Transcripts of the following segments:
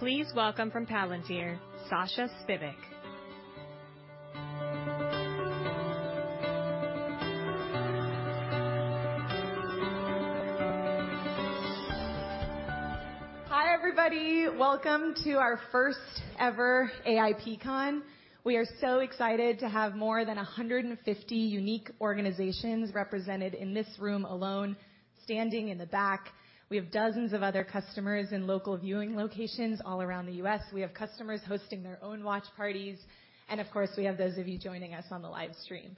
Please welcome from Palantir, Sasha Spivak. Hi, everybody. Welcome to our first ever AIPCon. We are so excited to have more than 150 unique organizations represented in this room alone, standing in the back. We have dozens of other customers in local viewing locations all around the U.S. We have customers hosting their own watch parties. Of course, we have those of you joining us on the live stream.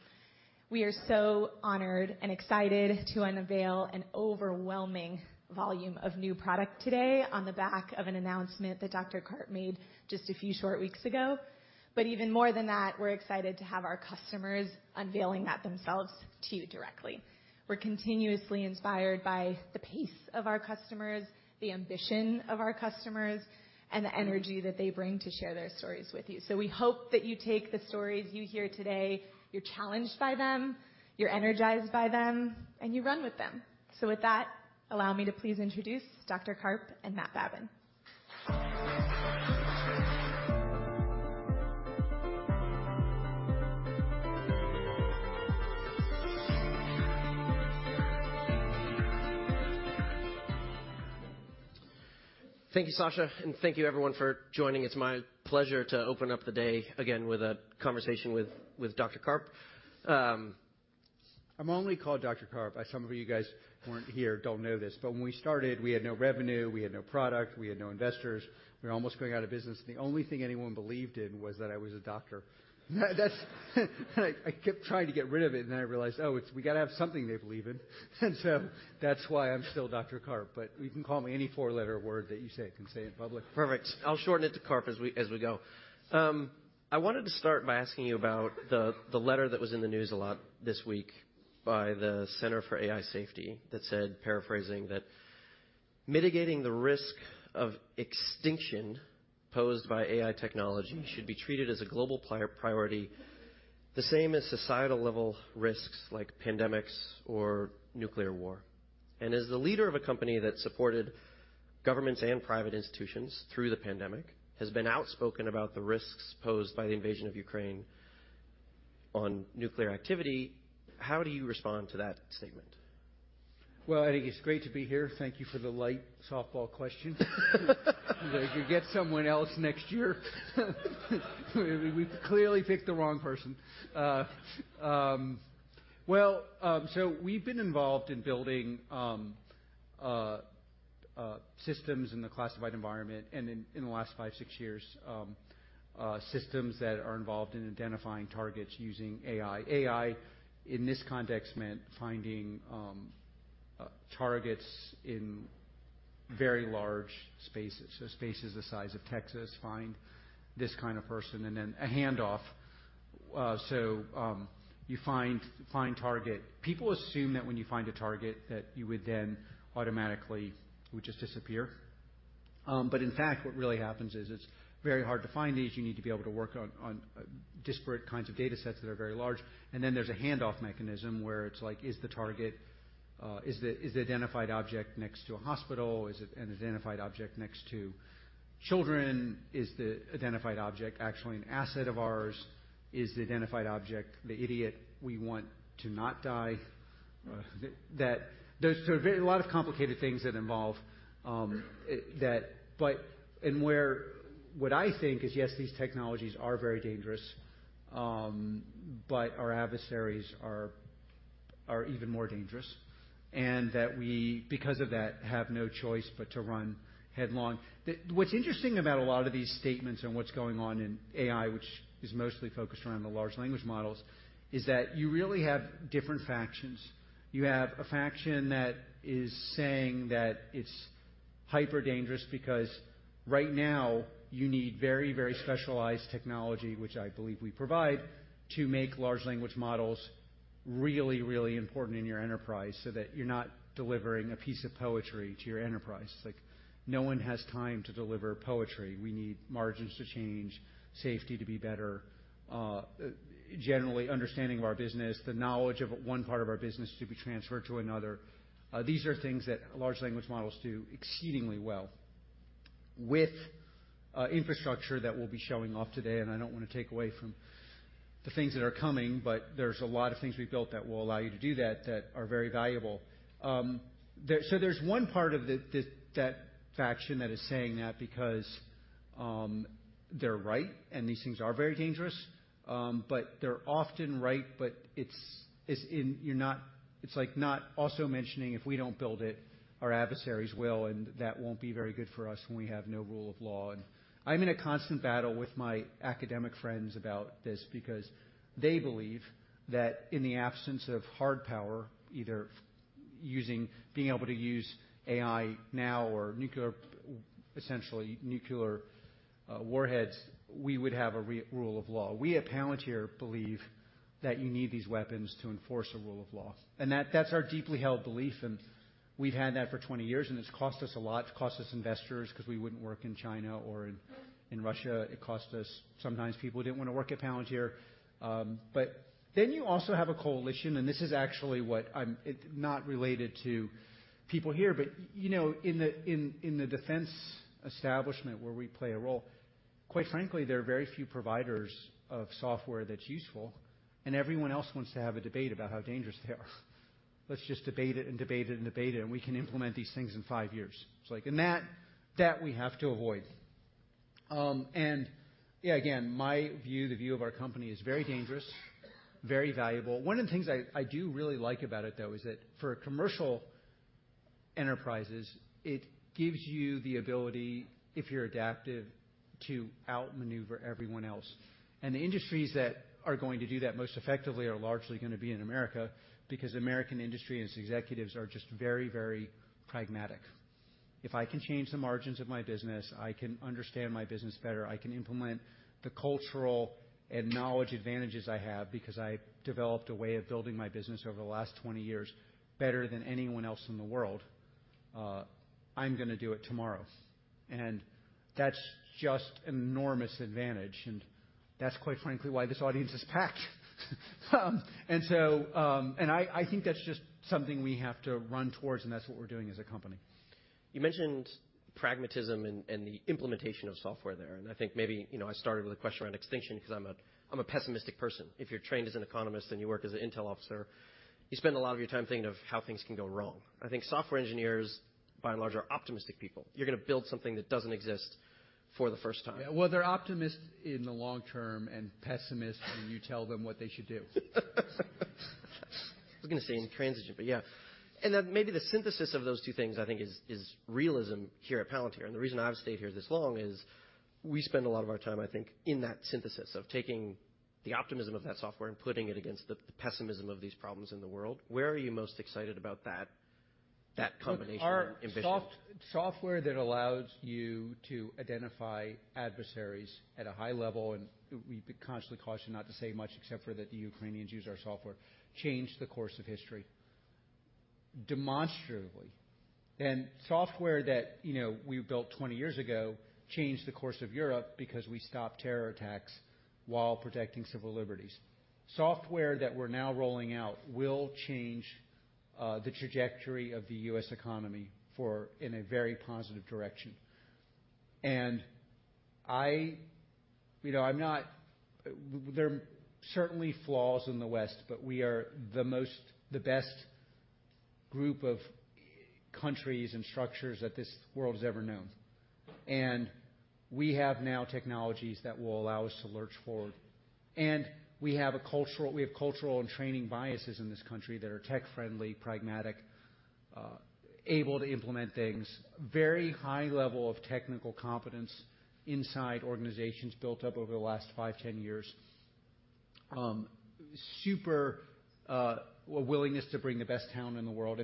We are so honored and excited to unveil an overwhelming volume of new product today on the back of an announcement that Dr. Karp made just a few short weeks ago. Even more than that, we're excited to have our customers unveiling that themselves to you directly. We're continuously inspired by the pace of our customers, the ambition of our customers, and the energy that they bring to share their stories with you. We hope that you take the stories you hear today, you're challenged by them, you're energized by them, and you run with them. With that, allow me to please introduce Dr. Karp and Matt Babin. Thank you, Sasha, and thank you everyone for joining. It's my pleasure to open up the day again with a conversation with Dr. Karp. I'm only called Dr. Karp. Some of you guys who weren't here don't know this, when we started, we had no revenue, we had no product, we had no investors. We were almost going out of business. The only thing anyone believed in was that I was a doctor. That's—I kept trying to get rid of it, and then I realized, "Oh, it's we got to have something they believe in." That's why I'm still Dr. Karp, but you can call me any four-letter word that you say. I can say it in public. Perfect. I'll shorten it to Karp as we go. I wanted to start by asking you about the letter that was in the news a lot this week by the Center for AI Safety, that said, paraphrasing, that mitigating the risk of extinction posed by AI technology should be treated as a global priority, the same as societal-level risks like pandemics or nuclear war. As the leader of a company that supported governments and private institutions through the pandemic, has been outspoken about the risks posed by the invasion of Ukraine on nuclear activity, how do you respond to that statement? Well, I think it's great to be here. Thank you for the light softball question. Maybe get someone else next year. We clearly picked the wrong person. We've been involved in building systems in the classified environment, and in the last five, six years, systems that are involved in identifying targets using AI. AI, in this context, meant finding targets in very large spaces, so spaces the size of Texas, find this kind of person, and then a handoff. You find target. People assume that when you find a target, that you would then automatically would just disappear. In fact, what really happens is it's very hard to find these. You need to be able to work on disparate kinds of data sets that are very large. There's a handoff mechanism where it's like, is the target, is the identified object next to a hospital? Is it an identified object next to children? Is the identified object actually an asset of ours? Is the identified object, the idiot we want to not die? There's a lot of complicated things that involve it, that... what I think is, yes, these technologies are very dangerous, but our adversaries are even more dangerous, and that we, because of that, have no choice but to run headlong. What's interesting about a lot of these statements and what's going on in AI, which is mostly focused around the large language models, is that you really have different factions. You have a faction that is saying that it's hyper dangerous because right now you need very, very specialized technology, which I believe we provide, to make large language models really, really important in your enterprise, so that you're not delivering a piece of poetry to your enterprise. Like, no one has time to deliver poetry. We need margins to change, safety to be better, generally understanding of our business, the knowledge of one part of our business to be transferred to another. These are things that large language models do exceedingly well with infrastructure that we'll be showing off today, and I don't want to take away from the things that are coming, but there's a lot of things we've built that will allow you to do that are very valuable. There's one part of that faction that is saying that because they're right, and these things are very dangerous, but they're often right. It's like not also mentioning, if we don't build it, our adversaries will, and that won't be very good for us when we have no rule of law. I'm in a constant battle with my academic friends about this because they believe that in the absence of hard power, either being able to use AI now or nuclear, essentially nuclear, warheads, we would have a rule of law. We at Palantir believe that you need these weapons to enforce a rule of law, and that's our deeply held belief, and we've had that for 20 years, and it's cost us a lot. It's cost us investors, 'cause we wouldn't work in China or in Russia. It cost us. Sometimes people didn't want to work at Palantir. You also have a coalition, and this is actually not related to people here, but, you know, in the defense establishment where we play a role. Quite frankly, there are very few providers of software that's useful. Everyone else wants to have a debate about how dangerous they are. Let's just debate it, and we can implement these things in five years. It's like, that we have to avoid. Yeah, again, my view, the view of our company, is very dangerous, very valuable. One of the things I do really like about it, though, is that for commercial enterprises, it gives you the ability, if you're adaptive, to outmaneuver everyone else. The industries that are going to do that most effectively are largely gonna be in America, because American industry and its executives are just very, very pragmatic. If I can change the margins of my business, I can understand my business better, I can implement the cultural and knowledge advantages I have because I developed a way of building my business over the last 20 years better than anyone else in the world, I'm gonna do it tomorrow. That's just an enormous advantage, and that's quite frankly, why this audience is packed. I think that's just something we have to run towards, and that's what we're doing as a company. You mentioned pragmatism and the implementation of software there, and I think maybe, you know, I started with a question around extinction because I'm a pessimistic person. If you're trained as an economist and you work as an intel officer, you spend a lot of your time thinking of how things can go wrong. I think software engineers, by and large, are optimistic people. You're gonna build something that doesn't exist for the first time. Yeah, well, they're optimists in the long term and pessimists when you tell them what they should do. I was gonna say in transition, but yeah. Then maybe the synthesis of those two things, I think, is realism here at Palantir. The reason I've stayed here this long is we spend a lot of our time, I think, in that synthesis of taking the optimism of that software and putting it against the pessimism of these problems in the world. Where are you most excited about that combination and ambition? Software that allows you to identify adversaries at a high level. We constantly caution not to say much, except for that the Ukrainians use our software, changed the course of history, demonstratively. Software that, you know, we built 20 years ago changed the course of Europe because we stopped terror attacks while protecting civil liberties. Software that we're now rolling out will change the trajectory of the U.S. economy for, in a very positive direction. I'm not—there are certainly flaws in the West, but we are the best group of countries and structures that this world has ever known. We have now technologies that will allow us to lurch forward, and we have cultural and training biases in this country that are tech-friendly, pragmatic, able to implement things, very high level of technical competence inside organizations built up over the last five, 10 years. Super willingness to bring the best talent in the world.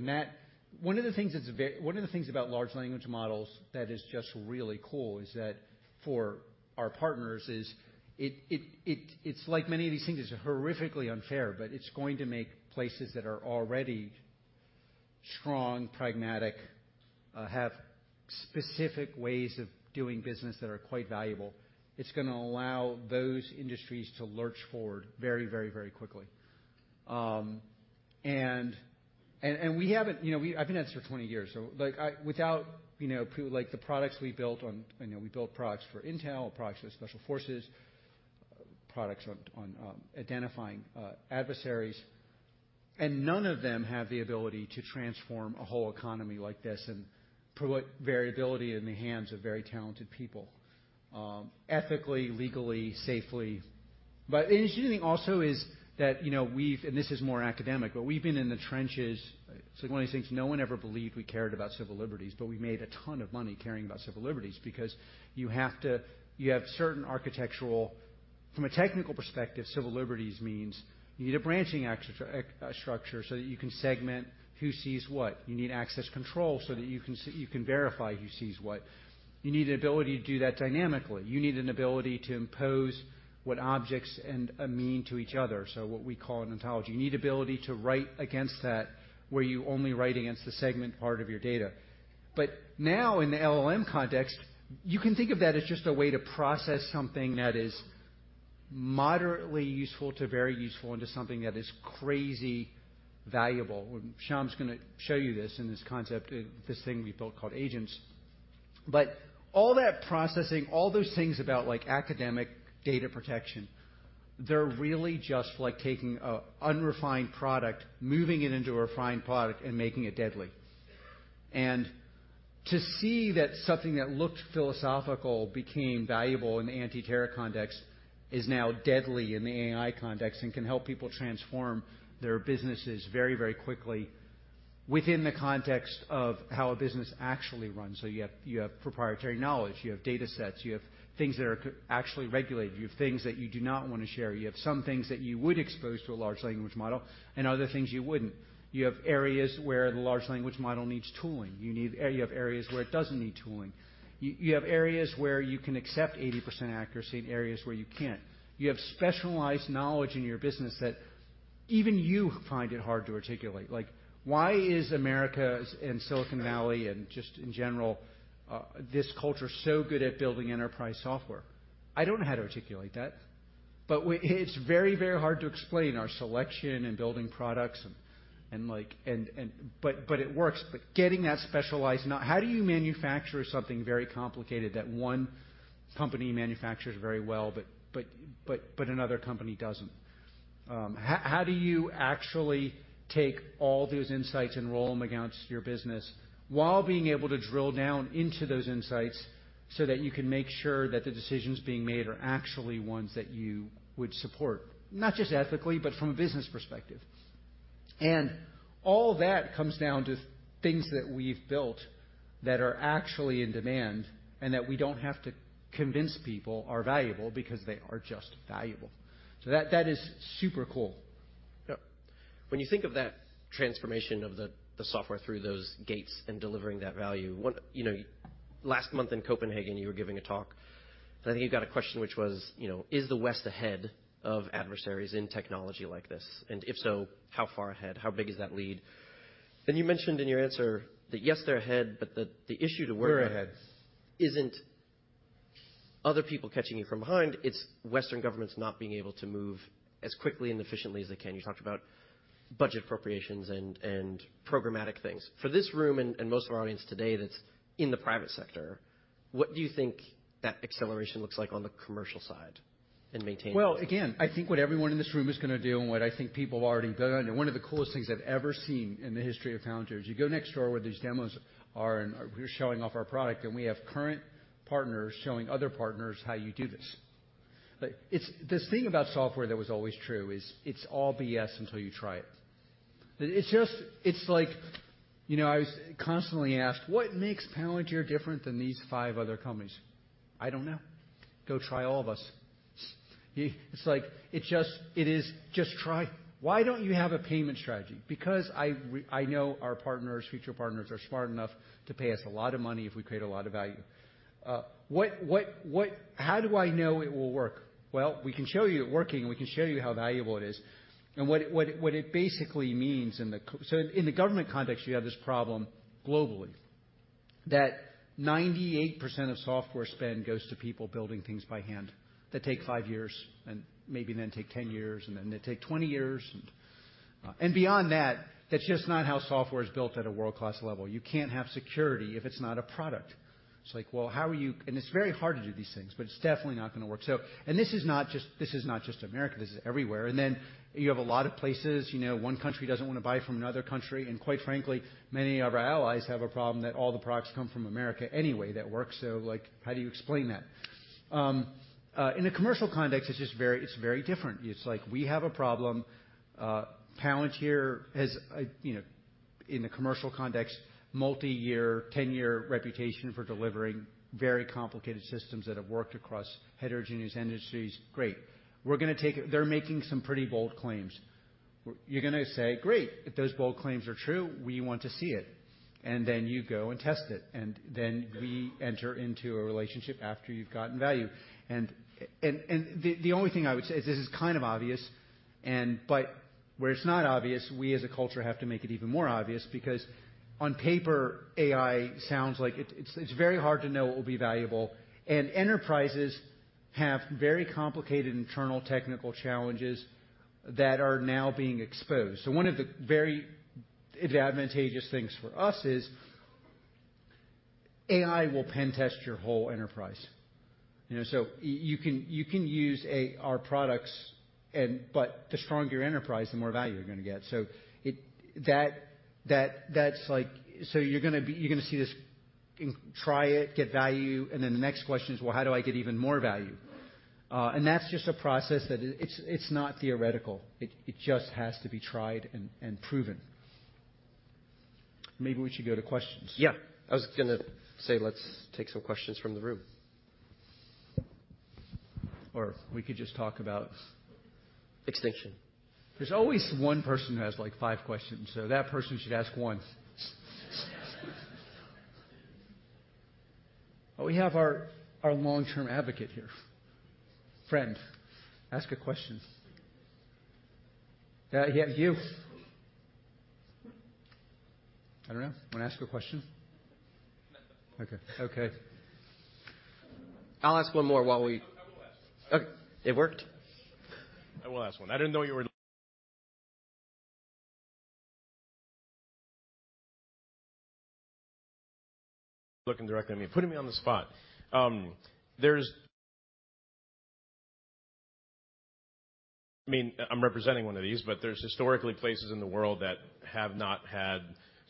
One of the things about large language models that is just really cool is that for our partners, it's like many of these things, it's horrifically unfair, but it's going to make places that are already strong, pragmatic, have specific ways of doing business that are quite valuable. It's gonna allow those industries to lurch forward very, very, very quickly. We haven't, you know. I've been at this for 20 years, without the products we built on, we built products for Intel, products for Special Forces, products on identifying adversaries, and none of them have the ability to transform a whole economy like this and put variability in the hands of very talented people, ethically, legally, safely. An interesting thing also is that this is more academic, but we've been in the trenches. It's like one of these things, no one ever believed we cared about civil liberties, but we made a ton of money caring about civil liberties because you have certain architectural. From a technical perspective, civil liberties means you need a branching structure so that you can segment who sees what. You need access control so that you can verify who sees what. You need the ability to do that dynamically. You need an ability to impose what objects and mean to each other, so what we call an Ontology. You need ability to write against that, where you only write against the segment part of your data. Now, in the LLM context, you can think of that as just a way to process something that is moderately useful to very useful into something that is crazy valuable. Shyam is gonna show you this in this concept, this thing we built called Agents. All that processing, all those things about, like, academic data protection, they're really just like taking a unrefined product, moving it into a refined product, and making it deadly. To see that something that looked philosophical became valuable in the anti-terror context, is now deadly in the AI context, and can help people transform their businesses very, very quickly within the context of how a business actually runs. You have proprietary knowledge, you have datasets, you have things that are actually regulated, you have things that you do not want to share, you have some things that you would expose to a large language model and other things you wouldn't. You have areas where the large language model needs tooling. You have areas where it doesn't need tooling. You have areas where you can accept 80% accuracy and areas where you can't. You have specialized knowledge in your business that even you find it hard to articulate. Like, why is America and Silicon Valley and just in general, this culture so good at building enterprise software? I don't know how to articulate that. We, it's very, very hard to explain our selection and building products and it works. Getting that specialized know-how do you manufacture something very complicated that one company manufactures very well, but another company doesn't? How do you actually take all those insights and roll them against your business while being able to drill down into those insights so that you can make sure that the decisions being made are actually ones that you would support, not just ethically, but from a business perspective? All that comes down to things that we've built that are actually in demand and that we don't have to convince people are valuable because they are just valuable. That is super cool. Yep. When you think of that transformation of the software through those gates and delivering that value, you know, last month in Copenhagen, you were giving a talk, and I think you got a question which was: You know, is the West ahead of adversaries in technology like this? If so, how far ahead? How big is that lead? You mentioned in your answer that, yes, they're ahead, but the issue to worry about— We're ahead. Isn't other people catching you from behind, it's Western governments not being able to move as quickly and efficiently as they can. You talked about budget appropriations and programmatic things. For this room and most of our audience today that's in the private sector, what do you think that acceleration looks like on the commercial side in maintaining? Again, I think what everyone in this room is gonna do and what I think people have already done, and one of the coolest things I've ever seen in the history of Palantir, is you go next door where these demos are, and we're showing off our product, and we have current partners showing other partners how you do this. It's, this thing about software that was always true is, it's all BS until you try it. It's like, you know, I was constantly asked: What makes Palantir different than these five other companies? I don't know. Go try all of us. It's like, it is, just try. Why don't you have a payment strategy? I know our partners, future partners, are smart enough to pay us a lot of money if we create a lot of value. How do I know it will work? Well, we can show you it working, and we can show you how valuable it is. What it basically means in the government context, you have this problem globally, that 98% of software spend goes to people building things by hand that take five years and maybe then take 10 years, and then they take 20 years. Beyond that's just not how software is built at a world-class level. You can't have security if it's not a product. It's like, well, how are you... It's very hard to do these things, but it's definitely not gonna work. This is not just America, this is everywhere. Then you have a lot of places, you know, one country doesn't want to buy from another country. Quite frankly, many of our allies have a problem that all the products come from America anyway, that work, so, like, how do you explain that? In a commercial context, it's just very, it's very different. It's like we have a problem, Palantir has a, you know, in the commercial context, multi-year, 10-year reputation for delivering very complicated systems that have worked across heterogeneous industries. Great. They're making some pretty bold claims. You're gonna say: Great, if those bold claims are true, we want to see it. Then you go and test it, and then we enter into a relationship after you've gotten value. The only thing I would say is, this is kind of obvious, and but where it's not obvious, we as a culture have to make it even more obvious because on paper, AI sounds like it. It's very hard to know it will be valuable, and enterprises have very complicated internal technical challenges that are now being exposed. One of the very advantageous things for us is, AI will pen test your whole enterprise. You know, you can use our products but the stronger your enterprise, the more value you're gonna get. That's like—you're gonna see this, try it, get value, and then the next question is: Well, how do I get even more value? That's just a process that it's not theoretical. It just has to be tried and proven. Maybe we should go to questions? Yeah. I was gonna say, let's take some questions from the room. We could just talk about... Extinction. There's always one person who has, like, five questions. That person should ask once. We have our long-term advocate here. Friend, ask a question. Yeah, you. I don't know. Want to ask a question? Okay. I'll ask one more while. I will ask one. Okay. It worked. I will ask one. I didn't know you were... looking directly at me, putting me on the spot. I mean, I'm representing one of these, but there's historically places in the world that have not had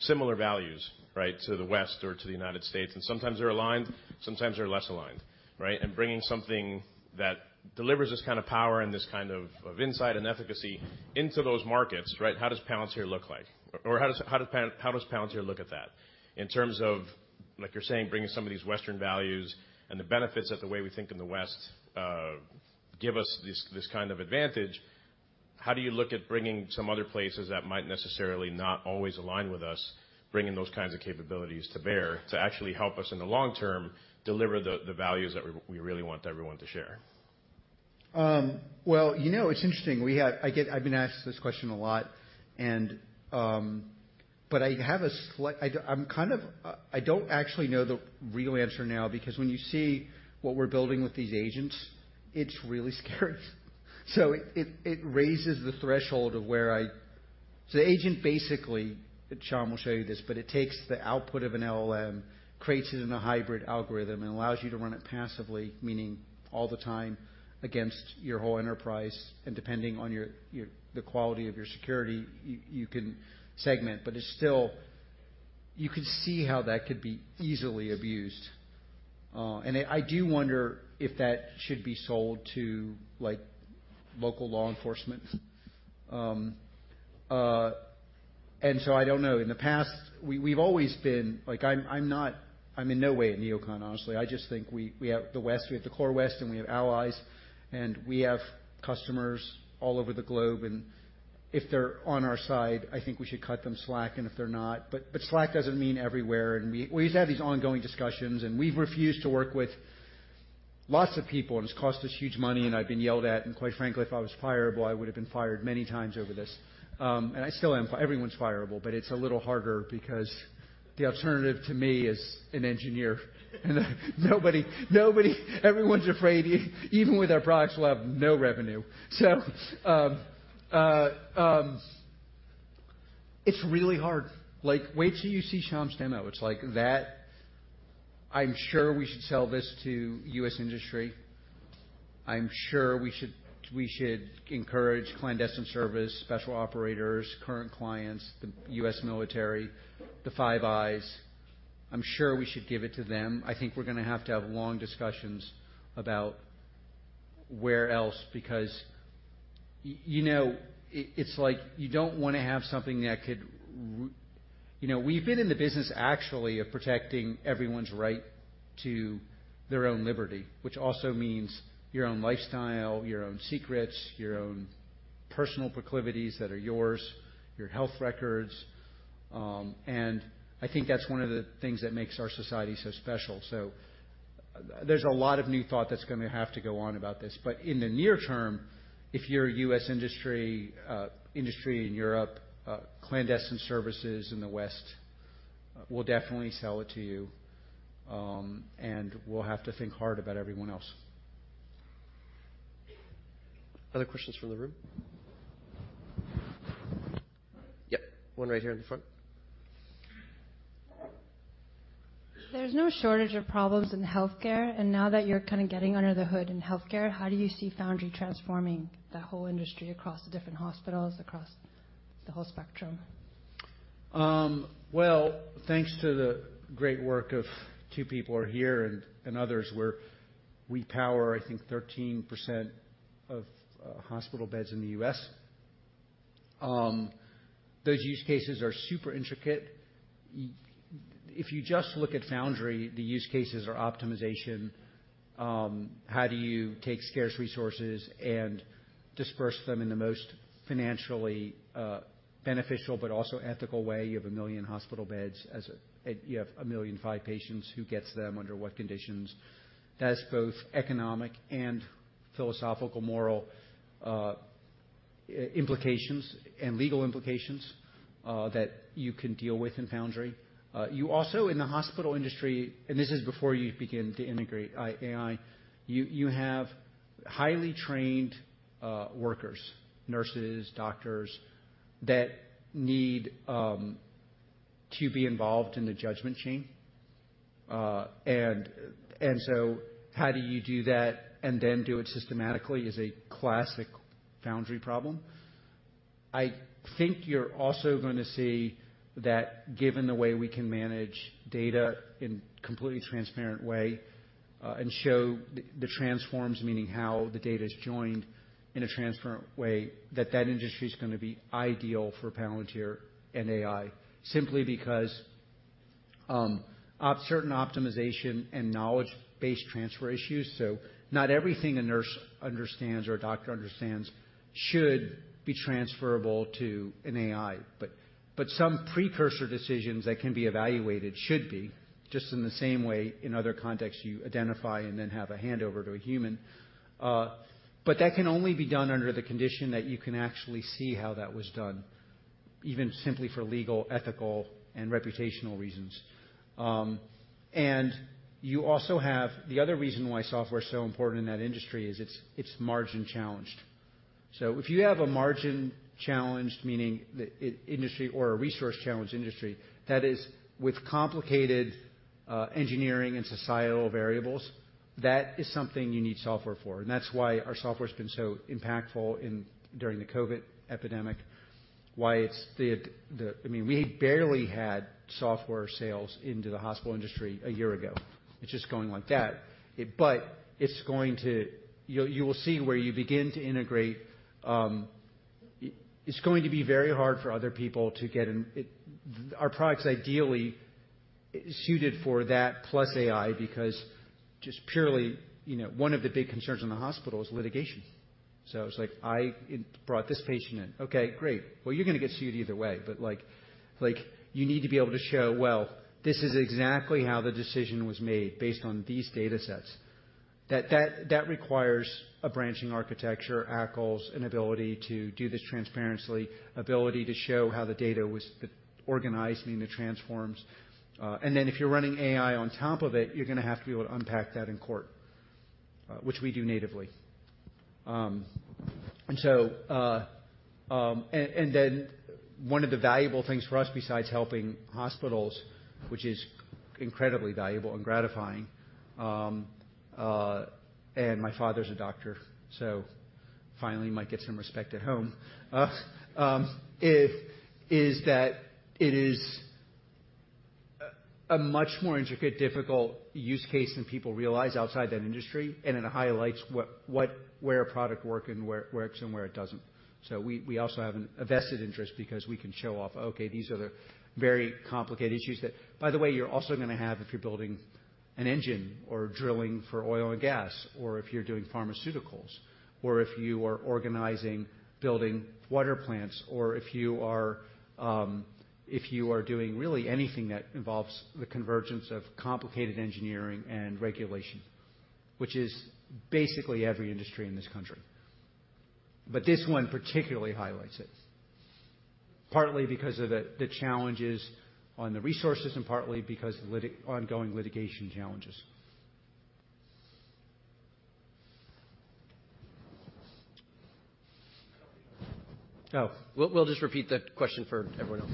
similar values, right, to the West or to the United States, and sometimes they're aligned, sometimes they're less aligned, right? Bringing something that delivers this kind of power and this kind of insight and efficacy into those markets, right, how does Palantir look like? How does Palantir look at that in terms of, like you're saying, bringing some of these Western values and the benefits of the way we think in the West, give us this kind of advantage, how do you look at bringing some other places that might necessarily not always align with us, bringing those kinds of capabilities to bear, to actually help us in the long term, deliver the values that we really want everyone to share? Well, you know, it's interesting. I've been asked this question a lot, and... I'm kind of... I don't actually know the real answer now, because when you see what we're building with these Agents, it's really scary. It raises the threshold of where I—the Agent, basically, and Shyam will show you this, but it takes the output of an LLM, creates it in a hybrid algorithm, and allows you to run it passively, meaning all the time against your whole enterprise, and depending on the quality of your security, you can segment. It's still—you could see how that could be easily abused. And I do wonder if that should be sold to, like, local law enforcement. I don't know. In the past, we've always been like, I'm not I'm in no way a neocon, honestly. I just think we have the West, we have the core West, and we have allies, and we have customers all over the globe, and if they're on our side, I think we should cut them slack, and if they're not... But slack doesn't mean everywhere, and we just have these ongoing discussions, and we've refused to work with lots of people, and it's cost us huge money, and I've been yelled at. Quite frankly, if I was fireable, I would have been fired many times over this. I still am. Everyone's fireable, but it's a little harder because the alternative to me is an engineer, and everyone's afraid even with our products, we'll have no revenue. It's really hard. Like, wait till you see Shyam's demo. I'm sure we should sell this to U.S. industry. I'm sure we should encourage clandestine service, special operators, current clients, the U.S. military, the Five Eyes. I'm sure we should give it to them. I think we're gonna have to have long discussions about where else, because, you know, it's like you don't wanna have something that could You know, we've been in the business, actually, of protecting everyone's right to their own liberty, which also means your own lifestyle, your own secrets, your own personal proclivities that are yours, your health records, and I think that's one of the things that makes our society so special. There's a lot of new thought that's gonna have to go on about this. In the near term, if you're a U.S. industry in Europe, clandestine services in the West, we'll definitely sell it to you, and we'll have to think hard about everyone else. Other questions from the room? Yep, one right here in the front. There's no shortage of problems in healthcare, and now that you're kind of getting under the hood in healthcare, how do you see Foundry transforming that whole industry across the different hospitals, across the whole spectrum? Well, thanks to the great work of two people who are here and others, we power, I think, 13% of hospital beds in the U.S. Those use cases are super intricate. If you just look at Foundry, the use cases are optimization. How do you take scarce resources and disperse them in the most financially beneficial but also ethical way? You have a million hospital beds, you have 1.5 million patients. Who gets them? Under what conditions? That's both economic and philosophical, moral, implications and legal implications that you can deal with in Foundry. You also, in the hospital industry, and this is before you begin to integrate AI, you have highly trained workers, nurses, doctors, that need to be involved in the judgment chain. How do you do that and then do it systematically is a classic Foundry problem. I think you're also going to see that given the way we can manage data in completely transparent way, and show the transforms, meaning how the data is joined in a transparent way, that that industry is gonna be ideal for Palantir and AI, simply because, certain optimization and knowledge-based transfer issues. Not everything a nurse understands or a doctor understands should be transferable to an AI, but some precursor decisions that can be evaluated should be, just in the same way, in other contexts, you identify and then have a handover to a human. That can only be done under the condition that you can actually see how that was done, even simply for legal, ethical, and reputational reasons. The other reason why software is so important in that industry is it's margin-challenged. If you have a margin-challenged, meaning the industry or a resource-challenged industry, that is with complicated engineering and societal variables, that is something you need software for, and that's why our software's been so impactful during the COVID. I mean, we barely had software sales into the hospital industry a year ago. It's just going like that. You will see where you begin to integrate. It's going to be very hard for other people to get in. Our product's ideally suited for that, plus AI, because just purely, you know, one of the big concerns in the hospital is litigation. It's like, I brought this patient in. Okay, great. Well, you're gonna get sued either way, but, like, you need to be able to show, well, this is exactly how the decision was made based on these data sets. That requires a branching architecture, ACLs, an ability to do this transparency, ability to show how the data was organized, meaning the transforms. If you're running AI on top of it, you're going to have to be able to unpack that in court, which we do natively. One of the valuable things for us, besides helping hospitals, which is incredibly valuable and gratifying, and my father's a doctor, so finally might get some respect at home. Is that—it is a much more intricate, difficult use case than people realize outside that industry, and it highlights where it works and where it doesn't. We also have a vested interest because we can show off, okay, these are the very complicated issues that, by the way, you're also going to have if you're building an engine or drilling for oil and gas, or if you're doing pharmaceuticals, or if you are organizing, building water plants, or if you are doing really anything that involves the convergence of complicated engineering and regulation, which is basically every industry in this country. This one particularly highlights it, partly because of the challenges on the resources and partly because of ongoing litigation challenges. Oh, we'll just repeat that question for everyone else.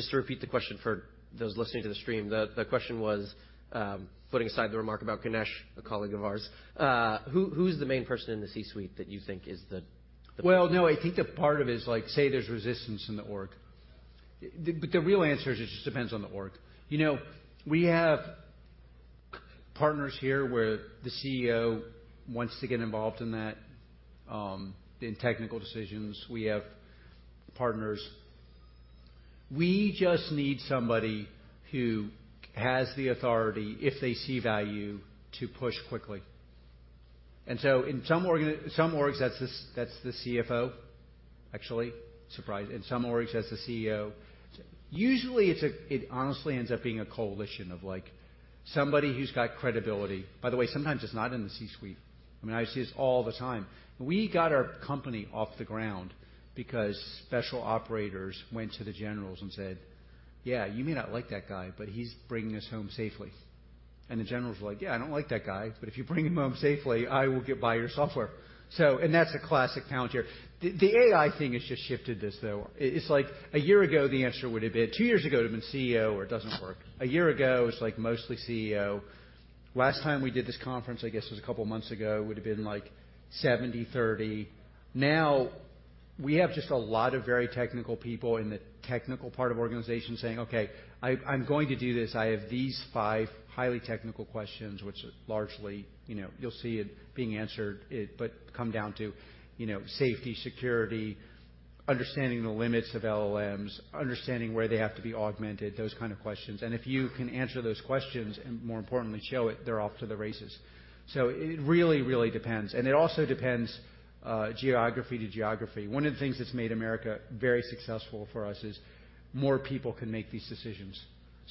First of all, I'll try not to embarrass Ganesh, who's our representative. In your perspective, which is the biggest deciding person in the C-suite to avoid coming to this technology? CFO, Chief Innovation Officer, Chief Digital Officer, Chief Technology Officer, who is the belly button really putting through that across the line inside a culture that's not ready? Just to repeat the question for those listening to the stream. The question was, putting aside the remark about Ganesh, a colleague of ours, who's the main person in the C-suite that you think is the— Well, no, I think the part of it is like, say, there's resistance in the org. The real answer is, it just depends on the org. You know, we have partners here where the CEO wants to get involved in that, in technical decisions. We have partners. We just need somebody who has the authority, if they see value, to push quickly. In some orgs, that's the CFO, actually, surprise, in some orgs, that's the CEO. Usually, it honestly ends up being a coalition of, like, somebody who's got credibility. By the way, sometimes it's not in the C-suite. I mean, I see this all the time. We got our company off the ground because special operators went to the generals and said, "Yeah, you may not like that guy, but he's bringing us home safely." The generals were like, "Yeah, I don't like that guy, but if you bring him home safely, I will get buy your software." That's a classic challenge here. The AI thing has just shifted this, though. It's like a year ago, the answer would have been. Two years ago, it would have been CEO, or it doesn't work. A year ago, it was like mostly CEO. Last time we did this conference, I guess it was a couple of months ago, would have been like 70/30. Now, we have just a lot of very technical people in the technical part of organization saying, Okay, I'm going to do this. I have these five highly technical questions, which largely, you know, you'll see it being answered, but come down to, you know, safety, security, understanding the limits of LLMs, understanding where they have to be augmented, those kind of questions. If you can answer those questions, and more importantly, show it, they're off to the races. It really, really depends. It also depends, geography to geography. One of the things that's made America very successful for us is more people can make these decisions.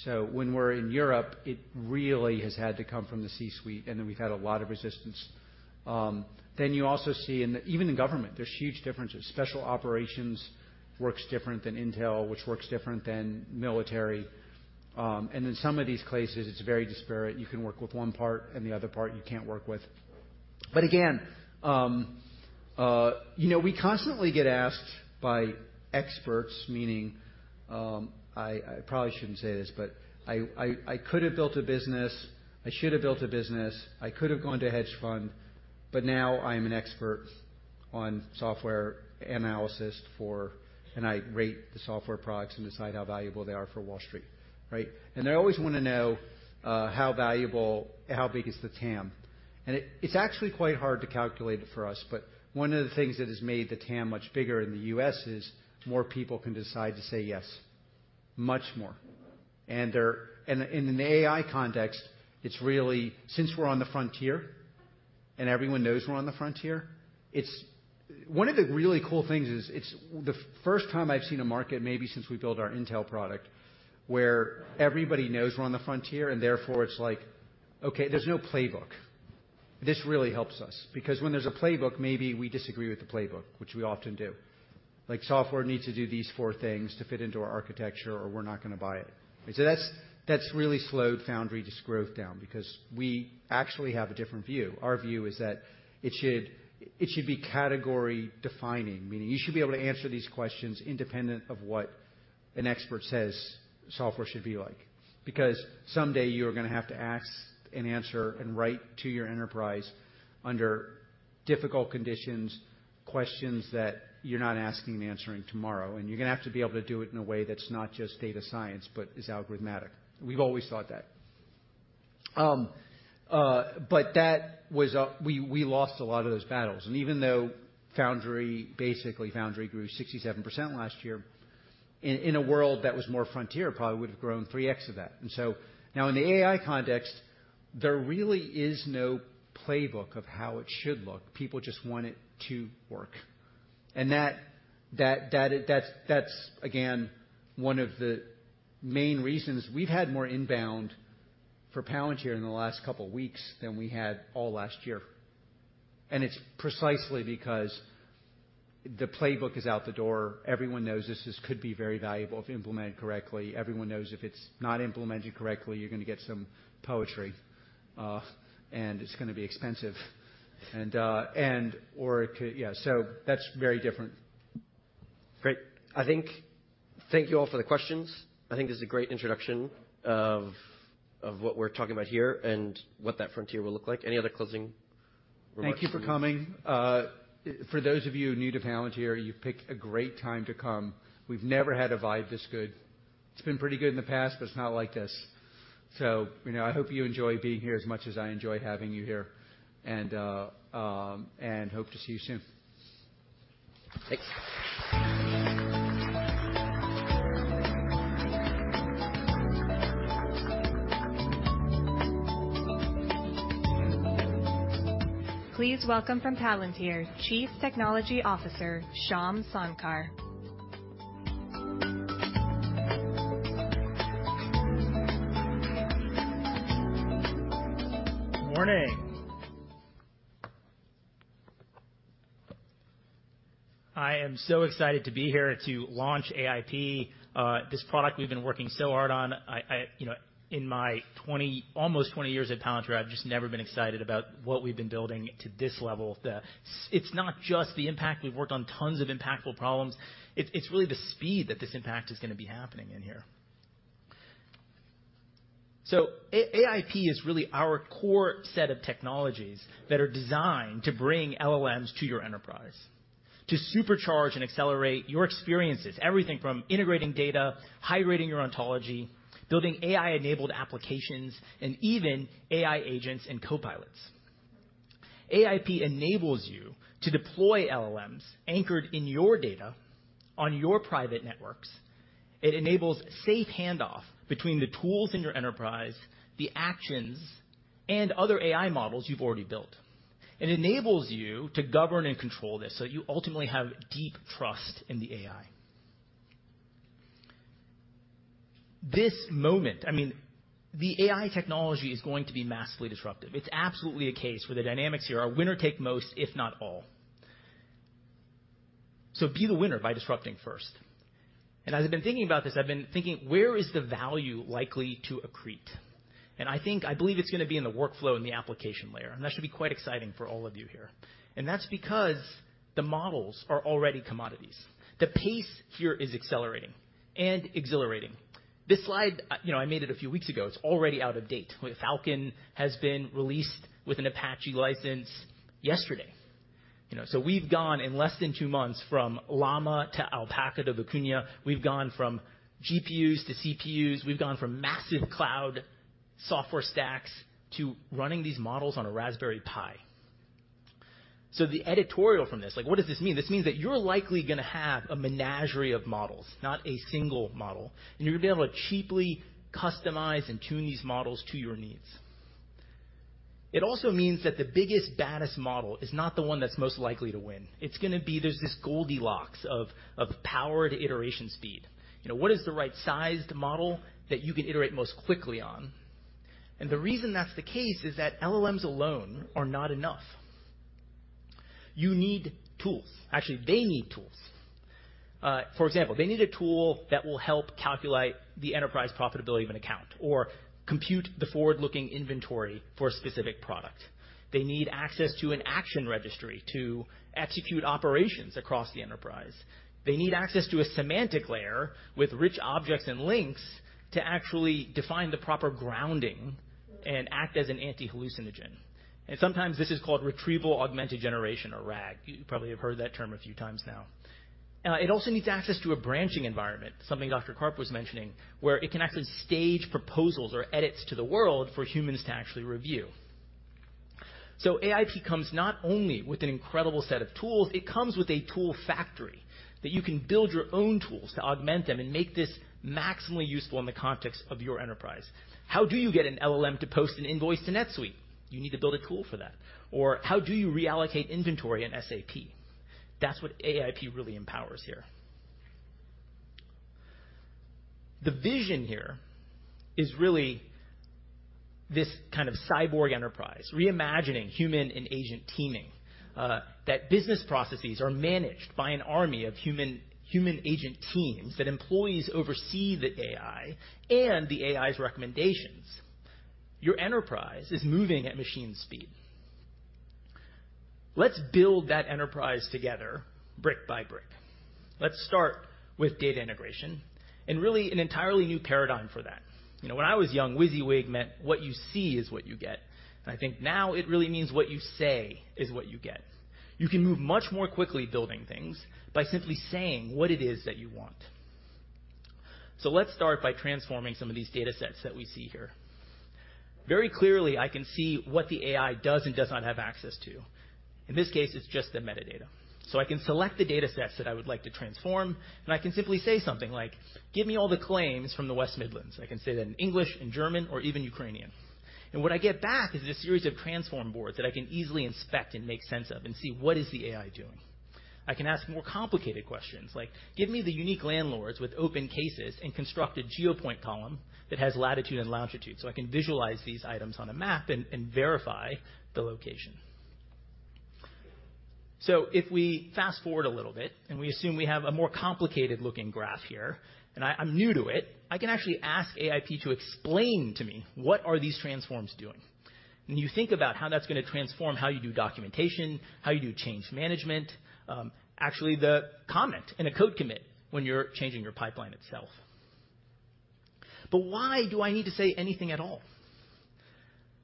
When we're in Europe, it really has had to come from the C-suite, and then we've had a lot of resistance. You also see even in government, there's huge differences. Special operations works different than Intel, which works different than military. In some of these cases, it's very disparate. You can work with one part, and the other part you can't work with. Again, you know, we constantly get asked by experts, meaning, I probably shouldn't say this, but I could have built a business, I should have built a business, I could have gone to a hedge fund, but now I am an expert on software analysis for and I rate the software products and decide how valuable they are for Wall Street, right? They always want to know, how valuable, how big is the TAM? It's actually quite hard to calculate it for us, but one of the things that has made the TAM much bigger in the U.S. is more people can decide to say yes, much more.. In the AI context, it's really since we're on the frontier, and everyone knows we're on the frontier, it's one of the really cool things is it's the first time I've seen a market, maybe since we built our Intel product, where everybody knows we're on the frontier, and therefore, it's like, okay, there's no playbook. This really helps us because when there's a playbook, maybe we disagree with the playbook, which we often do. Like, software needs to do these four things to fit into our architecture, or we're not going to buy it. That's really slowed Foundry growth down because we actually have a different view. Our view is that it should be category-defining, meaning you should be able to answer these questions independent of what an expert says software should be like. Someday you are going to have to ask and answer and write to your enterprise under difficult conditions, questions that you're not asking and answering tomorrow, and you're going to have to be able to do it in a way that's not just data science, but is algorithmic. We've always thought that. That was, we lost a lot of those battles. Even though Foundry, basically Foundry grew 67% last year, in a world that was more frontier, probably would have grown 3x of that. Now in the AI context, there really is no playbook of how it should look. People just want it to work, that's again, one of the main reasons we've had more inbound for Palantir in the last couple of weeks than we had all last year. It's precisely because the playbook is out the door. Everyone knows this could be very valuable if implemented correctly. Everyone knows if it's not implemented correctly, you're gonna get some poetry and it's gonna be expensive. Yeah, that's very different. Great. I think thank you all for the questions. I think this is a great introduction of what we're talking about here and what that frontier will look like. Any other closing remarks? Thank you for coming. For those of you new to Palantir, you've picked a great time to come. We've never had a vibe this good. It's been pretty good in the past, but it's not like this. You know, I hope you enjoy being here as much as I enjoy having you here, and hope to see you soon. Thanks. Please welcome from Palantir, Chief Technology Officer, Shyam Sankar. Morning! I am so excited to be here to launch AIP, this product we've been working so hard on. You know, in my almost 20 years at Palantir, I've just never been excited about what we've been building to this level. It's not just the impact, we've worked on tons of impactful problems. It's really the speed that this impact is gonna be happening in here. AIP is really our core set of technologies that are designed to bring LLMs to your enterprise, to supercharge and accelerate your experiences, everything from integrating data, hydrating your Ontology, building AI-enabled applications, and even AI Agents and Copilots. AIP enables you to deploy LLMs anchored in your data on your private networks. It enables safe handoff between the tools in your enterprise, the actions, and other AI models you've already built. It enables you to govern and control this, you ultimately have deep trust in the AI. This moment, I mean, the AI technology is going to be massively disruptive. It's absolutely a case where the dynamics here are winner take most, if not all. Be the winner by disrupting first. As I've been thinking about this, I've been thinking, where is the value likely to accrete? I think I believe it's gonna be in the workflow and the application layer, and that should be quite exciting for all of you here. That's because the models are already commodities. The pace here is accelerating and exhilarating. This slide, you know, I made it a few weeks ago. It's already out of date. FALCON has been released with an Apache license yesterday. You know, we've gone in less than two months from LLaMA to Alpaca to Vicuna. We've gone from GPUs to CPUs. We've gone from massive cloud software stacks to running these models on a Raspberry Pi. The editorial from this, like, what does this mean? This means that you're likely gonna have a menagerie of models, not a single model, and you're gonna be able to cheaply customize and tune these models to your needs. It also means that the biggest, baddest model is not the one that's most likely to win. It's gonna be there's this Goldilocks of power to iteration speed. You know, what is the right sized model that you can iterate most quickly on? The reason that's the case is that LLMs alone are not enough. You need tools. Actually, they need tools. For example, they need a tool that will help calculate the enterprise profitability of an account or compute the forward-looking inventory for a specific product. They need access to an action registry to execute operations across the enterprise. They need access to a semantic layer with rich objects and links to actually define the proper grounding and act as an anti-hallucinogen. Sometimes this is called retrieval augmented generation, or RAG. You probably have heard that term a few times now. It also needs access to a branching environment, something Dr. Karp was mentioning, where it can actually stage proposals or edits to the world for humans to actually review. AIP comes not only with an incredible set of tools, it comes with a tool factory, that you can build your own tools to augment them and make this maximally useful in the context of your enterprise. How do you get an LLM to post an invoice to NetSuite? You need to build a tool for that. How do you reallocate inventory in SAP? That's what AIP really empowers here. The vision here is really this kind of cyborg enterprise, reimagining human and Agent teaming, that business processes are managed by an army of human Agent teams, that employees oversee the AI and the AI's recommendations. Your enterprise is moving at machine speed. Let's build that enterprise together, brick by brick. Let's start with data integration and really an entirely new paradigm for that. You know, when I was young, WYSIWYG meant what you see is what you get, and I think now it really means what you say is what you get. You can move much more quickly building things by simply saying what it is that you want. Let's start by transforming some of these datasets that we see here. Very clearly, I can see what the AI does and does not have access to. In this case, it's just the metadata. I can select the datasets that I would like to transform, and I can simply say something like: Give me all the claims from the West Midlands. I can say that in English and German or even Ukrainian. What I get back is a series of transform boards that I can easily inspect and make sense of and see what is the AI doing. I can ask more complicated questions like, "Give me the unique landlords with open cases and construct a geo point column that has latitude and longitude," I can visualize these items on a map and verify the location. If we fast forward a little bit, and we assume we have a more complicated-looking graph here, and I'm new to it, I can actually ask AIP to explain to me what are these transforms doing? When you think about how that's going to transform, how you do documentation, how you do change management, actually the comment in a code commit when you're changing your pipeline itself. Why do I need to say anything at all?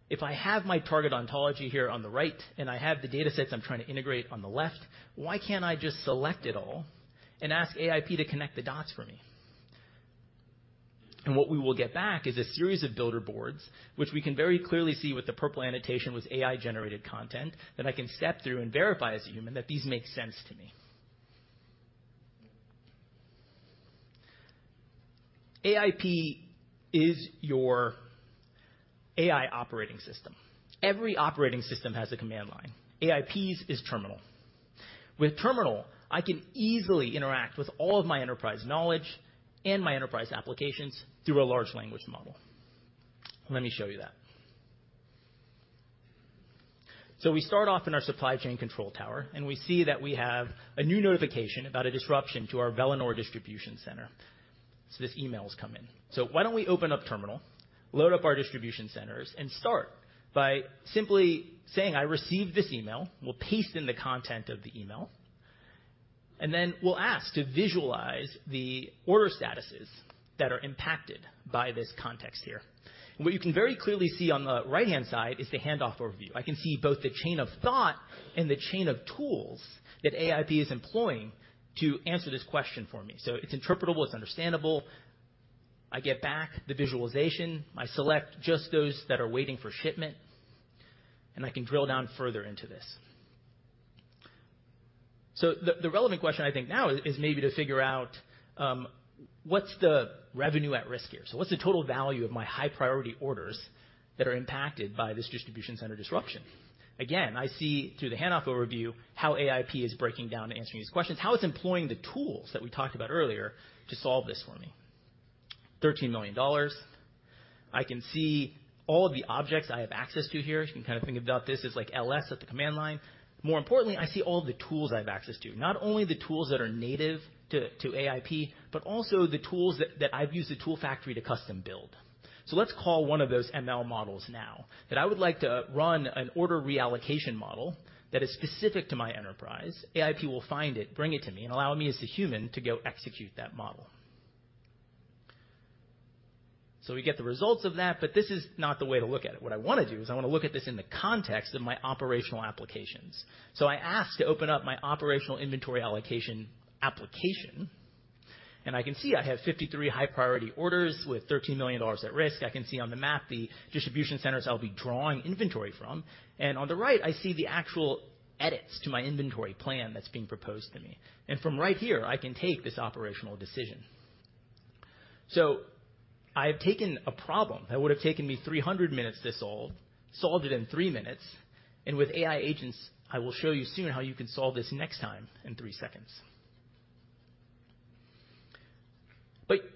If I have my target Ontology here on the right, and I have the datasets I'm trying to integrate on the left, why can't I just select it all and ask AIP to connect the dots for me? What we will get back is a series of builder boards, which we can very clearly see with the purple annotation, with AI-generated content, that I can step through and verify as a human, that these make sense to me. AIP is your AI operating system. Every operating system has a command line. AIP's is Terminal. With Terminal, I can easily interact with all of my enterprise knowledge and my enterprise applications through a large language model. Let me show you that. We start off in our supply chain control tower, and we see that we have a new notification about a disruption to our Vellore Distribution Center. This email has come in. Why don't we open up Terminal, load up our distribution centers, and start by simply saying, "I received this email." We'll paste in the content of the email, and then we'll ask to visualize the order statuses that are impacted by this context here. What you can very clearly see on the right-hand side is the handoff overview. I can see both the chain of thought and the chain of tools that AIP is employing to answer this question for me. It's interpretable, it's understandable. I get back the visualization. I select just those that are waiting for shipment, and I can drill down further into this. The relevant question I think now is maybe to figure out what's the revenue at risk here. What's the total value of my high-priority orders that are impacted by this distribution center disruption? Again, I see through the handoff overview, how AIP is breaking down and answering these questions, how it's employing the tools that we talked about earlier to solve this for me. $13 million. I can see all of the objects I have access to here. You can kind of think about this as like LS at the command line. More importantly, I see all the tools I have access to. Not only the tools that are native to AIP, but also the tools that I've used the tool factory to custom build. Let's call one of those ML models now, that I would like to run an order reallocation model that is specific to my enterprise. AIP will find it, bring it to me, allow me, as a human, to go execute that model. We get the results of that. This is not the way to look at it. What I want to do is I want to look at this in the context of my operational applications. I ask to open up my operational inventory allocation application. I can see I have 53 high-priority orders with $13 million at risk. I can see on the map the distribution centers I'll be drawing inventory from. On the right, I see the actual edits to my inventory plan that's being proposed to me. From right here, I can take this operational decision. I have taken a problem that would have taken me 300 minutes to solve, solved it in 3 minutes, and with AI Agents, I will show you soon how you can solve this next time in 3 seconds.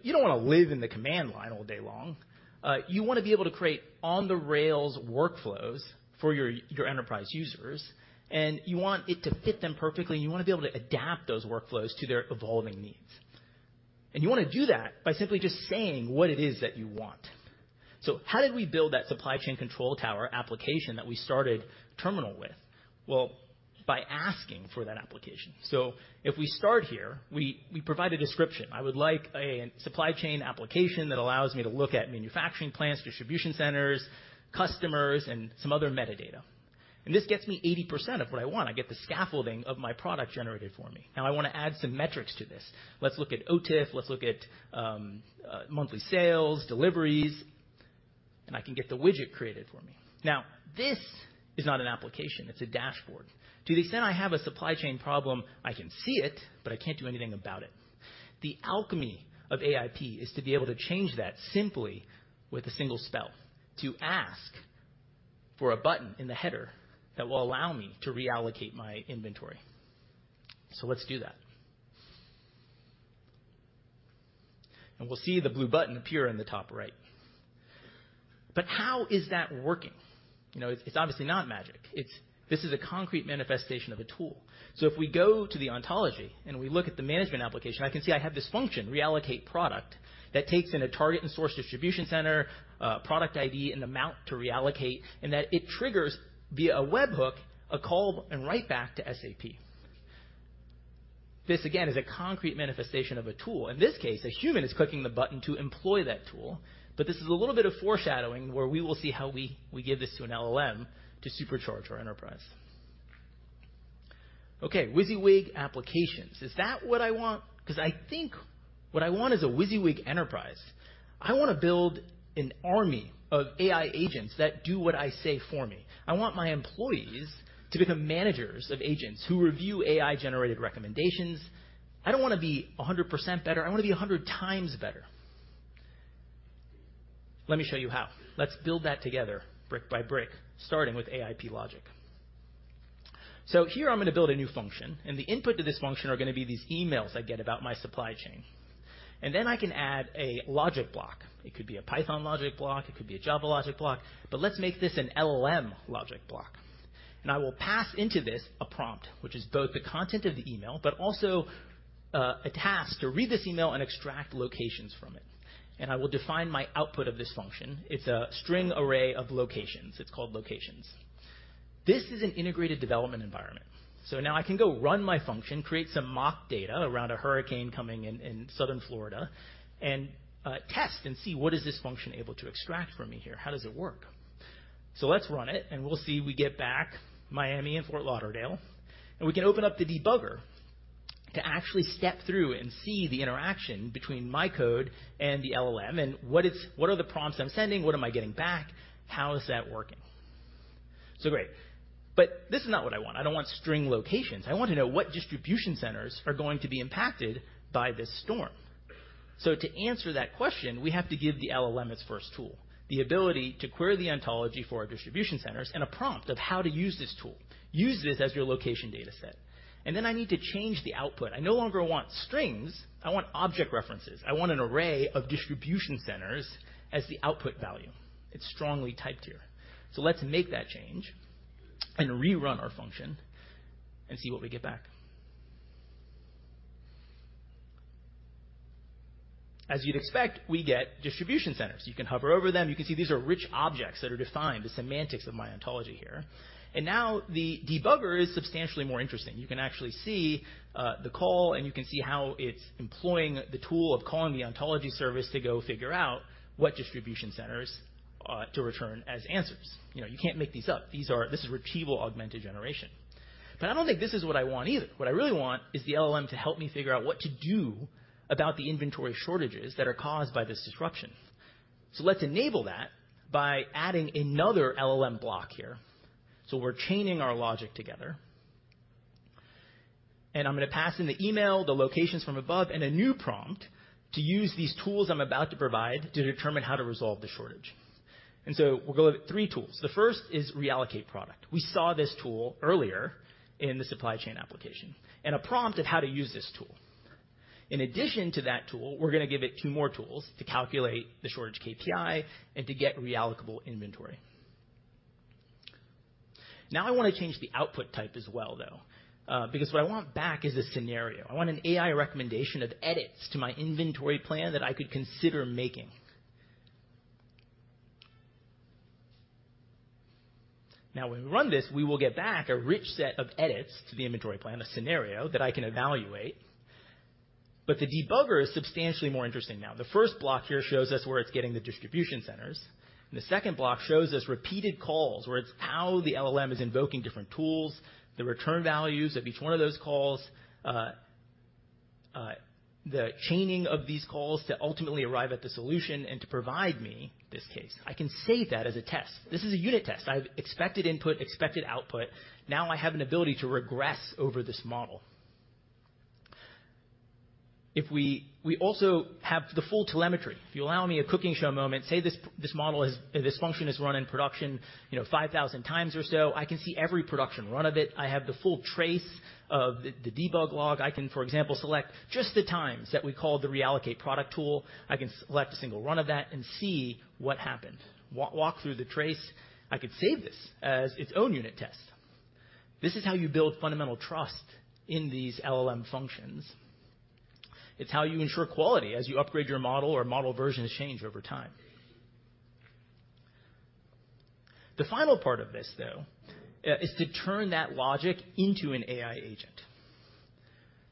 You don't want to live in the command line all day long. You want to be able to create on-the-rails workflows for your enterprise users, and you want it to fit them perfectly, and you want to be able to adapt those workflows to their evolving needs. You want to do that by simply just saying what it is that you want. How did we build that supply chain control tower application that we started Terminal with? Well, by asking for that application. If we start here, we provide a description. I would like a supply chain application that allows me to look at manufacturing plants, distribution centers, customers, and some other metadata. This gets me 80% of what I want. I get the scaffolding of my product generated for me. Now I want to add some metrics to this. Let's look at OTIF. Let's look at monthly sales, deliveries, and I can get the widget created for me. Now, this is not an application, it's a dashboard. To the extent I have a supply chain problem, I can see it, but I can't do anything about it. The alchemy of AIP is to be able to change that simply with a single spell, to ask for a button in the header that will allow me to reallocate my inventory. Let's do that. We'll see the blue button appear in the top right. How is that working? You know, it's obviously not magic. This is a concrete manifestation of a tool. If we go to the Ontology and we look at the management application, I can see I have this function, reallocate product, that takes in a target and source distribution center, product ID and amount to reallocate, and that it triggers, via a webhook, a call and write back to SAP. This again, is a concrete manifestation of a tool. In this case, a human is clicking the button to employ that tool, but this is a little bit of foreshadowing where we will see how we give this to an LLM to supercharge our enterprise. Okay, WYSIWYG applications. Is that what I want? I think what I want is a WYSIWYG enterprise. I want to build an army of AI Agents that do what I say for me. I want my employees to become managers of Agents who review AI-generated recommendations. I don't want to be 100% better. I want to be 100 times better. Let me show you how. Let's build that together, brick by brick, starting with AIP Logic. Here I'm going to build a new function, and the input to this function are going to be these emails I get about my supply chain. I can add a logic block. It could be a Python logic block, it could be a Java logic block, but let's make this an LLM logic block. I will pass into this a prompt, which is both the content of the email, but also a task to read this email and extract locations from it. I will define my output of this function. It's a string array of locations. It's called Locations. This is an integrated development environment. Now I can go run my function, create some mock data around a hurricane coming in Southern Florida, and test and see what is this function able to extract from me here. How does it work? Let's run it, and we'll see we get back Miami and Fort Lauderdale, and we can open up the debugger to actually step through and see the interaction between my code and the LLM and what are the prompts I'm sending, what am I getting back? How is that working? Great. This is not what I want. I don't want string locations. I want to know what distribution centers are going to be impacted by this storm. To answer that question, we have to give the LLM its first tool, the ability to query the Ontology for our distribution centers, and a prompt of how to use this tool. Use this as your location data set. Then I need to change the output. I no longer want strings; I want object references. I want an array of distribution centers as the output value. It's strongly typed here. Let's make that change and rerun our function and see what we get back. As you'd expect, we get distribution centers. You can hover over them. You can see these are rich objects that are defined, the semantics of my Ontology here. Now the debugger is substantially more interesting. You can actually see the call, and you can see how it's employing the tool of calling the Ontology service to go figure out what distribution centers to return as answers. You know, you can't make these up. This is Retrieval-Augmented Generation. I don't think this is what I want either. What I really want is the LLM to help me figure out what to do about the inventory shortages that are caused by this disruption. Let's enable that by adding another LLM block here. We're chaining our logic together. I'm going to pass in the email, the locations from above, and a new prompt to use these tools I'm about to provide to determine how to resolve the shortage. We'll go over three tools. The first is reallocate product. We saw this tool earlier in the supply chain application, a prompt of how to use this tool. In addition to that tool, we're going to give it two more tools to calculate the shortage KPI and to get reallocable inventory. I want to change the output type as well, though, because what I want back is a scenario. I want an AI recommendation of edits to my inventory plan that I could consider making. When we run this, we will get back a rich set of edits to the inventory plan, a scenario that I can evaluate. The debugger is substantially more interesting now. The first block here shows us where it's getting the distribution centers. The second block shows us repeated calls, where it's how the LLM is invoking different tools, the return values of each one of those calls, the chaining of these calls to ultimately arrive at the solution and to provide me this case. I can save that as a test. This is a unit test. I have expected input, expected output. Now I have an ability to regress over this model. We also have the full telemetry. If you allow me a cooking show moment, say, This function has run in production, you know, 5,000 times or so, I can see every production run of it. I have the full trace of the debug log. I can, for example, select just the times that we called the reallocate product tool. I can select a single run of that and see what happened. Walk through the trace. I could save this as its own unit test. This is how you build fundamental trust in these LLM functions. It's how you ensure quality as you upgrade your model or model versions change over time. The final part of this, though, is to turn that logic into an AI Agent.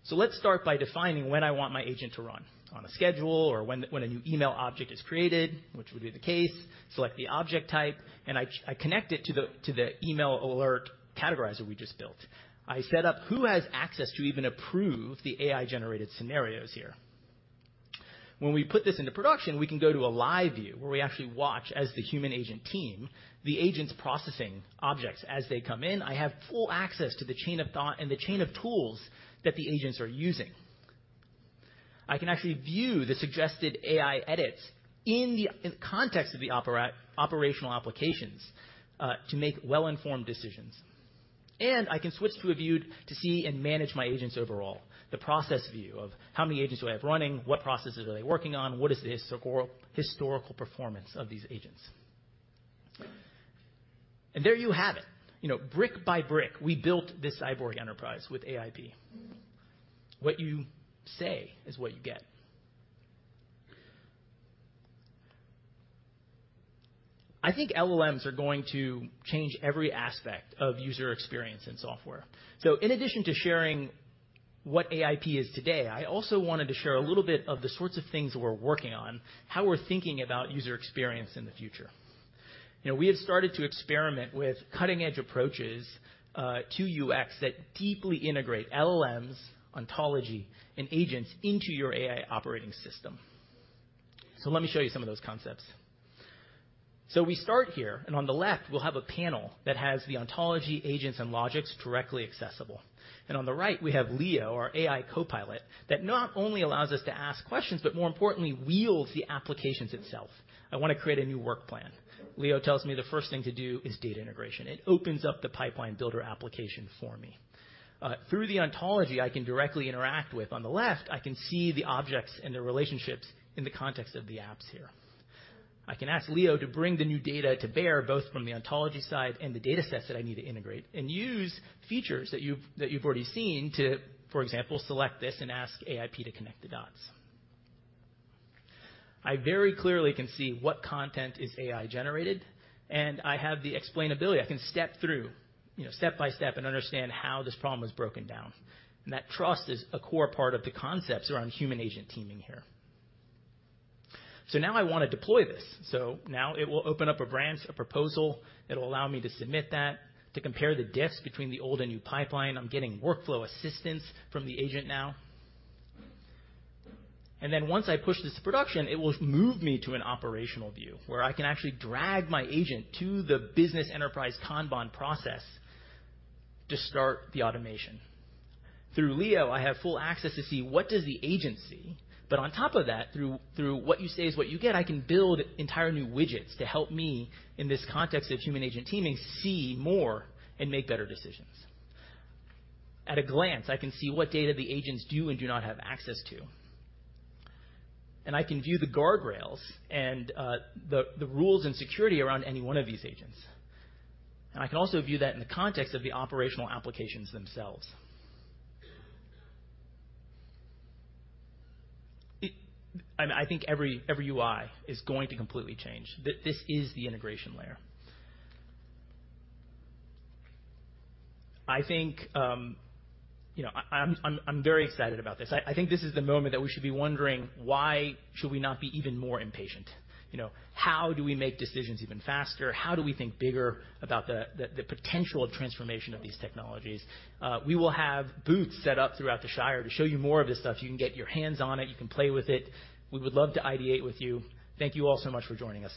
Let's start by defining when I want my Agent to run: on a schedule or when a new email object is created, which would be the case, select the object type, and I connect it to the email alert categorizer we just built. I set up who has access to even approve the AI-generated scenarios here. When we put this into production, we can go to a live view, where we actually watch as the human-agent team, the Agents processing objects as they come in. I have full access to the chain of thought and the chain of tools that the Agents are using. I can actually view the suggested AI edits in context of the operational applications to make well-informed decisions. I can switch to a view to see and manage my Agents overall. The process view of how many Agents do I have running? What processes are they working on? What is the historical performance of these Agents? There you have it. You know, brick by brick, we built this cyborg enterprise with AIP. What you say is what you get. I think LLMs are going to change every aspect of user experience in software. In addition to sharing what AIP is today, I also wanted to share a little bit of the sorts of things we're working on, how we're thinking about user experience in the future. You know, we have started to experiment with cutting-edge approaches to UX that deeply integrate LLMs, Ontology, and Agents into your AI operating system. Let me show you some of those concepts. We start here, and on the left, we'll have a panel that has the Ontology, Agents, and logics directly accessible. On the right, we have Leo, our AI Copilot, that not only allows us to ask questions, but more importantly, wields the applications itself. I want to create a new work plan. Leo tells me the first thing to do is data integration. It opens up the pipeline builder application for me. Through the Ontology I can directly interact with, on the left, I can see the objects and the relationships in the context of the apps here. I can ask Leo to bring the new data to bear, both from the Ontology side and the datasets that I need to integrate, and use features that you've already seen to, for example, select this and ask AIP to connect the dots. I very clearly can see what content is AI-generated, and I have the explainability. I can step through, you know, step by step and understand how this problem was broken down. That trust is a core part of the concepts around human-agent teaming here. I want to deploy this. It will open up a branch, a proposal. It'll allow me to submit that, to compare the diffs between the old and new pipeline. I'm getting workflow assistance from the Agent now. Once I push this to production, it will move me to an operational view, where I can actually drag my Agent to the business enterprise Kanban process to start the automation. Through Leo, I have full access to see what does the Agent see, but on top of that, through what you say is what you get, I can build entire new widgets to help me, in this context of human Agent teaming, see more and make better decisions. At a glance, I can see what data the Agents do and do not have access to. I can view the guardrails and the rules and security around any one of these Agents. I can also view that in the context of the operational applications themselves. I think every UI is going to completely change. This is the integration layer. I think, you know, I'm very excited about this. I think this is the moment that we should be wondering, why should we not be even more impatient? You know, how do we make decisions even faster? How do we think bigger about the potential of transformation of these technologies? We will have booths set up throughout the Shire to show you more of this stuff. You can get your hands on it. You can play with it. We would love to ideate with you. Thank you all so much for joining us.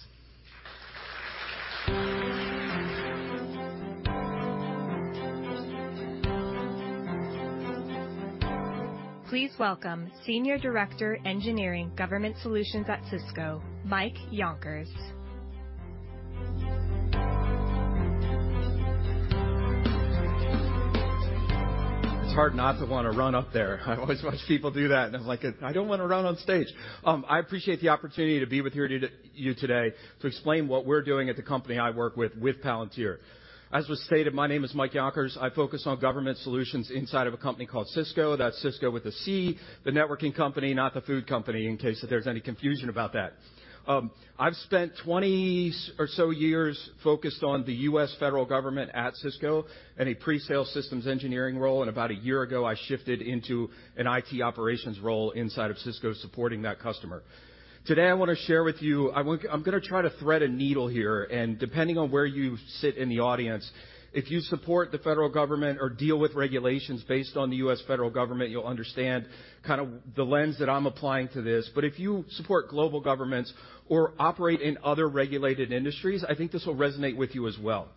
Please welcome Senior Director Engineering, Government Solutions at Cisco, Mike Younkers. It's hard not to want to run up there. I always watch people do that, and I'm like, "I don't want to run on stage." I appreciate the opportunity to be with you today to explain what we're doing at the company I work with Palantir. As was stated, my name is Mike Younkers. I focus on government solutions inside of a company called Cisco. That's Cisco with a C, the networking company, not the food company, in case there's any confusion about that. I've spent 20 or so years focused on the U.S. federal government at Cisco in a presale systems engineering role, and about a year ago, I shifted into an IT operations role inside of Cisco, supporting that customer. Today, I want to share with you...I'm going to try to thread a needle here, depending on where you sit in the audience, if you support the federal government or deal with regulations based on the U.S. federal government, you'll understand kind of the lens that I'm applying to this. If you support global governments or operate in other regulated industries, I think this will resonate with you as well.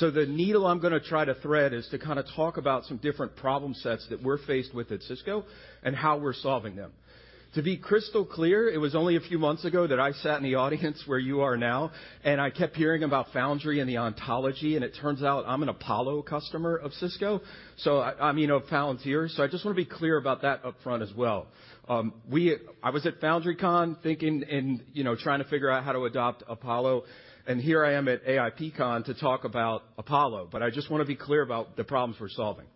The needle I'm going to try to thread is to kind of talk about some different problem sets that we're faced with at Cisco and how we're solving them. To be crystal clear, it was only a few months ago that I sat in the audience where you are now, and I kept hearing about Foundry and the Ontology, and it turns out I'm an Apollo customer of Cisco, so, I mean, of Palantir. I just want to be clear about that up front as well. I was at FoundryCon, thinking and, you know, trying to figure out how to adopt Apollo, and here I am at AIPCon to talk about Apollo, but I just want to be clear about the problems we're solving.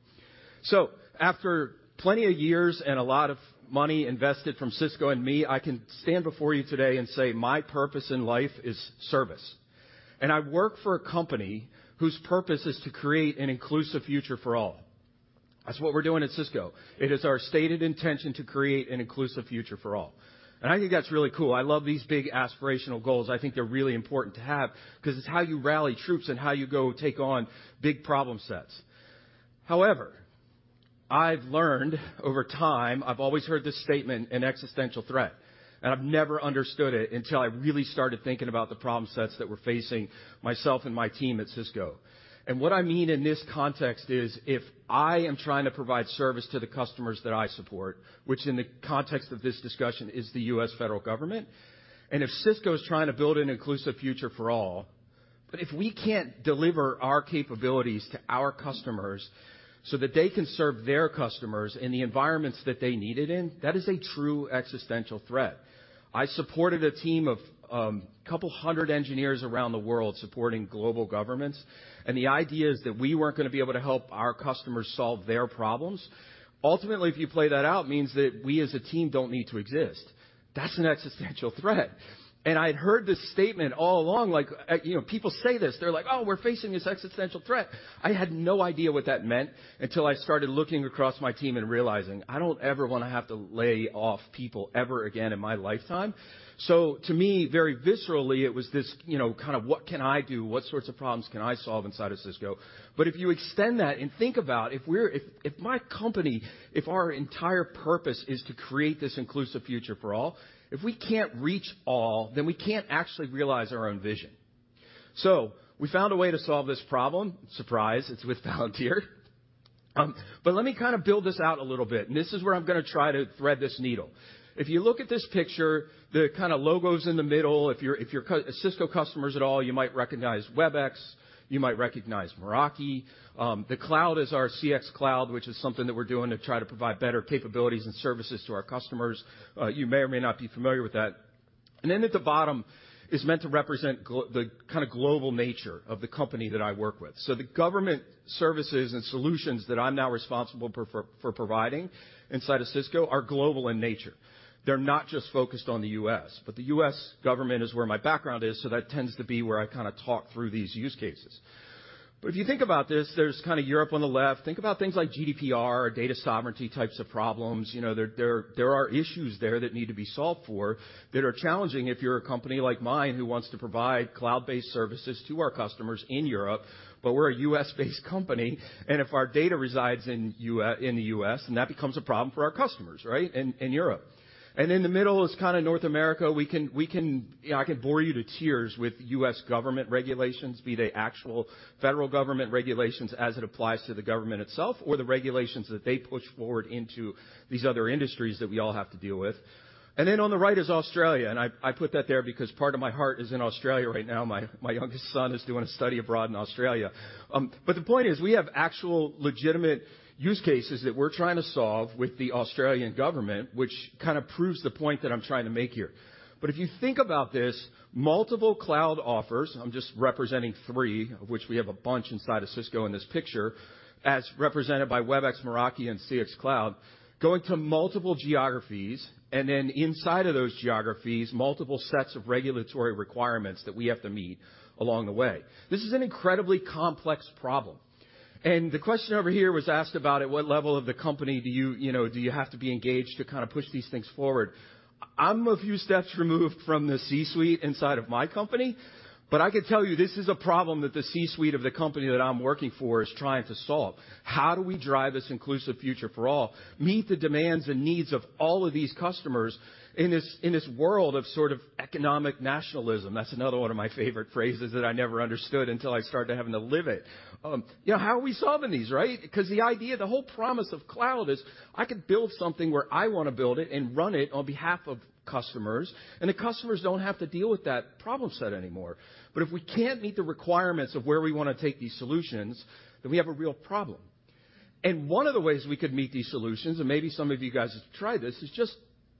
After plenty of years and a lot of money invested from Cisco and me, I can stand before you today and say, my purpose in life is service. I work for a company whose purpose is to create an inclusive future for all. That's what we're doing at Cisco. It is our stated intention to create an inclusive future for all. I think that's really cool. I love these big, aspirational goals. I think they're really important to have because it's how you rally troops and how you go take on big problem sets. I've learned over time, I've always heard this statement, an existential threat, and I've never understood it until I really started thinking about the problem sets that we're facing, myself and my team at Cisco. What I mean in this context is, if I am trying to provide service to the customers that I support, which in the context of this discussion is the U.S. federal government, and if Cisco is trying to build an inclusive future for all, but if we can't deliver our capabilities to our customers so that they can serve their customers in the environments that they need it in, that is a true existential threat. I supported a team of a couple hundred engineers around the world supporting global governments. The idea is that we weren't going to be able to help our customers solve their problems. Ultimately, if you play that out, means that we as a team don't need to exist. That's an existential threat. I'd heard this statement all along, like, you know, people say this, they're like: Oh, we're facing this existential threat. I had no idea what that meant until I started looking across my team and realizing I don't ever want to have to lay off people ever again in my lifetime. To me, very viscerally, it was this, you know, kind of, what can I do? What sorts of problems can I solve inside of Cisco? If you extend that and think about if my company, if our entire purpose is to create this inclusive future for all, if we can't reach all, then we can't actually realize our own vision. We found a way to solve this problem. Surprise, it's with Palantir. But let me kind of build this out a little bit, and this is where I'm gonna try to thread this needle. If you look at this picture, the kind of logos in the middle, if you're Cisco customers at all, you might recognize Webex, you might recognize Meraki. The cloud is our CX Cloud, which is something that we're doing to try to provide better capabilities and services to our customers. You may or may not be familiar with that. At the bottom is meant to represent the kinda global nature of the company that I work with. The government services and solutions that I'm now responsible for providing inside of Cisco are global in nature. They're not just focused on the U.S., but the U.S. government is where my background is, so that tends to be where I kinda talk through these use cases. If you think about this, there's kinda Europe on the left. Think about things like GDPR or data sovereignty types of problems. You know, there are issues there that need to be solved for that are challenging if you're a company like mine who wants to provide cloud-based services to our customers in Europe, but we're a U.S.-based company, and if our data resides in the U.S., then that becomes a problem for our customers, right? In Europe. In the middle is kinda North America. I can bore you to tears with U.S. government regulations, be they actual federal government regulations as it applies to the government itself, or the regulations that they push forward into these other industries that we all have to deal with. On the right is Australia, and I put that there because part of my heart is in Australia right now. My youngest son is doing a study abroad in Australia. The point is, we have actual legitimate use cases that we're trying to solve with the Australian government, which kind of proves the point that I'm trying to make here. If you think about this, multiple cloud offers, I'm just representing three, of which we have a bunch inside of Cisco in this picture, as represented by Webex, Meraki, and CX Cloud, going to multiple geographies, and then inside of those geographies, multiple sets of regulatory requirements that we have to meet along the way. This is an incredibly complex problem, and the question over here was asked about at what level of the company do you know, have to be engaged to kind of push these things forward? I'm a few steps removed from the C-suite inside of my company, but I can tell you, this is a problem that the C-suite of the company that I'm working for is trying to solve. How do we drive this inclusive future for all, meet the demands and needs of all of these customers in this world of sort of economic nationalism? That's another one of my favorite phrases that I never understood until I started having to live it. you know, how are we solving these, right? Because the idea, the whole promise of cloud is I can build something where I want to build it and run it on behalf of customers, and the customers don't have to deal with that problem set anymore. If we can't meet the requirements of where we want to take these solutions, then we have a real problem. One of the ways we could meet these solutions, and maybe some of you guys have tried this, is just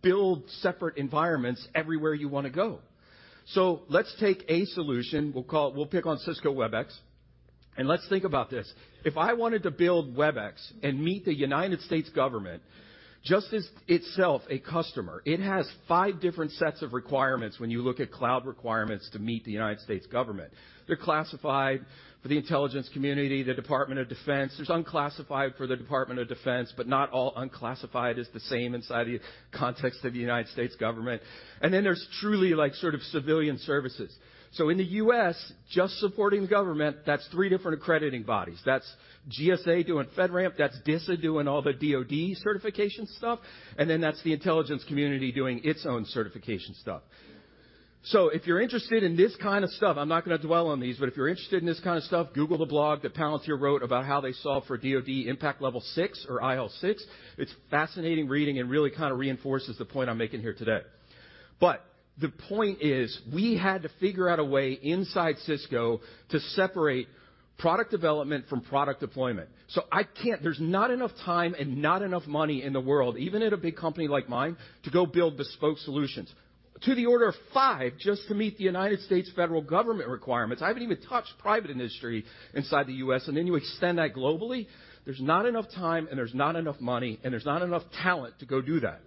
build separate environments everywhere you want to go. Let's take a solution. We'll pick on Cisco Webex, and let's think about this. If I wanted to build Webex and meet the United States government, just as itself a customer, it has five different sets of requirements when you look at cloud requirements to meet the United States government. They're classified for the Intelligence Community, the Department of Defense. There's unclassified for the Department of Defense, but not all unclassified is the same inside the context of the United States government. There's truly, like, sort of civilian services. In the U.S., just supporting the government, that's three different accrediting bodies. That's GSA doing FedRAMP, that's DISA doing all the DoD certification stuff. That's the Intelligence Community doing its own certification stuff. If you're interested in this kind of stuff, I'm not gonna dwell on these, but if you're interested in this kind of stuff, Google the blog that Palantir wrote about how they solved for DoD Impact Level 6, or IL6. It's fascinating reading and really kind of reinforces the point I'm making here today. The point is, we had to figure out a way inside Cisco to separate product development from product deployment. There's not enough time and not enough money in the world, even at a big company like mine, to go build bespoke solutions to the order of five, just to meet the United States federal government requirements. I haven't even touched private industry inside the U.S., and then you extend that globally? There's not enough time, and there's not enough money, and there's not enough talent to go do that.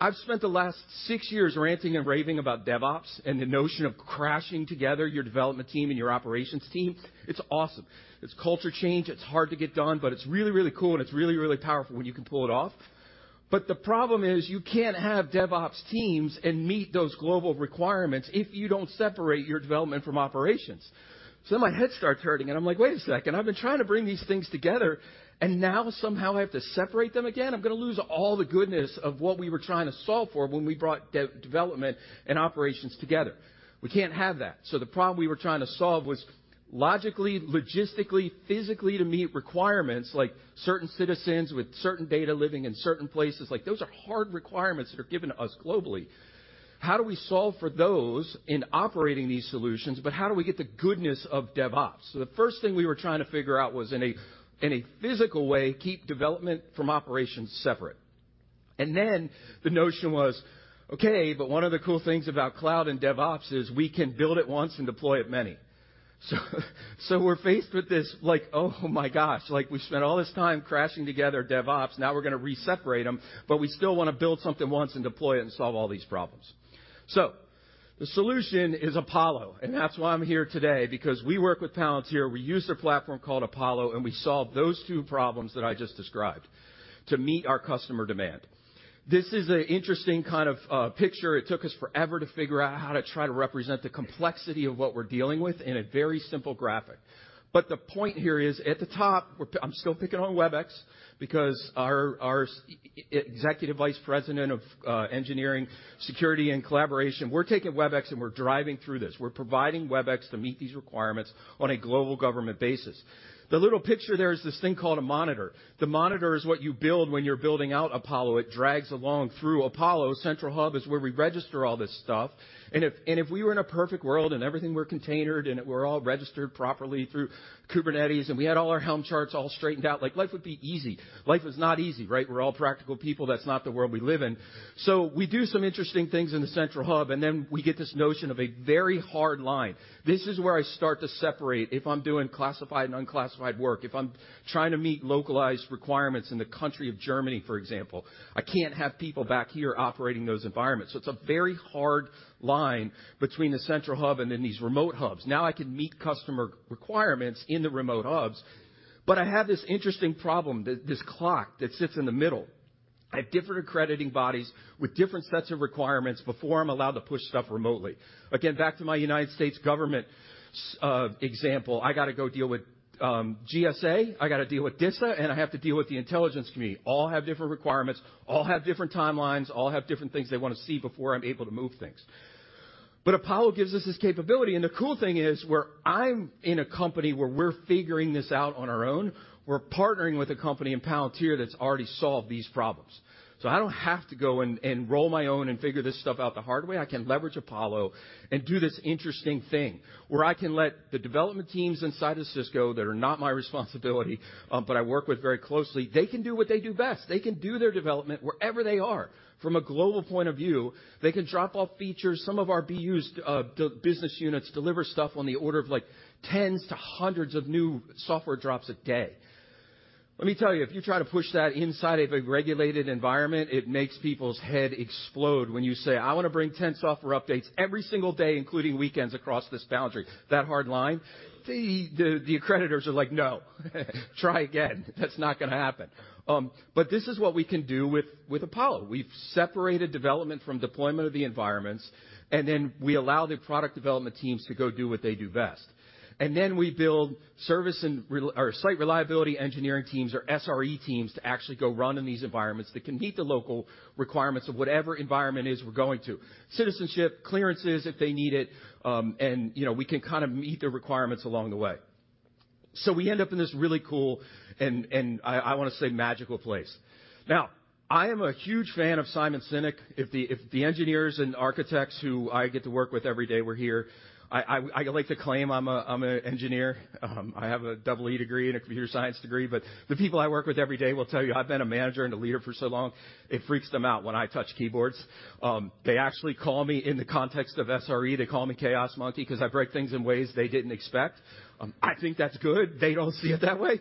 I've spent the last six years ranting and raving about DevOps and the notion of crashing together your development team and your operations team. It's awesome. It's culture change. It's hard to get done, but it's really, really cool, and it's really, really powerful when you can pull it off. The problem is, you can't have DevOps teams and meet those global requirements if you don't separate your development from operations. My head starts hurting, and I'm like: Wait a second. I've been trying to bring these things together, and now somehow I have to separate them again? I'm gonna lose all the goodness of what we were trying to solve for when we brought DevOps together. We can't have that. The problem we were trying to solve was logically, logistically, physically, to meet requirements, like certain citizens with certain data living in certain places, like, those are hard requirements that are given to us globally. How do we solve for those in operating these solutions, but how do we get the goodness of DevOps? The first thing we were trying to figure out was, in a, in a physical way, keep development from operations separate. The notion was, okay, but one of the cool things about cloud and DevOps is we can build it once and deploy it many. We're faced with this, like, oh, my gosh! Like, we spent all this time crashing together DevOps, now we're gonna re-separate them, but we still wanna build something once and deploy it and solve all these problems. The solution is Apollo, and that's why I'm here today, because we work with Palantir. We use their platform called Apollo, and we solve those two problems that I just described to meet our customer demand. This is an interesting kind of picture. It took us forever to figure out how to try to represent the complexity of what we're dealing with in a very simple graphic. The point here is, at the top, I'm still picking on Webex, because our executive vice president of engineering, security, and collaboration, we're taking Webex, and we're driving through this. We're providing Webex to meet these requirements on a global government basis. The little picture there is this thing called a monitor. The monitor is what you build when you're building out Apollo. It drags along through Apollo. Control Hub is where we register all this stuff, and if we were in a perfect world, and everything were containered, and it were all registered properly through Kubernetes, and we had all our Helm charts all straightened out, life would be easy. Life is not easy, right? We're all practical people. That's not the world we live in. We do some interesting things in the Control Hub. Then we get this notion of a very hard line. This is where I start to separate if I'm doing classified and unclassified work, if I'm trying to meet localized requirements in the country of Germany, for example. I can't have people back here operating those environments. It's a very hard line between the Control Hub and then these remote hubs. Now I can meet customer requirements in the remote hubs, but I have this interesting problem, this clock that sits in the middle. I have different accrediting bodies with different sets of requirements before I'm allowed to push stuff remotely. Again, back to my United States government example, I gotta go deal with GSA, I gotta deal with DISA, and I have to deal with the Intelligence Committee. All have different requirements, all have different timelines, all have different things they wanna see before I'm able to move things. Apollo gives us this capability, and the cool thing is, where I'm in a company where we're figuring this out on our own, we're partnering with a company in Palantir that's already solved these problems. I don't have to go and roll my own and figure this stuff out the hard way. I can leverage Apollo and do this interesting thing where I can let the development teams inside of Cisco that are not my responsibility, but I work with very closely, they can do what they do best. They can do their development wherever they are. From a global point of view, they can drop off features. Some of our BUs, the business units, deliver stuff on the order of, like, tens to hundreds of new software drops a day. Let me tell you, if you try to push that inside of a regulated environment, it makes people's head explode when you say, "I wanna bring 10 software updates every single day, including weekends, across this boundary." That hard line, the accreditors are like: "No, try again. That's not gonna happen." This is what we can do with Apollo. We've separated development from deployment of the environments, then we allow the product development teams to go do what they do best. Then we build service or Site Reliability Engineering teams, or SRE teams, to actually go run in these environments that can meet the local requirements of whatever environment is we're going to. Citizenship, clearances, if they need it, and, you know, we can kind of meet the requirements along the way. We end up in this really cool, and I wanna say magical place. I am a huge fan of Simon Sinek. If the engineers and architects who I get to work with every day were here, I like to claim I'm an engineer. I have a double E degree and a computer science degree, but the people I work with every day will tell you I've been a manager and a leader for so long, it freaks them out when I touch keyboards. They actually call me, in the context of SRE, they call me Chaos Monkey because I break things in ways they didn't expect. I think that's good. They don't see it that way.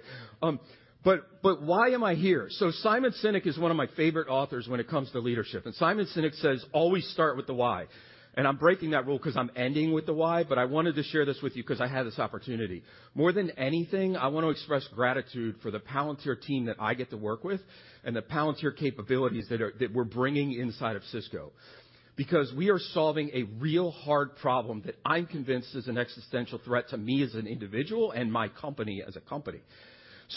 Why am I here? Simon Sinek is one of my favorite authors when it comes to leadership, and Simon Sinek says, "Always start with the why," and I'm breaking that rule 'cause I'm ending with the why, but I wanted to share this with you 'cause I had this opportunity. More than anything, I want to express gratitude for the Palantir team that I get to work with and the Palantir capabilities that we're bringing inside of Cisco. Because we are solving a real hard problem that I'm convinced is an existential threat to me as an individual and my company as a company.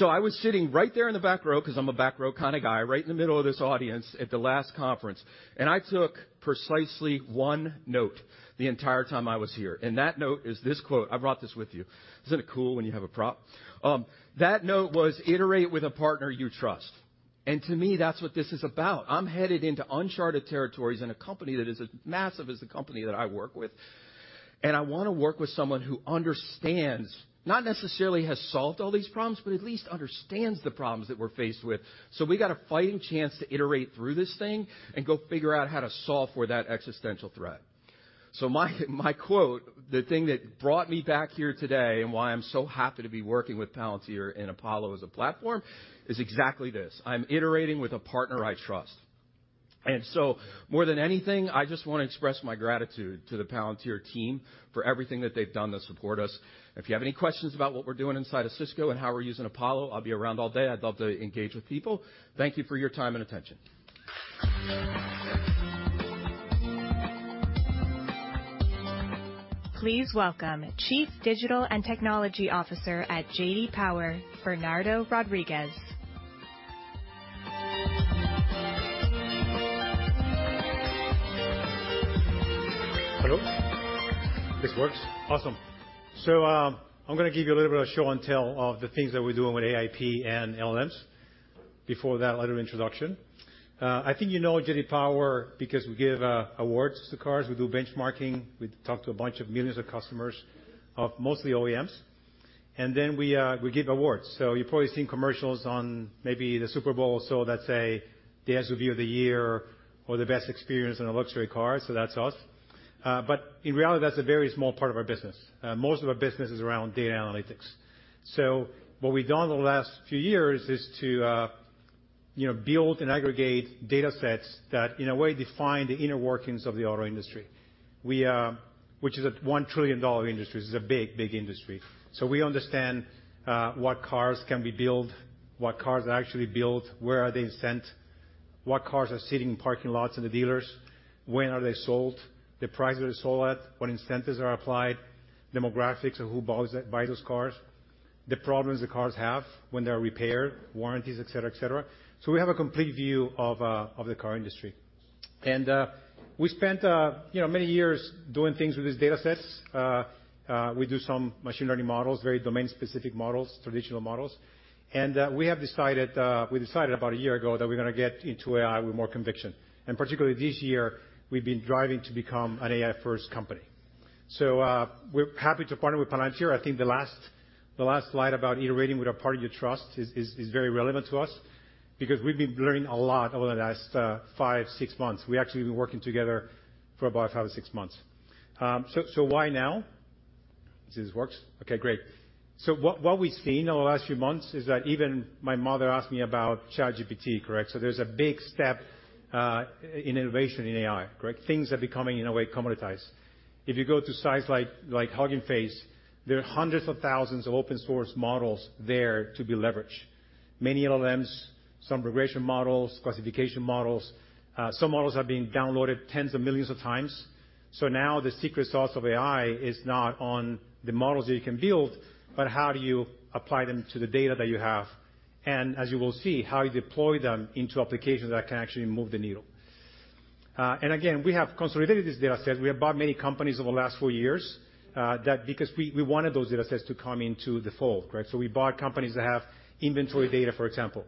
I was sitting right there in the back row, 'cause I'm a back row kind of guy, right in the middle of this audience at the last conference, and I took precisely one note the entire time I was here, and that note is this quote. I brought this with you. Isn't it cool when you have a prop? That note was, "Iterate with a partner you trust." To me, that's what this is about. I'm headed into uncharted territories in a company that is as massive as the company that I work with, and I wanna work with someone who understands, not necessarily has solved all these problems, but at least understands the problems that we're faced with. We got a fighting chance to iterate through this thing and go figure out how to solve for that existential threat. My quote, the thing that brought me back here today and why I'm so happy to be working with Palantir and Apollo as a platform, is exactly this: I'm iterating with a partner I trust. More than anything, I just wanna express my gratitude to the Palantir team for everything that they've done to support us. If you have any questions about what we're doing inside of Cisco and how we're using Apollo, I'll be around all day. I'd love to engage with people. Thank you for your time and attention. Please welcome Chief Digital and Technology Officer at J.D. Power, Bernardo Rodriguez. Hello. This works? Awesome. I'm gonna give you a little bit of show and tell of the things that we're doing with AIP and LMS. Before that, a little introduction. I think you know J.D. Power because we give awards to cars, we do benchmarking, we talk to a bunch of millions of customers, of mostly OEMs. Then we give awards. You've probably seen commercials on maybe the Super Bowl, let's say the SUV of the year or the best experience in a luxury car, that's us. But in reality, that's a very small part of our business. Most of our business is around data analytics. What we've done over the last few years is to, you know, build and aggregate data sets that, in a way, define the inner workings of the auto industry. We which is a $1 trillion industry. This is a big, big industry. We understand what cars can be built, what cars are actually built, where are they sent, what cars are sitting in parking lots in the dealers, when are they sold, the price that they're sold at, what incentives are applied, demographics of who buys those cars, the problems the cars have when they're repaired, warranties, et cetera, et cetera. We have a complete view of the car industry. We spent, you know, many years doing things with these data sets. We do some machine learning models, very domain-specific models, traditional models. We have decided, we decided about a year ago that we're gonna get into AI with more conviction. Particularly this year, we've been driving to become an AI-first company. We're happy to partner with Palantir. I think the last, the last slide about iterating with our part of your trust is very relevant to us because we've been learning a lot over the last five, six months. We actually been working together for about five or six months. Why now? Let's see if this works. Okay, great. What we've seen over the last few months is that even my mother asked me about ChatGPT, correct? There's a big step in innovation in AI, correct? Things are becoming, in a way, commoditized. If you go to sites like Hugging Face, there are hundreds of thousands of open source models there to be leveraged. Many LLMs, some regression models, classification models, some models have been downloaded tens of millions of times. Now the secret sauce of AI is not on the models that you can build, but how do you apply them to the data that you have? As you will see, how you deploy them into applications that can actually move the needle. And again, we have consolidated this data set. We have bought many companies over the last four years, that because we wanted those data sets to come into the fold, correct? We bought companies that have inventory data, for example.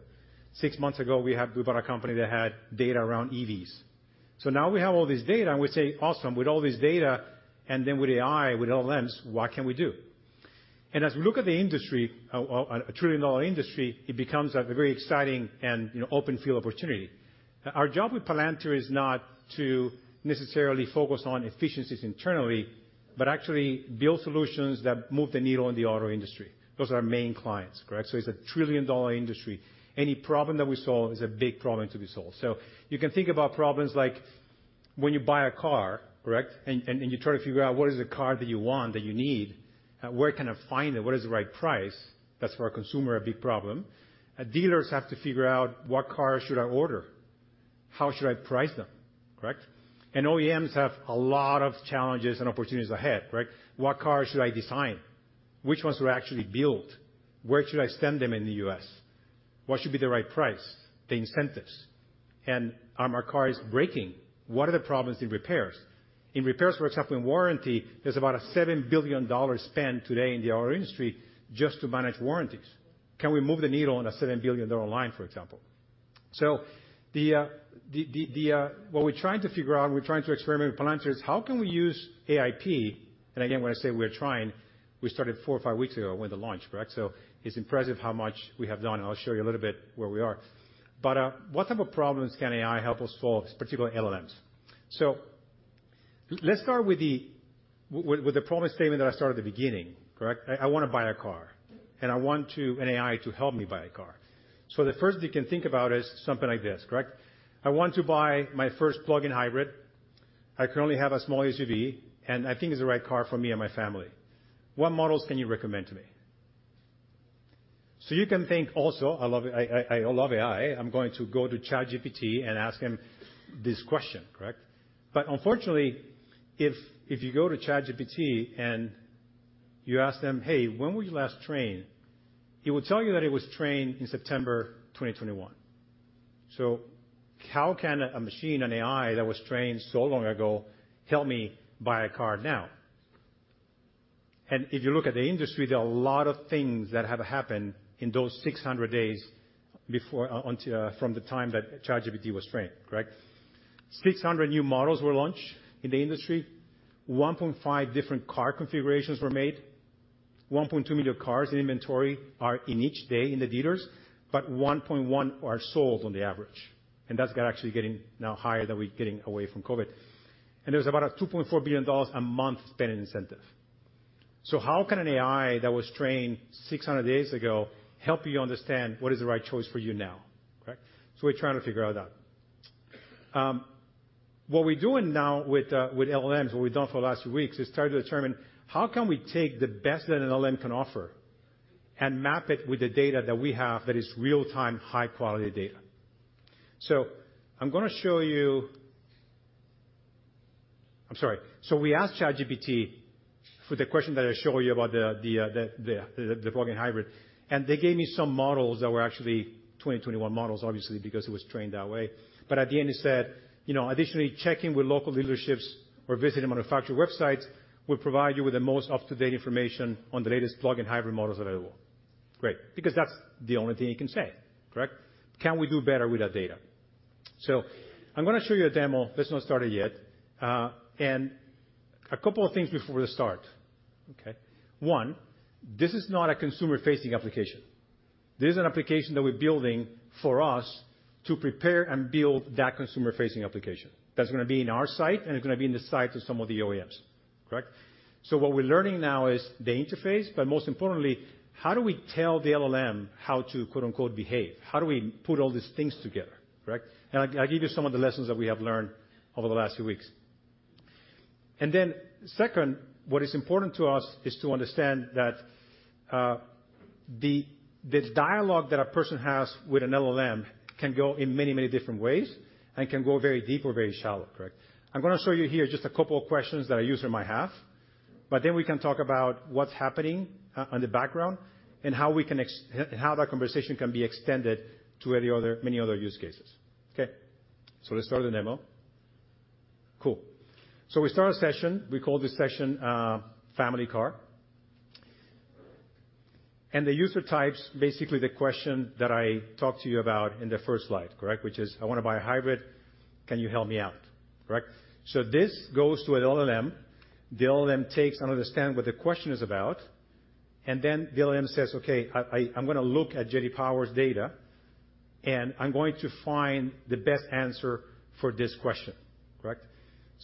Six months ago, we bought a company that had data around EVs. Now we have all this data, and we say, "Awesome, with all this data, and then with AI, with LLMs, what can we do?" As we look at the industry, a trillion-dollar industry, it becomes a very exciting and, you know, open field opportunity. Our job with Palantir is not to necessarily focus on efficiencies internally, but actually build solutions that move the needle in the auto industry. Those are our main clients, correct? It's a trillion-dollar industry. Any problem that we solve is a big problem to be solved. You can think about problems like when you buy a car, correct, and you try to figure out what is the car that you want, that you need, where can I find it? What is the right price? That's, for a consumer, a big problem. Dealers have to figure out, what cars should I order? How should I price them, correct? OEMs have a lot of challenges and opportunities ahead, right? What cars should I design? Which ones were actually built? Where should I send them in the U.S.? What should be the right price, the incentives? Are my cars breaking? What are the problems in repairs? In repairs, for example, in warranty, there's about a $7 billion spend today in the auto industry just to manage warranties. Can we move the needle on a $7 billion line, for example? What we're trying to figure out, and we're trying to experiment with Palantir, is how can we use AIP? Again, when I say we're trying, we started four or five weeks ago with the launch, correct? It's impressive how much we have done. I'll show you a little bit where we are. What type of problems can AI help us solve, particularly LLMs? Let's start with the problem statement that I started at the beginning, correct? I wanna buy a car, and I want an AI to help me buy a car. The first you can think about is something like this, correct? "I want to buy my first plug-in hybrid. I currently have a small SUV, and I think it's the right car for me and my family. What models can you recommend to me?" You can think also, I love AI. I'm going to go to ChatGPT and ask him this question, correct? Unfortunately, if you go to ChatGPT and you ask them, "Hey, when were you last trained?" It will tell you that it was trained in September 2021. How can a machine, an AI, that was trained so long ago, help me buy a car now? If you look at the industry, there are a lot of things that have happened in those 600 days before, until, from the time that ChatGPT was trained, correct? 600 new models were launched in the industry, 1.5 different car configurations were made, 1.2 million cars in inventory are in each day in the dealers, but 1.1 are sold on the average, and that's got actually getting now higher than we're getting away from COVID. There's about $2.4 billion a month spent in incentive. How can an AI that was trained 600 days ago help you understand what is the right choice for you now, correct? We're trying to figure all that. What we're doing now with LLMs, what we've done for the last few weeks, is try to determine how can we take the best that an LLM can offer and map it with the data that we have that is real-time, high-quality data. I'm gonna show you. I'm sorry. We asked ChatGPT for the question that I showed you about the plug-in hybrid, and they gave me some models that were actually 2021 models, obviously, because it was trained that way. At the end, it said, you know, "Additionally, checking with local dealerships or visiting manufacturer websites will provide you with the most up-to-date information on the latest plug-in hybrid models available." Great, because that's the only thing you can say, correct? Can we do better with that data? I'm gonna show you a demo. Let's not start it yet. A couple of things before we start, okay? One, this is not a consumer-facing application. This is an application that we're building for us to prepare and build that consumer-facing application. That's gonna be in our site, and it's gonna be in the site to some of the OEMs, correct? What we're learning now is the interface, but most importantly, how do we tell the LLM how to, quote-unquote, behave? How do we put all these things together, correct? I'll give you some of the lessons that we have learned over the last few weeks. Second, what is important to us is to understand that the dialogue that a person has with an LLM can go in many, many different ways and can go very deep or very shallow, correct? I'm gonna show you here just a couple of questions that a user might have, but then we can talk about what's happening on the background and how that conversation can be extended to many other use cases. Let's start the demo. Cool. We start a session. We call this session, Family Car. The user types, basically the question that I talked to you about in the first slide, correct? Which is, "I wanna buy a hybrid. Can you help me out?" Correct. This goes to an LLM. The LLM takes and understand what the question is about, and then the LLM says, "Okay, I'm gonna look at J.D. Power's data, and I'm going to find the best answer for this question." Correct?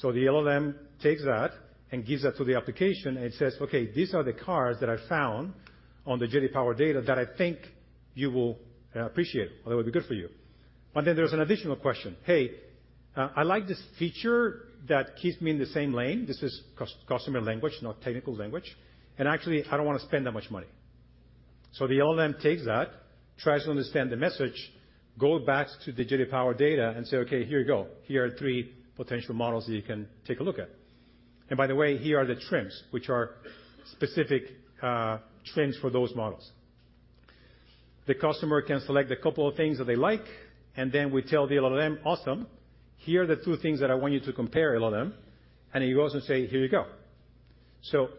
The LLM takes that and gives that to the application and says, "Okay, these are the cars that I found on the J.D. Power data that I think you will appreciate, or that would be good for you." There's an additional question: "Hey, I like this feature that keeps me in the same lane." This is customer language, not technical language. Actually, I don't wanna spend that much money." The LLM takes that, tries to understand the message, go back to the J.D. Power data and say, "Okay, here you go. Here are three potential models that you can take a look at. By the way, here are the trims, which are specific trims for those models. The customer can select a couple of things that they like, then we tell the LLM, "Awesome. Here are the two things that I want you to compare, LLM," and he goes and say, "Here you go."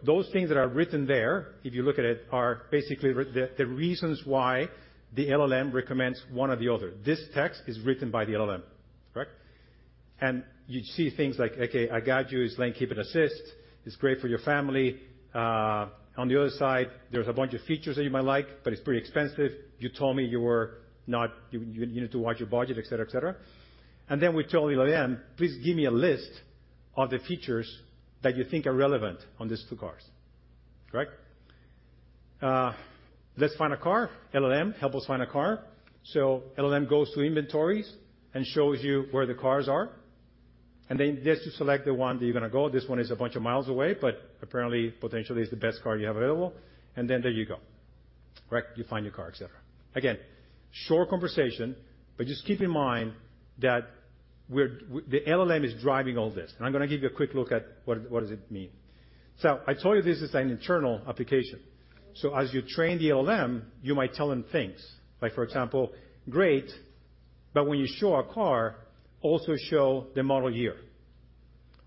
Those things that are written there, if you look at it, are basically the reasons why the LLM recommends one or the other. This text is written by the LLM, correct? You see things like, "Okay, I got you this lane keeping assist. It's great for your family. On the other side, there's a bunch of features that you might like, but it's pretty expensive. You told me you need to watch your budget," et cetera, et cetera. We tell the LLM, "Please give me a list of the features that you think are relevant on these two cars." Correct? Let's find a car. LLM, help us find a car. LLM goes to inventories and shows you where the cars are, and then just you select the one that you're gonna go. This one is a bunch of miles away, but apparently, potentially is the best car you have available, and then there you go. Correct, you find your car, et cetera. Again, short conversation, but just keep in mind that the LLM is driving all this, and I'm gonna give you a quick look at what does it mean. I told you, this is an internal application. As you train the LLM, you might tell them things like, for example, "Great, but when you show a car, also show the model year."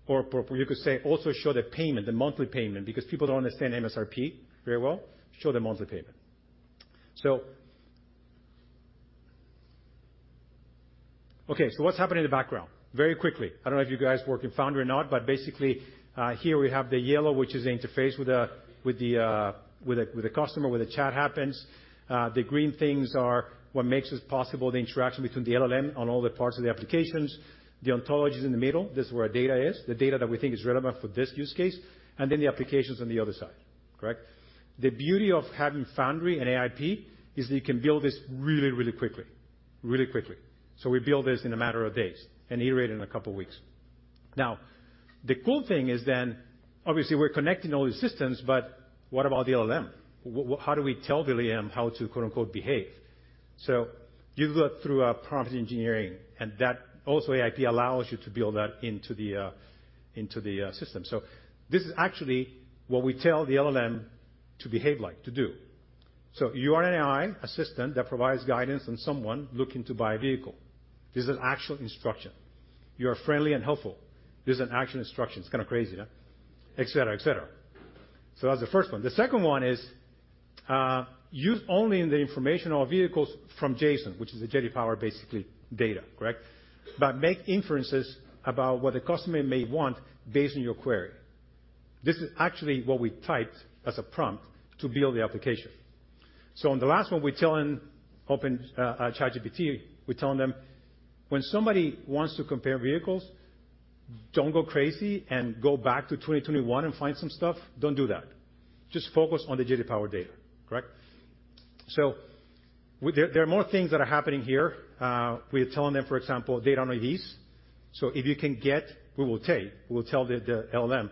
Or you could say, "Also show the payment, the monthly payment," because people don't understand MSRP very well. Show the monthly payment. Okay, what's happening in the background? Very quickly, I don't know if you guys work in Foundry or not, but basically, here we have the yellow, which is the interface with the, with the, with the customer, where the chat happens. The green things are what makes this possible, the interaction between the LLM on all the parts of the applications, the Ontology is in the middle. This is where our data is, the data that we think is relevant for this use case, and then the applications on the other side, correct? The beauty of having Foundry and AIP is that you can build this really quickly. Really quickly. We build this in a matter of days and iterate in a couple of weeks. The cool thing is then, obviously, we're connecting all these systems, but what about the LLM? How do we tell the LLM how to, quote-unquote, behave? You do that through prompt engineering, That also AIP allows you to build that into the system. This is actually what we tell the LLM to behave like, to do. You are an AI assistant that provides guidance on someone looking to buy a vehicle. This is an actual instruction. You are friendly and helpful. This is an actual instruction. It's kind of crazy, huh? Et cetera, et cetera. That's the first one. The second one is, use only the information on vehicles from JATO, which is the J.D. Power, basically, data, correct? Make inferences about what the customer may want based on your query. This is actually what we typed as a prompt to build the application. On the last one, we're telling Open ChatGPT, we're telling them, when somebody wants to compare vehicles, don't go crazy and go back to 2021 and find some stuff. Don't do that. Just focus on the J.D. Power data, correct? There are more things that are happening here. We are telling them, for example, they don't know these. If you can get, we will tell, we will tell the LLM,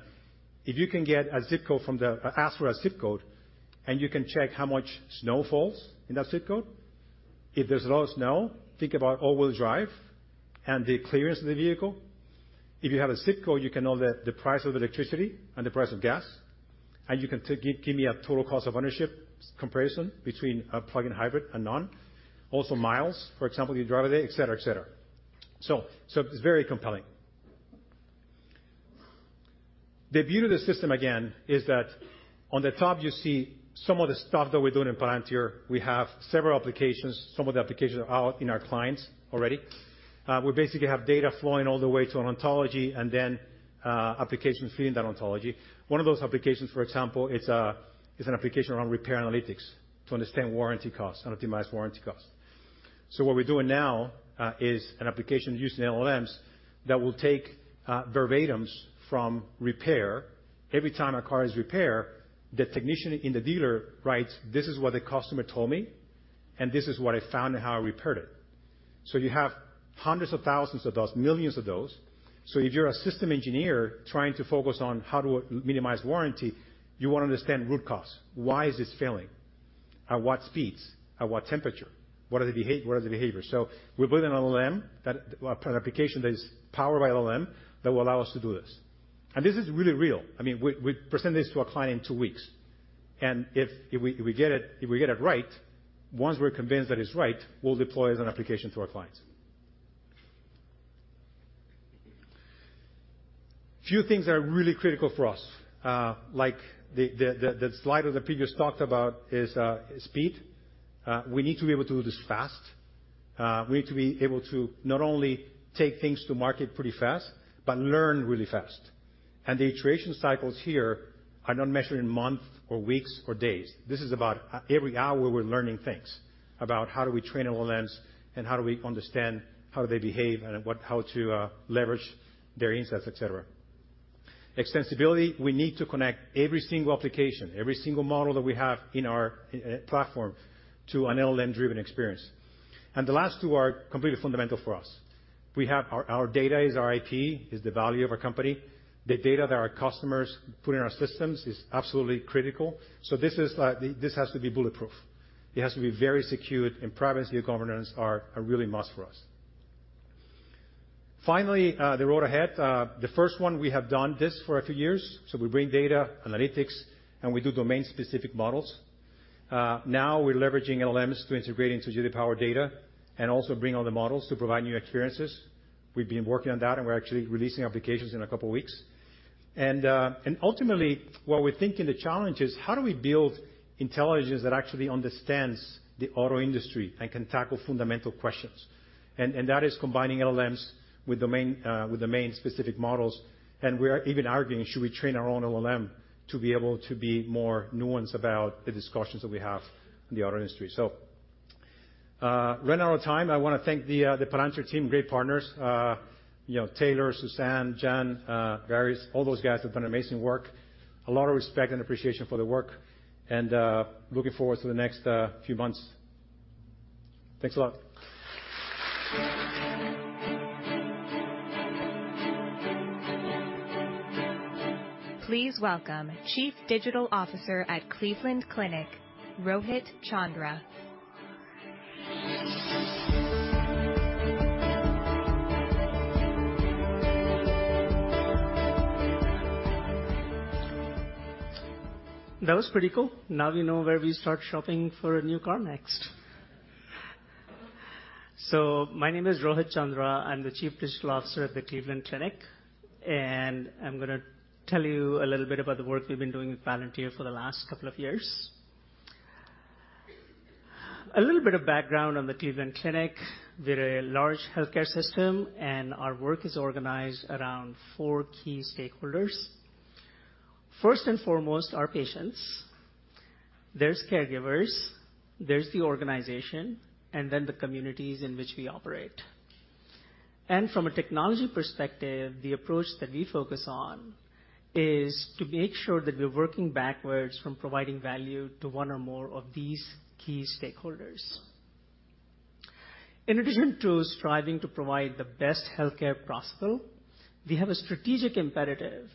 if you can get a zip code from the—ask for a zip code, and you can check how much snow falls in that zip code. If there's a lot of snow, think about all-wheel drive and the clearance of the vehicle. If you have a zip code, you can know the price of electricity and the price of gas, and you can give me a total cost of ownership comparison between a plug-in hybrid and non. Miles, for example, you drive a day, et cetera, et cetera. It's very compelling. The beauty of the system, again, is that on the top, you see some of the stuff that we're doing in Palantir. We have several applications. Some of the applications are out in our clients already. We basically have data flowing all the way to an Ontology and then applications feeding that Ontology. One of those applications, for example, it's an application around repair analytics to understand warranty costs and optimize warranty costs. What we're doing now is an application using LLMs that will take verbatims from repair. Every time a car is repaired, the technician in the dealer writes, "This is what the customer told me, and this is what I found and how I repaired it." You have hundreds of thousands of those, millions of those. If you're a system engineer trying to focus on how to minimize warranty, you want to understand root cause. Why is this failing? At what speeds? At what temperature? What are the behaviors? We build an LLM, that an application that is powered by LLM, that will allow us to do this. This is really real. I mean, we present this to a client in two weeks. If we get it right, once we're convinced that it's right, we'll deploy as an application to our clients. Few things are really critical for us, like the slide that I previously talked about is speed. We need to be able to do this fast. We need to be able to not only take things to market pretty fast, learn really fast. The iteration cycles here are not measured in months or weeks or days. This is about every hour, we're learning things about how do we train LLMs and how do we understand how they behave and how to leverage their insights, et cetera. Extensibility, we need to connect every single application, every single model that we have in our platform to an LLM-driven experience. The last two are completely fundamental for us. Our data is our IT, is the value of our company. The data that our customers put in our systems is absolutely critical. This has to be bulletproof. It has to be very secure, and privacy and governance are really a must for us. Finally, the road ahead. The first one, we have done this for a few years. We bring data, analytics, and we do domain-specific models. Now we're leveraging LLMs to integrate into GDPR data and also bring all the models to provide new experiences. We've been working on that, and we're actually releasing applications in a couple of weeks. Ultimately, what we think in the challenge is, how do we build intelligence that actually understands the auto industry and can tackle fundamental questions? That is combining LLMs with domain-specific models, and we are even arguing, should we train our own LLM to be able to be more nuanced about the discussions that we have in the auto industry? Running out of time, I want to thank the Palantir team, great partners, you know, Taylor, Suzanne, Jan, all those guys who've done amazing work. A lot of respect and appreciation for the work and looking forward to the next few months. Thanks a lot. Please welcome Chief Digital Officer at Cleveland Clinic, Rohit Chandra. That was pretty cool. We know where we start shopping for a new car next. My name is Rohit Chandra. I'm the Chief Digital Officer at the Cleveland Clinic. I'm gonna tell you a little bit about the work we've been doing with Palantir for the last couple of years. A little bit of background on the Cleveland Clinic. We're a large healthcare system, our work is organized around four key stakeholders. First and foremost, our patients. There's caregivers, there's the organization, the communities in which we operate. From a technology perspective, the approach that we focus on is to make sure that we're working backwards from providing value to one or more of these key stakeholders. In addition to striving to provide the best healthcare possible, we have a strategic imperative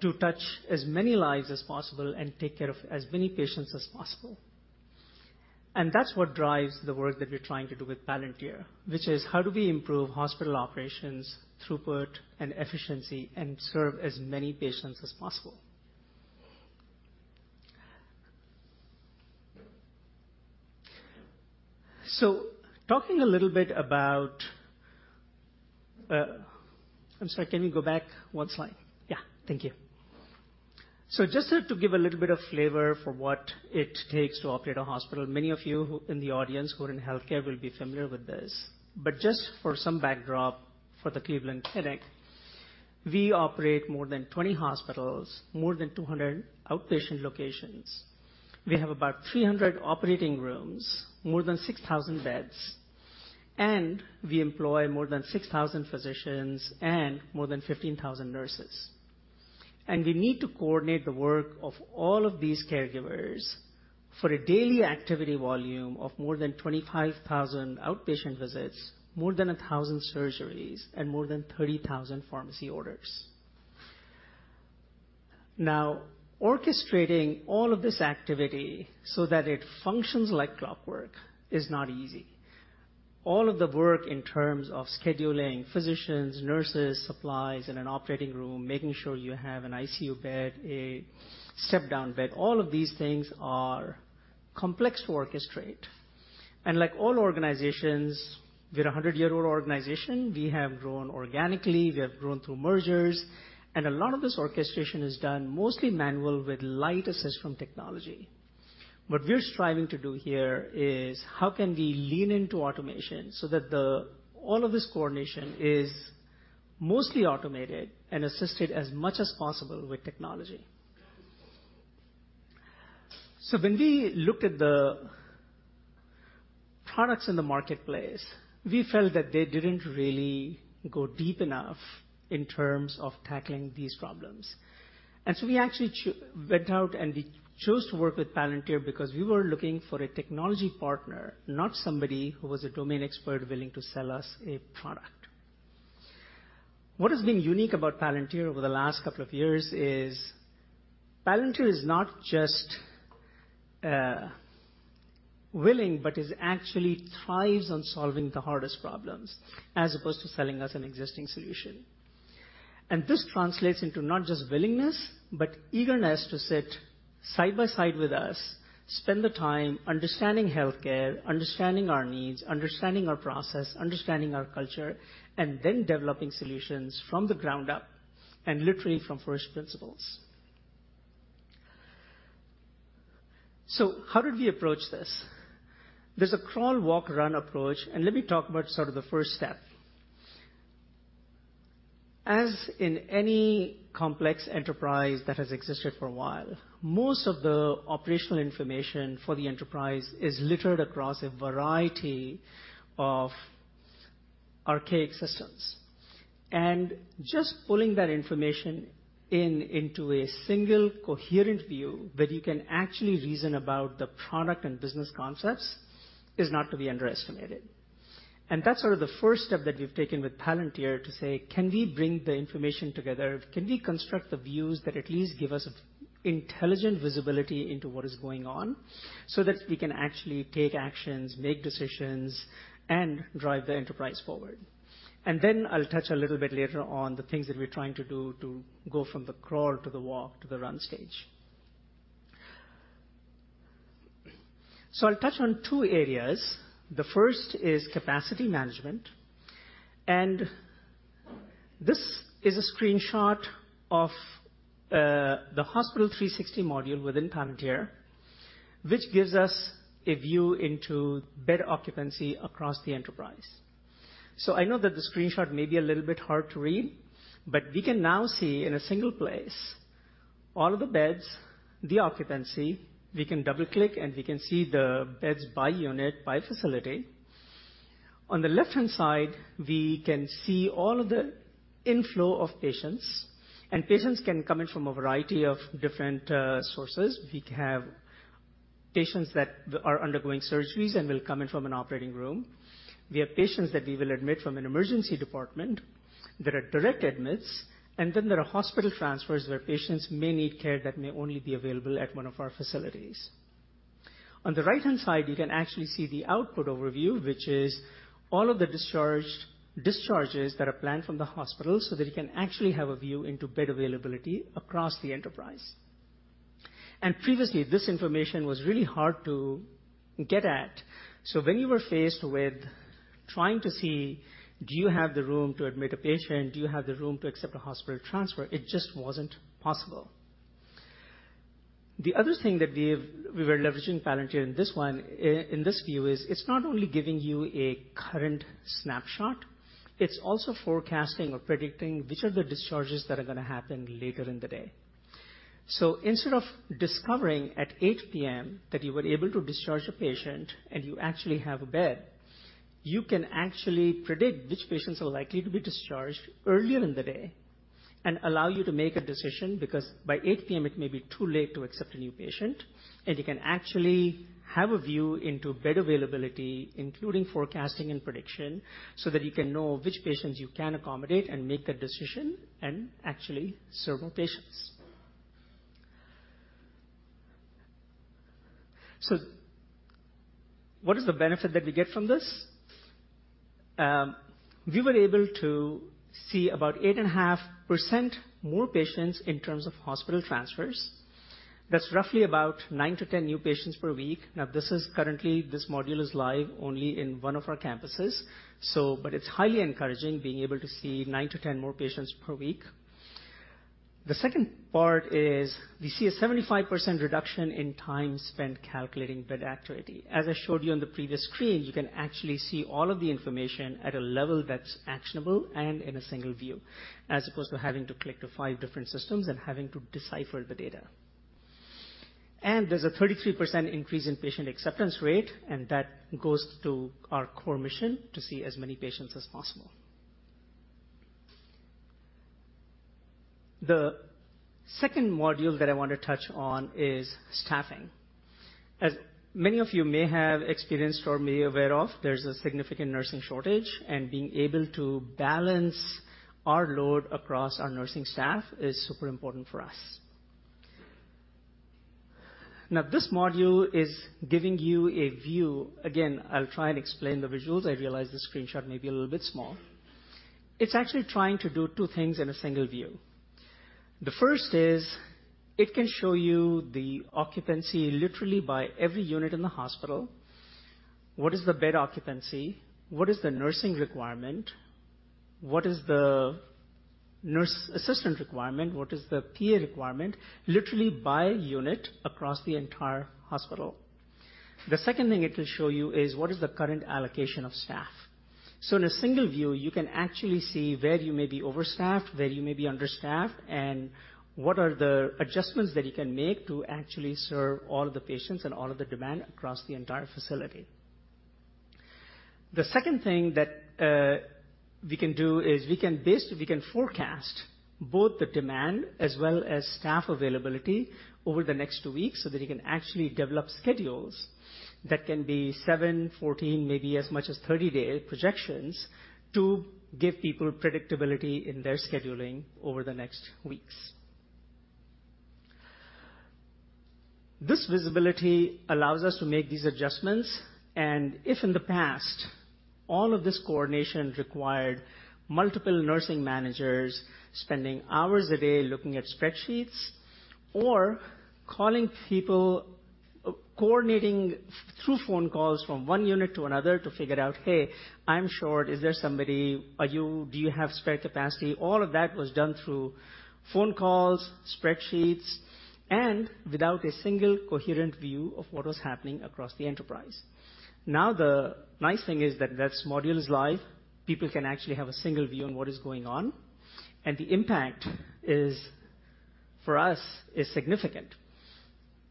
to touch as many lives as possible and take care of as many patients as possible. That's what drives the work that we're trying to do with Palantir, which is how do we improve hospital operations, throughput, and efficiency, and serve as many patients as possible? Talking a little bit about. I'm sorry, can you go back one slide? Yeah, thank you. Just to give a little bit of flavor for what it takes to operate a hospital, many of you who in the audience who are in healthcare will be familiar with this, but just for some backdrop for the Cleveland Clinic, we operate more than 20 hospitals, more than 200 outpatient locations. We have about 300 operating rooms, more than 6,000 beds. We employ more than 6,000 physicians and more than 15,000 nurses. We need to coordinate the work of all of these caregivers for a daily activity volume of more than 25,000 outpatient visits, more than 1,000 surgeries, and more than 30,000 pharmacy orders. Orchestrating all of this activity so that it functions like clockwork is not easy. All of the work in terms of scheduling physicians, nurses, supplies in an operating room, making sure you have an ICU bed, a step-down bed, all of these things are complex to orchestrate. Like all organizations, we're a 100-year-old organization. We have grown organically, we have grown through mergers, and a lot of this orchestration is done mostly manual, with light assist from technology. What we're striving to do here is: How can we lean into automation so that all of this coordination is mostly automated and assisted as much as possible with technology? When we looked at the products in the marketplace, we felt that they didn't really go deep enough in terms of tackling these problems. We actually went out, and we chose to work with Palantir because we were looking for a technology partner, not somebody who was a domain expert willing to sell us a product. What has been unique about Palantir over the last couple of years is, Palantir is not just willing, but is actually thrives on solving the hardest problems, as opposed to selling us an existing solution. This translates into not just willingness, but eagerness to sit side by side with us, spend the time understanding healthcare, understanding our needs, understanding our process, understanding our culture, and then developing solutions from the ground up and literally from first principles. How did we approach this? There's a crawl, walk, run approach, and let me talk about sort of the first step. As in any complex enterprise that has existed for a while, most of the operational information for the enterprise is littered across a variety of archaic systems. Just pulling that information in into a single coherent view, that you can actually reason about the product and business concepts, is not to be underestimated. That's sort of the first step that we've taken with Palantir to say: Can we bring the information together? Can we construct the views that at least give us intelligent visibility into what is going on, so that we can actually take actions, make decisions, and drive the enterprise forward? I'll touch a little bit later on the things that we're trying to do to go from the crawl to the walk, to the run stage. I'll touch on two areas. The first is capacity management, and this is a screenshot of the Hospital 360 module within Palantir, which gives us a view into bed occupancy across the enterprise. I know that the screenshot may be a little bit hard to read, but we can now see in a single place all of the beds, the occupancy. We can double-click, and we can see the beds by unit, by facility. On the left-hand side, we can see all of the inflow of patients, and patients can come in from a variety of different sources. We can have patients that are undergoing surgeries and will come in from an operating room. We have patients that we will admit from an emergency department that are direct admits, and then there are hospital transfers, where patients may need care that may only be available at one of our facilities. On the right-hand side, you can actually see the output overview, which is all of the discharges that are planned from the hospital, so that you can actually have a view into bed availability across the enterprise. Previously, this information was really hard to get at, so when you were faced with trying to see: Do you have the room to admit a patient? Do you have the room to accept a hospital transfer? It just wasn't possible. The other thing that we were leveraging Palantir in this one, in this view, is it's not only giving you a current snapshot, it's also forecasting or predicting which are the discharges that are gonna happen later in the day. Instead of discovering at 8:00 P.M. that you were able to discharge a patient and you actually have a bed, you can actually predict which patients are likely to be discharged earlier in the day, and allow you to make a decision. By 8:00 P.M., it may be too late to accept a new patient, and you can actually have a view into bed availability, including forecasting and prediction, so that you can know which patients you can accommodate and make that decision and actually serve more patients. What is the benefit that we get from this? We were able to see about 8.5% more patients in terms of hospital transfers. That's roughly about nine to 10 new patients per week. This module is live only in one of our campuses. It's highly encouraging, being able to see nine to 10 more patients per week. The second part is we see a 75% reduction in time spent calculating bed accuracy. As I showed you on the previous screen, you can actually see all of the information at a level that's actionable and in a single view, as opposed to having to click to 5 different systems and having to decipher the data. There's a 33% increase in patient acceptance rate. That goes to our core mission to see as many patients as possible. The second module that I want to touch on is staffing. As many of you may have experienced or may be aware of, there's a significant nursing shortage. Being able to balance our load across our nursing staff is super important for us. This module is giving you a view. Again, I'll try and explain the visuals. I realize the screenshot may be a little bit small. It's actually trying to do two things in a single view. The first is, it can show you the occupancy literally by every unit in the hospital. What is the bed occupancy? What is the nursing requirement? What is the nurse assistant requirement? What is the PA requirement, literally by unit across the entire hospital? The second thing it will show you is what is the current allocation of staff. In a single view, you can actually see where you may be overstaffed, where you may be understaffed, and what are the adjustments that you can make to actually serve all of the patients and all of the demand across the entire facility. The second thing that we can do is we can forecast both the demand as well as staff availability over the next two weeks, so that you can actually develop schedules that can be seven, 14, maybe as much as 30-day projections to give people predictability in their scheduling over the next weeks. This visibility allows us to make these adjustments, and if in the past, all of this coordination required multiple nursing managers spending hours a day looking at spreadsheets or calling people, coordinating through phone calls from one unit to another to figure out, "Hey, I'm short. Is there somebody? Do you have spare capacity?" All of that was done through phone calls, spreadsheets, and without a single coherent view of what was happening across the enterprise. The nice thing is that module is live. People can actually have a single view on what is going on, and the impact is, for us, is significant,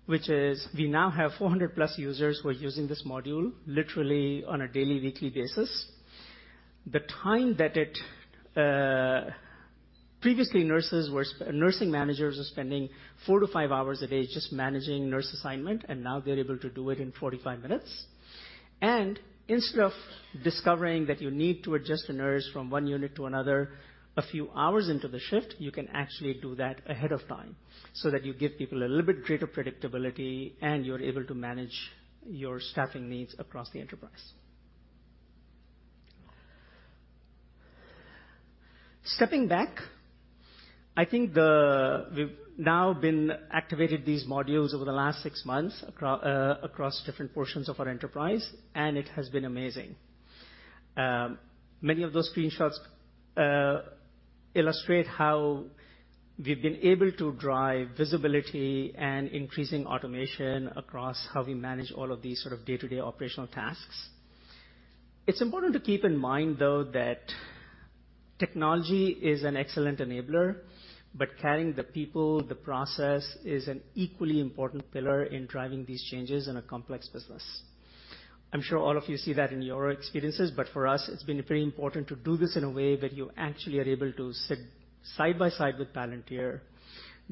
which is we now have 400+ users who are using this module literally on a daily, weekly basis. The time that it. Previously, nursing managers were spending 4 to 5 hours a day just managing nurse assignment, now they're able to do it in 45 minutes. Instead of discovering that you need to adjust a nurse from one unit to another a few hours into the shift, you can actually do that ahead of time, so that you give people a little bit greater predictability, and you're able to manage your staffing needs across the enterprise. Stepping back, I think we've now activated these modules over the last six months across different portions of our enterprise, it has been amazing. Many of those screenshots illustrate how we've been able to drive visibility and increasing automation across how we manage all of these sort of day-to-day operational tasks. It's important to keep in mind, though, that technology is an excellent enabler, but carrying the people, the process, is an equally important pillar in driving these changes in a complex business. I'm sure all of you see that in your experiences, but for us, it's been very important to do this in a way that you actually are able to sit side by side with Palantir,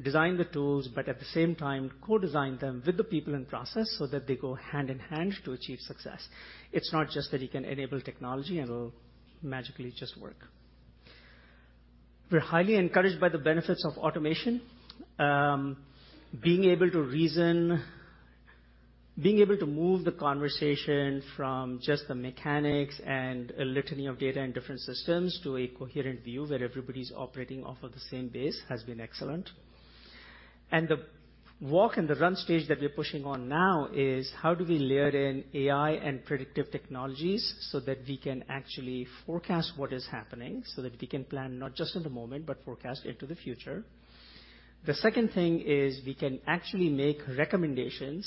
design the tools, but at the same time, co-design them with the people in process so that they go hand in hand to achieve success. It's not just that you can enable technology and it'll magically just work. We're highly encouraged by the benefits of automation. Being able to move the conversation from just the mechanics and a litany of data in different systems to a coherent view where everybody's operating off of the same base has been excellent. The walk and the run stage that we're pushing on now is how do we layer in AI and predictive technologies so that we can actually forecast what is happening, so that we can plan not just in the moment, but forecast into the future? The second thing is we can actually make recommendations.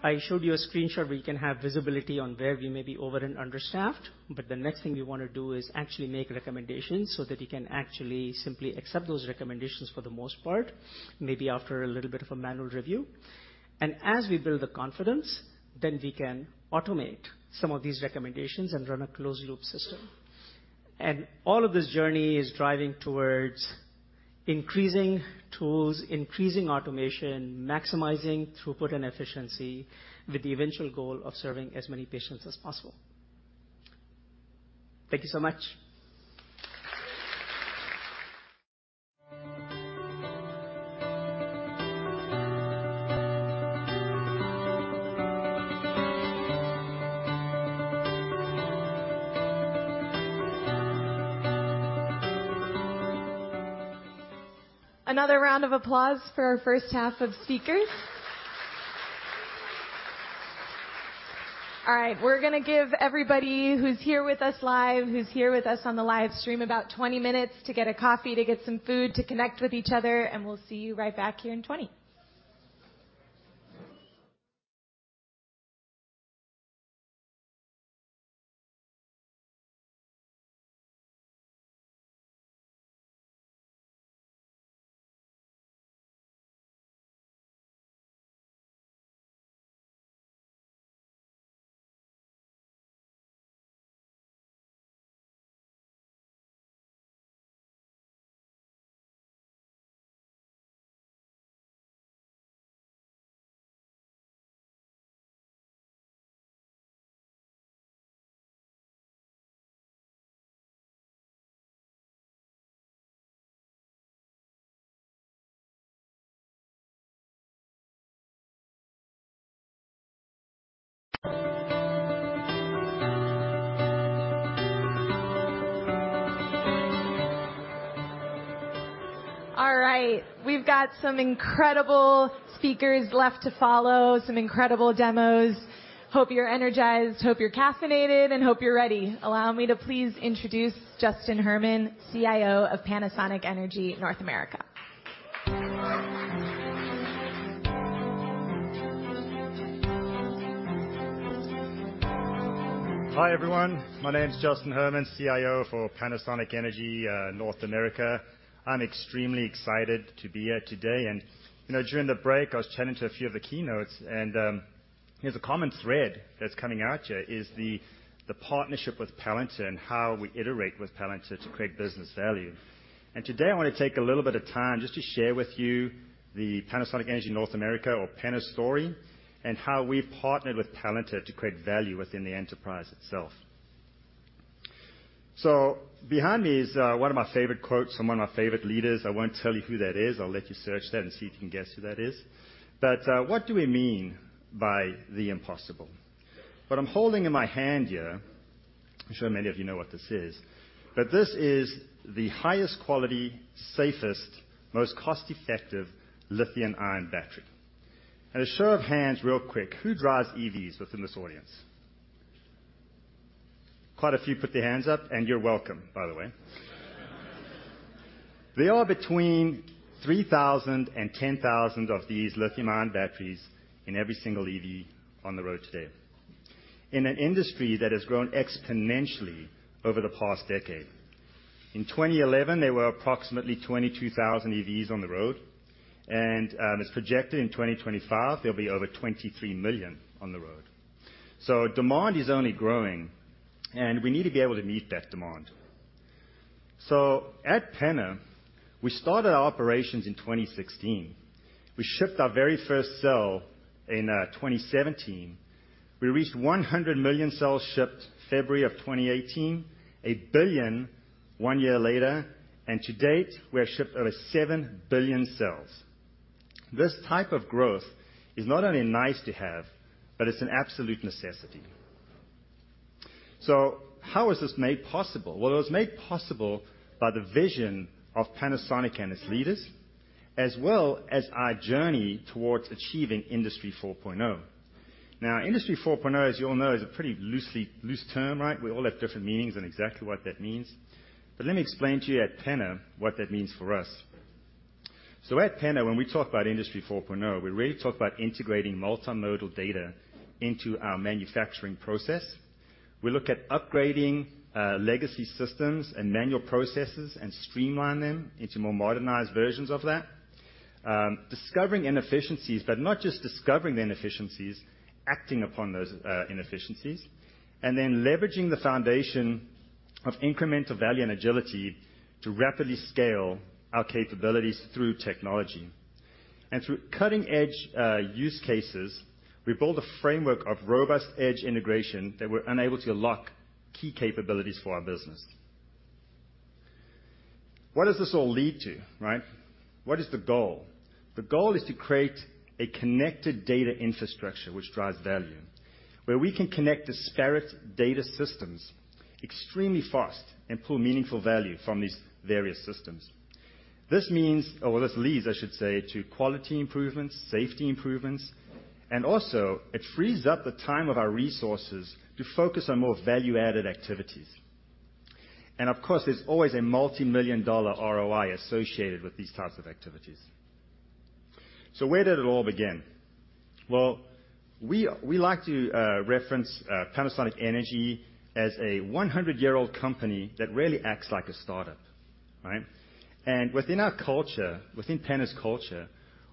I showed you a screenshot where you can have visibility on where we may be over and under staffed, but the next thing we want to do is actually make recommendations so that you can actually simply accept those recommendations for the most part, maybe after a little bit of a manual review. As we build the confidence, then we can automate some of these recommendations and run a closed-loop system. All of this journey is driving towards increasing tools, increasing automation, maximizing throughput and efficiency, with the eventual goal of serving as many patients as possible. Thank you so much. Another round of applause for our first half of speakers. All right, we're gonna give everybody who's here with us live, who's here with us on the live stream, about 20 minutes to get a coffee, to get some food, to connect with each other, and we'll see you right back here in 20. All right, we've got some incredible speakers left to follow, some incredible demos. Hope you're energized, hope you're caffeinated, and hope you're ready. Allow me to please introduce Justin Herman, CIO of Panasonic Energy North America. Hi, everyone. My name is Justin Herman, CIO for Panasonic Energy of North America. I'm extremely excited to be here today, you know, during the break, I was chatting to a few of the keynotes, there's a common thread that's coming out here, is the partnership with Palantir and how we iterate with Palantir to create business value. Today, I want to take a little bit of time just to share with you the Panasonic Energy North America or PENA story, and how we've partnered with Palantir to create value within the enterprise itself. Behind me is one of my favorite quotes from one of my favorite leaders. I won't tell you who that is. I'll let you search that and see if you can guess who that is. What do we mean by the impossible? What I'm holding in my hand here, I'm sure many of you know what this is, this is the highest quality, safest, most cost-effective lithium-ion battery. A show of hands, real quick, who drives EVs within this audience? Quite a few put their hands up, you're welcome, by the way. There are between 3,000 and 10,000 of these lithium-ion batteries in every single EV on the road today. In an industry that has grown exponentially over the past decade. In 2011, there were approximately 22,000 EVs on the road, and it's projected in 2025, there'll be over 23 million on the road. Demand is only growing, we need to be able to meet that demand. At PENA we started our operations in 2016. We shipped our very first cell in 2017. We reached 100 million cells shipped February of 2018, 1 billion one year later, to date, we have shipped over 7 billion cells. This type of growth is not only nice to have, but it's an absolute necessity. How is this made possible? Well, it was made possible by the vision of Panasonic and its leaders, as well as our journey towards achieving Industry 4.0. Industry 4.0, as you all know, is a pretty loose term, right? We all have different meanings on exactly what that means. Let me explain to you at PENA what that means for us. At PENA when we talk about Industry 4.0, we really talk about integrating multimodal data into our manufacturing process. We look at upgrading legacy systems and manual processes and streamline them into more modernized versions of that. Discovering inefficiencies, but not just discovering the inefficiencies, acting upon those inefficiencies, and then leveraging the foundation of incremental value and agility to rapidly scale our capabilities through technology. Through cutting-edge use cases, we build a framework of robust edge integration that we're unable to unlock key capabilities for our business. What does this all lead to, right? What is the goal? The goal is to create a connected data infrastructure which drives value, where we can connect disparate data systems extremely fast and pull meaningful value from these various systems. This means, or this leads, I should say, to quality improvements, safety improvements, and also it frees up the time of our resources to focus on more value-added activities. Of course, there's always a multimillion-dollar ROI associated with these types of activities. Where did it all begin? Well, we like to reference Panasonic Energy as a 100-year-old company that really acts like a startup, right? Within our culture, within Pana's culture,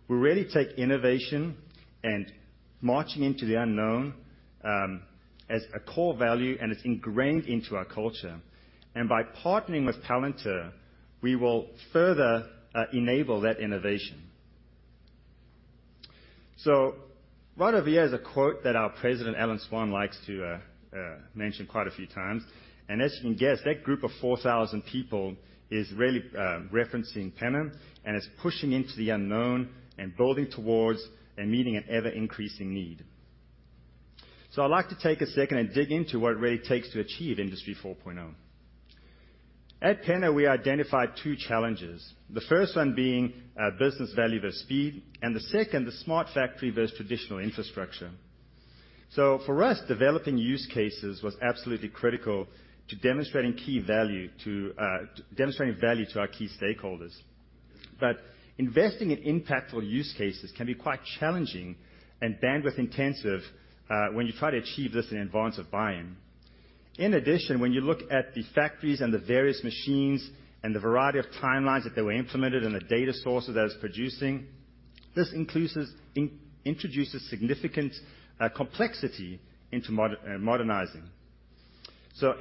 we really take innovation and marching into the unknown as a core value, and it's ingrained into our culture. By partnering with Palantir, we will further enable that innovation. Right over here is a quote that our president, Allan Swan, likes to mention quite a few times. As you can guess, that group of 4,000 people is really referencing PENA, and it's pushing into the unknown and building towards and meeting an ever-increasing need. I'd like to take a second and dig into what it really takes to achieve Industry 4.0. At PENA, we identified two challenges. The first one being business value versus speed, and the second, the smart factory versus traditional infrastructure. For us, developing use cases was absolutely critical to demonstrating key value to demonstrating value to our key stakeholders. Investing in impactful use cases can be quite challenging and bandwidth intensive when you try to achieve this in advance of buying. In addition, when you look at the factories and the various machines and the variety of timelines that they were implemented and the data sources that it's producing, this introduces significant complexity into modernizing.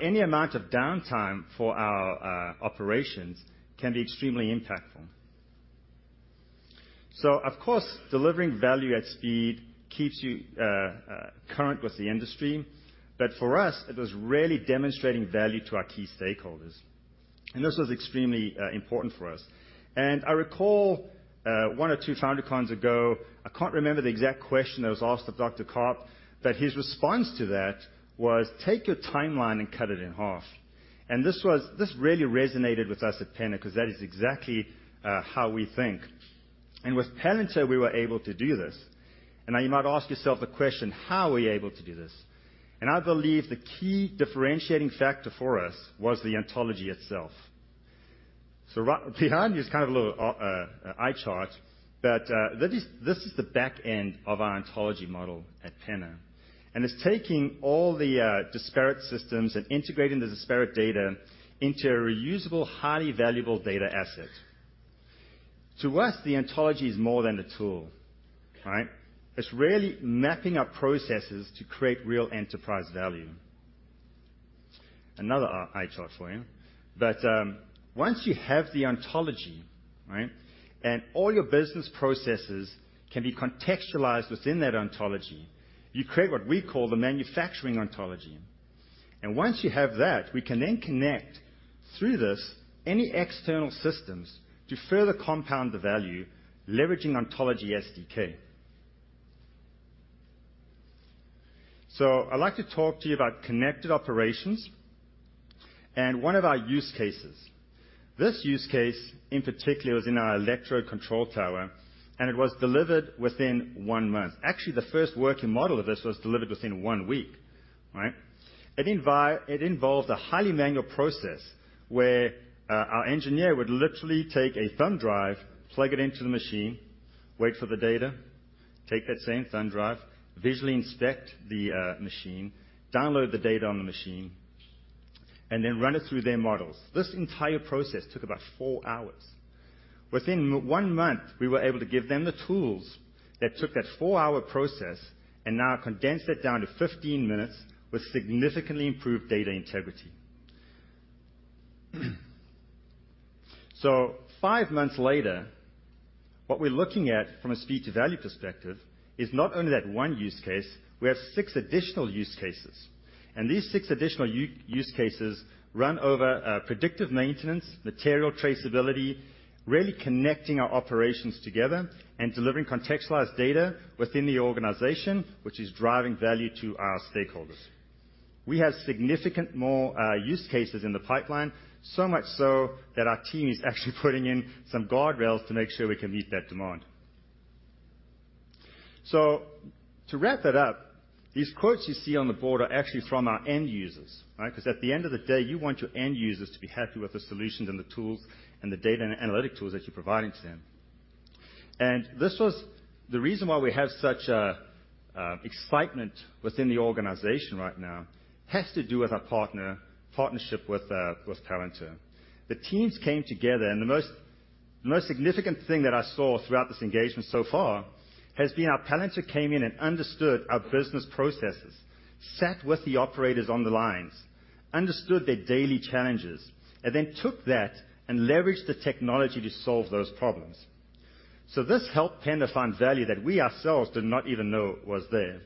Any amount of downtime for our operations can be extremely impactful. Of course, delivering value at speed keeps you current with the industry, but for us, it was really demonstrating value to our key stakeholders. This was extremely important for us. I recall, one or two FounderCon ago, I can't remember the exact question that was asked of Dr. Karp, but his response to that was: "Take your timeline and cut it in half." This really resonated with us at PENA because that is exactly how we think. With Palantir, we were able to do this. Now you might ask yourself the question: How were you able to do this? I believe the key differentiating factor for us was the Ontology itself. Behind me is kind of a little eye chart, but this is, this is the back end of our Ontology model at PENA, and it's taking all the disparate systems and integrating the disparate data into a reusable, highly valuable data asset. To us, the Ontology is more than a tool, right? It's really mapping our processes to create real enterprise value. Another eye chart for you. Once you have the Ontology, right, and all your business processes can be contextualized within that Ontology, you create what we call the manufacturing Ontology. Once you have that, we can then connect through this any external systems to further compound the value, leveraging Ontology SDK. I'd like to talk to you about connected operations and one of our use cases. This use case, in particular, was in our electrode control tower, and it was delivered within one month. Actually, the first working model of this was delivered within one week, right? It involved a highly manual process where our engineer would literally take a thumb drive, plug it into the machine, wait for the data, take that same thumb drive, visually inspect the machine, download the data on the machine, and then run it through their models. This entire process took about 4 hours. Within one month, we were able to give them the tools that took that 4-hour process and now condensed it down to 15 minutes with significantly improved data integrity. Five months later, what we're looking at from a speed to value perspective is not only that one use case, we have six additional use cases, and these six additional use cases run over predictive maintenance, material traceability, really connecting our operations together and delivering contextualized data within the organization, which is driving value to our stakeholders. We have significant more use cases in the pipeline, so much so that our team is actually putting in some guardrails to make sure we can meet that demand. To wrap that up, these quotes you see on the board are actually from our end users, right? Because at the end of the day, you want your end users to be happy with the solutions and the tools and the data and analytic tools that you're providing to them. This was—the reason why we have such an excitement within the organization right now has to do with our partnership with Palantir. The teams came together, the most significant thing that I saw throughout this engagement so far has been how Palantir came in and understood our business processes, sat with the operators on the lines, understood their daily challenges, and then took that and leveraged the technology to solve those problems. This helped PENA find value that we ourselves did not even know was there.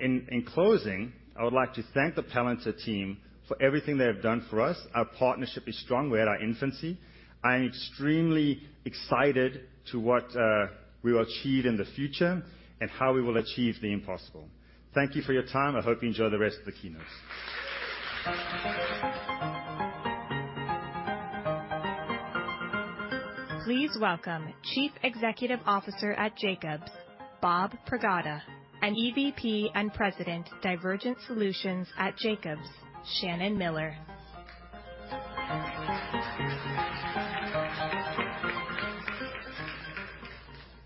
In closing, I would like to thank the Palantir team for everything they have done for us. Our partnership is strong. We're at our infancy. I am extremely excited to what we will achieve in the future and how we will achieve the impossible. Thank you for your time. I hope you enjoy the rest of the keynotes. Please welcome Chief Executive Officer at Jacobs, Bob Pragada, and EVP and President, Divergent Solutions at Jacobs, Shannon Miller.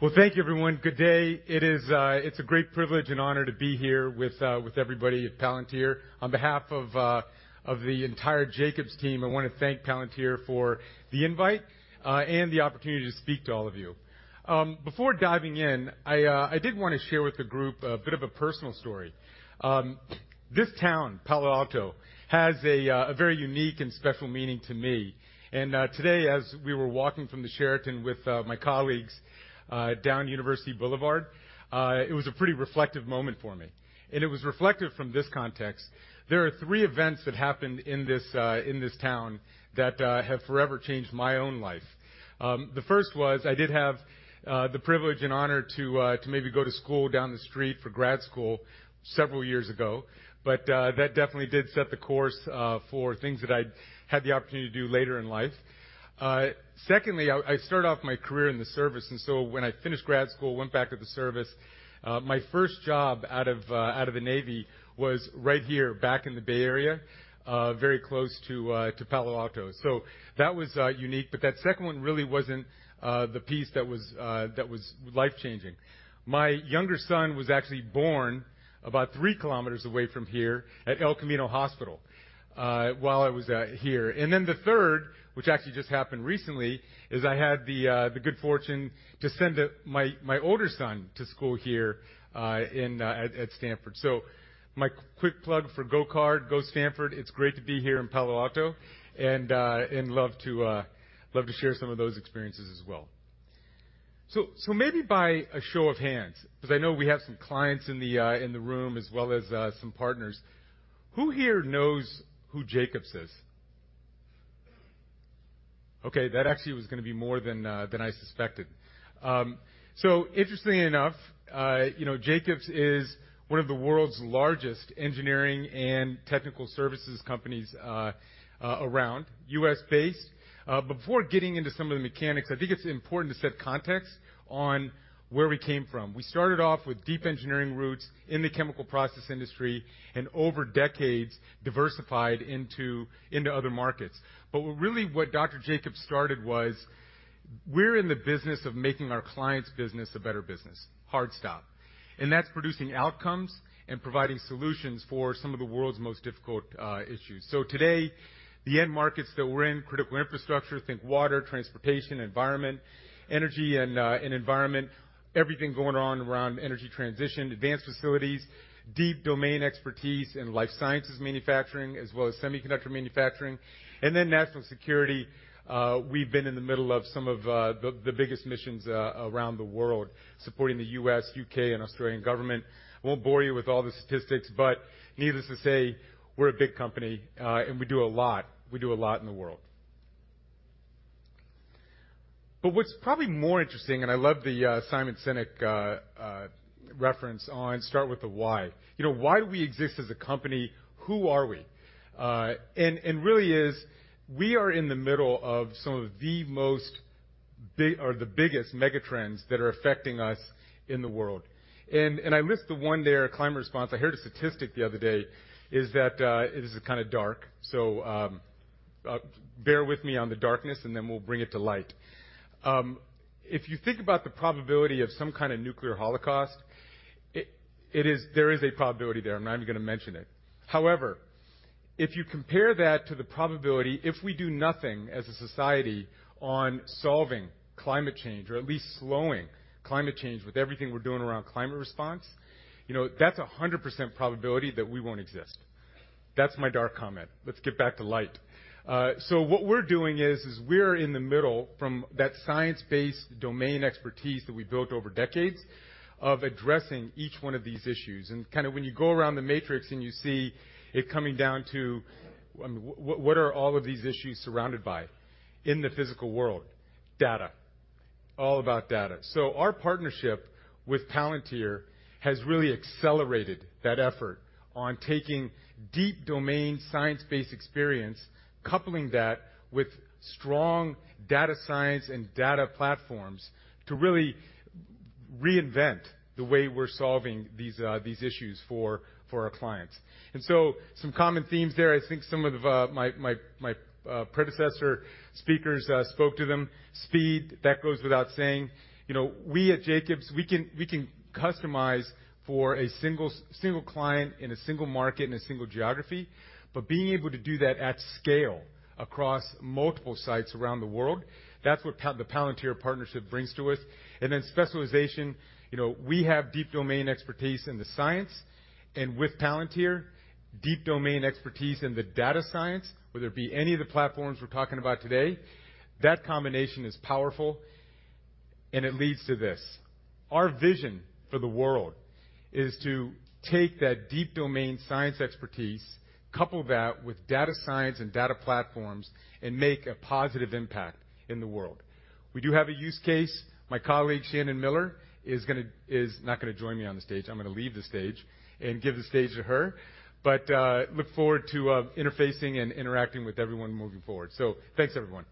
Well, thank you, everyone. Good day. It is, it's a great privilege and honor to be here with everybody at Palantir. On behalf of the entire Jacobs team, I want to thank Palantir for the invite, and the opportunity to speak to all of you. Before diving in, I did want to share with the group a bit of a personal story. This town, Palo Alto, has a very unique and special meaning to me. Today, as we were walking from the Sheraton with my colleagues, down University Boulevard, it was a pretty reflective moment for me, and it was reflective from this context. There are three events that happened in this in this town that have forever changed my own life. The first was, I did have the privilege and honor to maybe go to school down the street for grad school several years ago, but that definitely did set the course for things that I had the opportunity to do later in life. Secondly, I started off my career in the service. When I finished grad school, went back to the service, my first job out of the Navy was right here, back in the Bay Area, very close to Palo Alto. That was unique, but that second one really wasn't the piece that was life-changing. My younger son was actually born about 3 km away from here at El Camino Hospital, while I was here. The third, which actually just happened recently, is I had the good fortune to send my older son to school here in at Stanford. My quick plug for Go Card, go Stanford. It's great to be here in Palo Alto and love to share some of those experiences as well. Maybe by a show of hands, 'cause I know we have some clients in the room, as well as some partners. Who here knows who Jacobs is? Okay, that actually was gonna be more than than I suspected. Interestingly enough, you know, Jacobs is one of the world's largest engineering and technical services companies around, U.S.-based. Before getting into some of the mechanics, I think it's important to set context on where we came from. We started off with deep engineering roots in the chemical process industry, and over decades, diversified into other markets. What Dr. Jacobs started was, we're in the business of making our clients' business a better business, hard stop. That's producing outcomes and providing solutions for some of the world's most difficult issues. Today, the end markets that we're in, critical infrastructure, think water, transportation, environment, energy, and environment, everything going on around energy transition, advanced facilities, deep domain expertise in life sciences manufacturing, as well as semiconductor manufacturing, and then national security. We've been in the middle of some of the biggest missions around the world, supporting the U.S., U.K., and Australian government. I won't bore you with all the statistics. Needless to say, we're a big company, and we do a lot. We do a lot in the world. What's probably more interesting, and I love the Simon Sinek reference on start with the why. You know, why do we exist as a company? Who are we? Really is, we are in the middle of some of the biggest megatrends that are affecting us in the world. I missed the one there, climate response. I heard a statistic the other day, is that it is kind of dark, so bear with me on the darkness, and then we'll bring it to light. If you think about the probability of some kind of nuclear holocaust, there is a probability there, I'm not even gonna mention it. If you compare that to the probability, if we do nothing as a society on solving climate change or at least slowing climate change with everything we're doing around climate response, you know, that's 100% probability that we won't exist. That's my dark comment. Let's get back to light. What we're doing is we're in the middle from that science-based domain expertise that we built over decades of addressing each one of these issues. Kind of when you go around the matrix and you see it coming down to, what are all of these issues surrounded by in the physical world? Data. All about data. Our partnership with Palantir has really accelerated that effort on taking deep domain science-based experience, coupling that with strong data science and data platforms to really reinvent the way we're solving these issues for our clients. Some common themes there, I think some of my predecessor speakers spoke to them. Speed, that goes without saying. You know, we at Jacobs, we can customize for a single client in a single market, in a single geography, but being able to do that at scale across multiple sites around the world, that's what the Palantir partnership brings to us. Then specialization, you know, we have deep domain expertise in the science, and with Palantir, deep domain expertise in the data science, whether it be any of the platforms we're talking about today, that combination is powerful, and it leads to this. Our vision for the world is to take that deep domain science expertise, couple that with data science and data platforms, and make a positive impact in the world. We do have a use case. My colleague, Shannon Miller, is not gonna join me on the stage. I'm gonna leave the stage and give the stage to her, but look forward to interfacing and interacting with everyone moving forward. Thanks, everyone.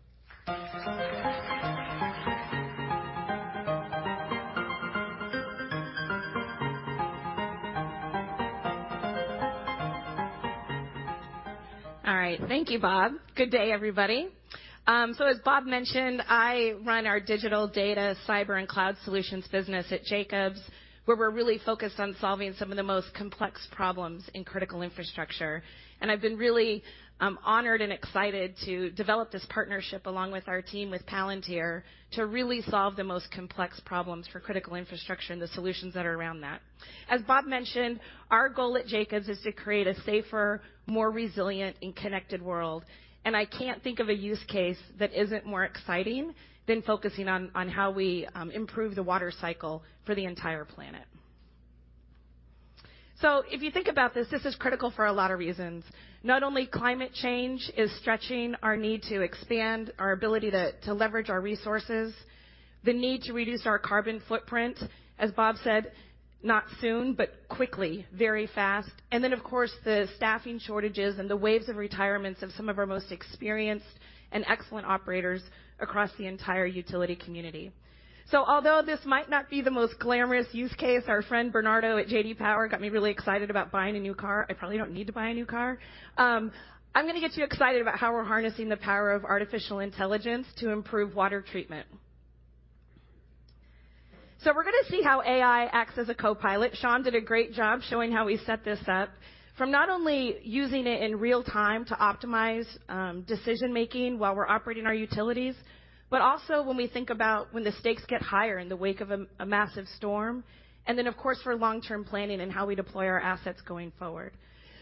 All right. Thank you, Bob. Good day, everybody. As Bob mentioned, I run our digital data, cyber, and cloud solutions business at Jacobs, where we're really focused on solving some of the most complex problems in critical infrastructure. I've been really honored and excited to develop this partnership along with our team, with Palantir, to really solve the most complex problems for critical infrastructure and the solutions that are around that. As Bob mentioned, our goal at Jacobs is to create a safer, more resilient, and connected world. I can't think of a use case that isn't more exciting than focusing on how we improve the water cycle for the entire planet. If you think about this is critical for a lot of reasons. Not only climate change is stretching our need to expand our ability to leverage our resources, the need to reduce our carbon footprint, as Bob said, not soon, but quickly, very fast, and then, of course, the staffing shortages and the waves of retirements of some of our most experienced and excellent operators across the entire utility community. Although this might not be the most glamorous use case, our friend Bernardo at J.D. Power got me really excited about buying a new car. I probably don't need to buy a new car. I'm gonna get you excited about how we're harnessing the power of artificial intelligence to improve water treatment. We're gonna see how AI acts as a copilot. Sean did a great job showing how we set this up, from not only using it in real time to optimize decision-making while we're operating our utilities, but also when we think about when the stakes get higher in the wake of a massive storm, and then, of course, for long-term planning and how we deploy our assets going forward.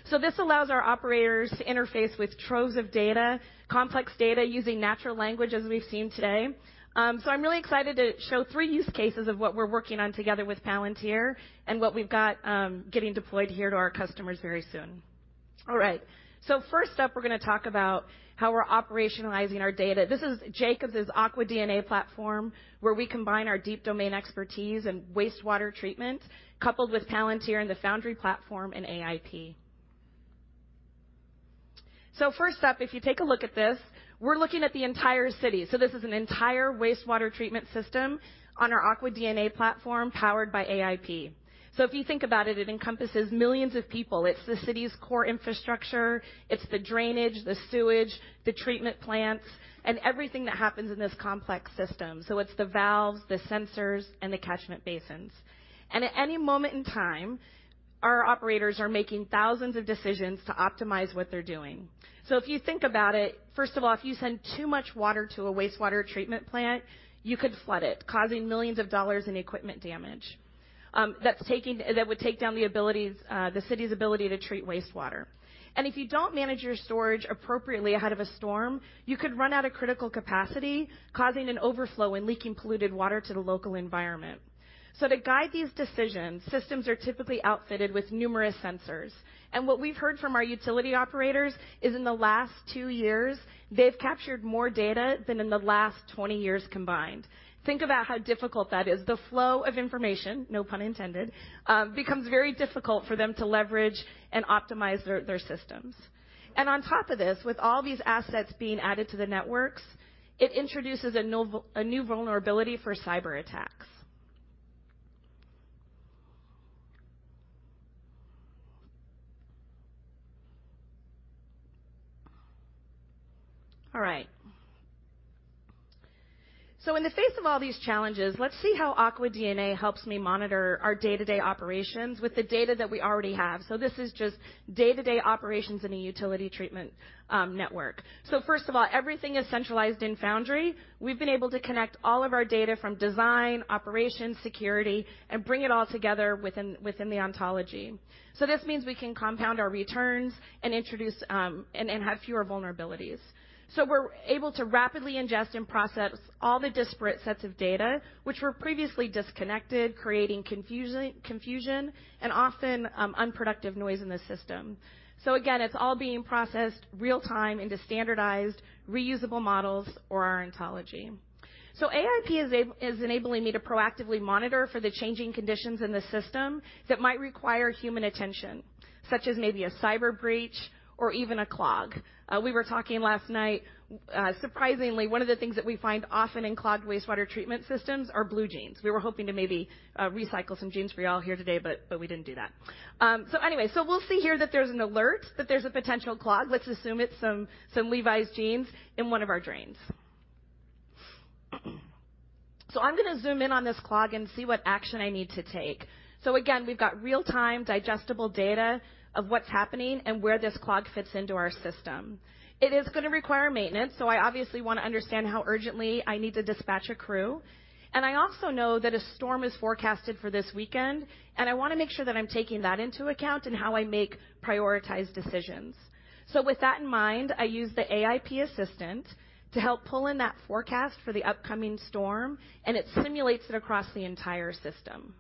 This allows our operators to interface with troves of data, complex data, using natural language, as we've seen today. I'm really excited to show three use cases of what we're working on together with Palantir and what we've got getting deployed here to our customers very soon. All right. First up, we're going to talk about how we're operationalizing our data. This is Jacobs' Aqua DNA platform, where we combine our deep domain expertise in wastewater treatment, coupled with Palantir and the Foundry platform and AIP. First up, if you take a look at this, we're looking at the entire city. This is an entire wastewater treatment system on our Aqua DNA platform, powered by AIP. If you think about it encompasses millions of people. It's the city's core infrastructure, it's the drainage, the sewage, the treatment plants, and everything that happens in this complex system. It's the valves, the sensors, and the catchment basins. At any moment in time, our operators are making thousands of decisions to optimize what they're doing. If you think about it, first of all, if you send too much water to a wastewater treatment plant, you could flood it, causing millions of dollars in equipment damage. That would take down the ability, the city's ability to treat wastewater. If you don't manage your storage appropriately ahead of a storm, you could run out of critical capacity, causing an overflow and leaking polluted water to the local environment. To guide these decisions, systems are typically outfitted with numerous sensors, and what we've heard from our utility operators is in the last two years, they've captured more data than in the last 20 years combined. Think about how difficult that is. The flow of information, no pun intended, becomes very difficult for them to leverage and optimize their systems. On top of this, with all these assets being added to the networks, it introduces a new vulnerability for cyberattacks. All right. In the face of all these challenges, let's see how Aqua DNA helps me monitor our day-to-day operations with the data that we already have. This is just day-to-day operations in a utility treatment network. First of all, everything is centralized in Foundry. We've been able to connect all of our data from design, operations, security, and bring it all together within the Ontology. This means we can compound our returns and introduce and have fewer vulnerabilities. We're able to rapidly ingest and process all the disparate sets of data which were previously disconnected, creating confusion and often unproductive noise in the system. Again, it's all being processed real-time into standardized, reusable models or our Ontology. AIP is enabling me to proactively monitor for the changing conditions in the system that might require human attention, such as maybe a cyber breach or even a clog. We were talking last night, surprisingly, one of the things that we find often in clogged wastewater treatment systems are blue jeans. We were hoping to maybe recycle some jeans for y'all here today, but we didn't do that. Anyway, we'll see here that there's an alert, that there's a potential clog. Let's assume it's some Levi's jeans in one of our drains. I'm gonna zoom in on this clog and see what action I need to take. Again, we've got real-time, digestible data of what's happening and where this clog fits into our system. It is gonna require maintenance, I obviously want to understand how urgently I need to dispatch a crew. I also know that a storm is forecasted for this weekend, and I want to make sure that I'm taking that into account in how I make prioritized decisions. With that in mind, I use the AIP assistant to help pull in that forecast for the upcoming storm, and it simulates it across the entire system.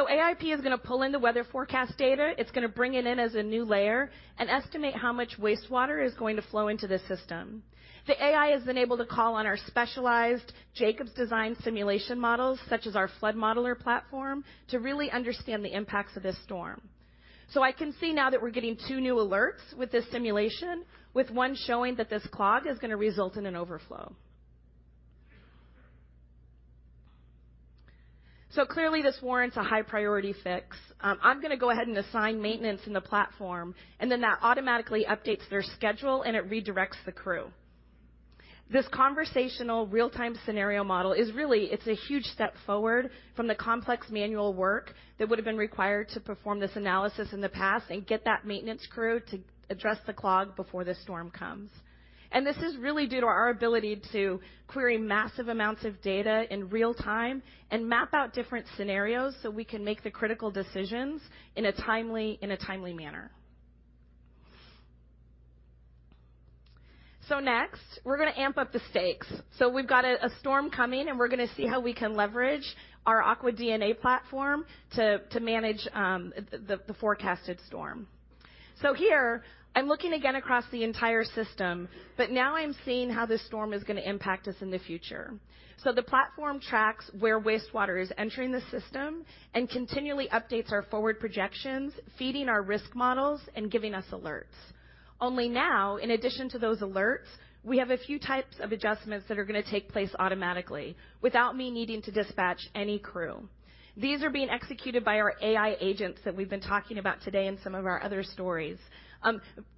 AIP is going to pull in the weather forecast data. It's going to bring it in as a new layer and estimate how much wastewater is going to flow into the system. The AI has been able to call on our specialized Jacobs design simulation models, such as our Flood Modeller platform, to really understand the impacts of this storm. I can see now that we're getting two new alerts with this simulation, with one showing that this clog is going to result in an overflow. Clearly, this warrants a high priority fix. I'm gonna go ahead and assign maintenance in the platform, and then that automatically updates their schedule, and it redirects the crew. This conversational real-time scenario model is really, it's a huge step forward from the complex manual work that would have been required to perform this analysis in the past and get that maintenance crew to address the clog before the storm comes. This is really due to our ability to query massive amounts of data in real time and map out different scenarios so we can make the critical decisions in a timely manner. Next, we're gonna amp up the stakes. We've got a storm coming, and we're gonna see how we can leverage our Aqua DNA platform to manage the forecasted storm. Here I'm looking again across the entire system, but now I'm seeing how this storm is going to impact us in the future. The platform tracks where wastewater is entering the system and continually updates our forward projections, feeding our risk models and giving us alerts. Only now, in addition to those alerts, we have a few types of adjustments that are going to take place automatically without me needing to dispatch any crew. These are being executed by our AI Agents that we've been talking about today in some of our other stories.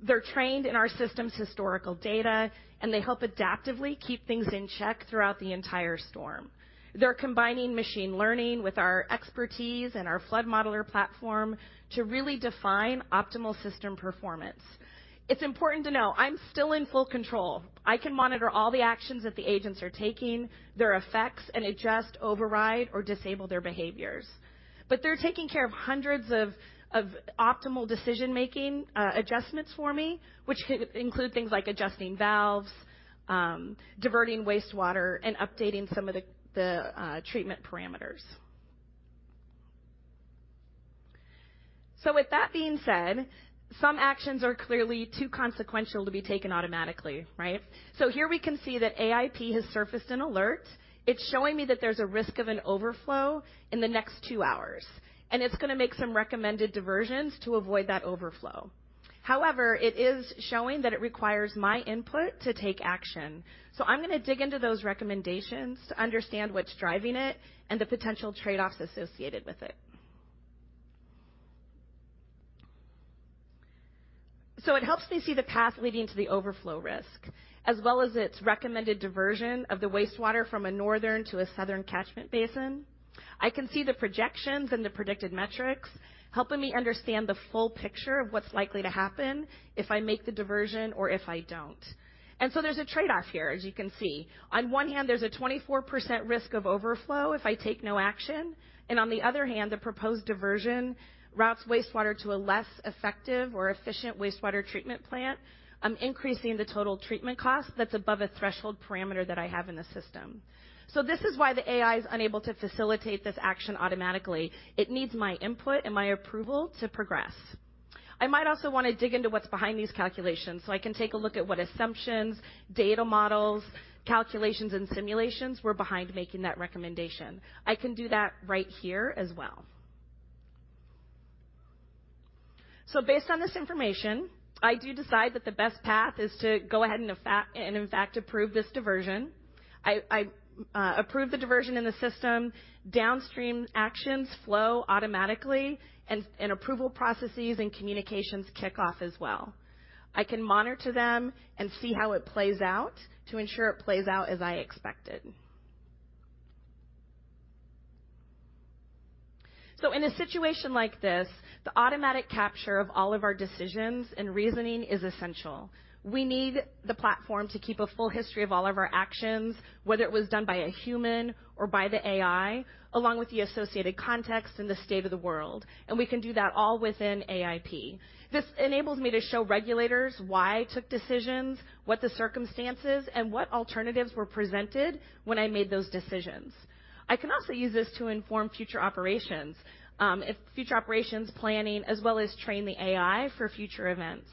They're trained in our system's historical data, and they help adaptively keep things in check throughout the entire storm. They're combining machine learning with our expertise and our Flood Modeller platform to really define optimal system performance. It's important to know I'm still in full control. I can monitor all the actions that the Agents are taking, their effects, and adjust, override, or disable their behaviors. They're taking care of hundreds of optimal decision-making adjustments for me, which could include things like adjusting valves, diverting wastewater, and updating some of the treatment parameters. With that being said, some actions are clearly too consequential to be taken automatically, right? Here we can see that AIP has surfaced an alert. It's showing me that there's a risk of an overflow in the next 2 hours, and it's going to make some recommended diversions to avoid that overflow. However, it is showing that it requires my input to take action. I'm going to dig into those recommendations to understand what's driving it and the potential trade-offs associated with it. It helps me see the path leading to the overflow risk, as well as its recommended diversion of the wastewater from a northern to a southern catchment basin. I can see the projections and the predicted metrics, helping me understand the full picture of what's likely to happen if I make the diversion or if I don't. There's a trade-off here, as you can see. On one hand, there's a 24% risk of overflow if I take no action, and on the other hand, the proposed diversion routes wastewater to a less effective or efficient wastewater treatment plant. I'm increasing the total treatment cost that's above a threshold parameter that I have in the system. This is why the AI is unable to facilitate this action automatically. It needs my input and my approval to progress. I might also want to dig into what's behind these calculations, I can take a look at what assumptions, data models, calculations, and simulations were behind making that recommendation. I can do that right here as well. Based on this information, I do decide that the best path is to go ahead and in fact approve this diversion. I approve the diversion in the system, downstream actions flow automatically, and approval processes and communications kick off as well. I can monitor them and see how it plays out to ensure it plays out as I expected. In a situation like this, the automatic capture of all of our decisions and reasoning is essential. We need the platform to keep a full history of all of our actions, whether it was done by a human or by the AI, along with the associated context and the state of the world, and we can do that all within AIP. This enables me to show regulators why I took decisions, what the circumstances, and what alternatives were presented when I made those decisions. I can also use this to inform future operations, planning, as well as train the AI for future events.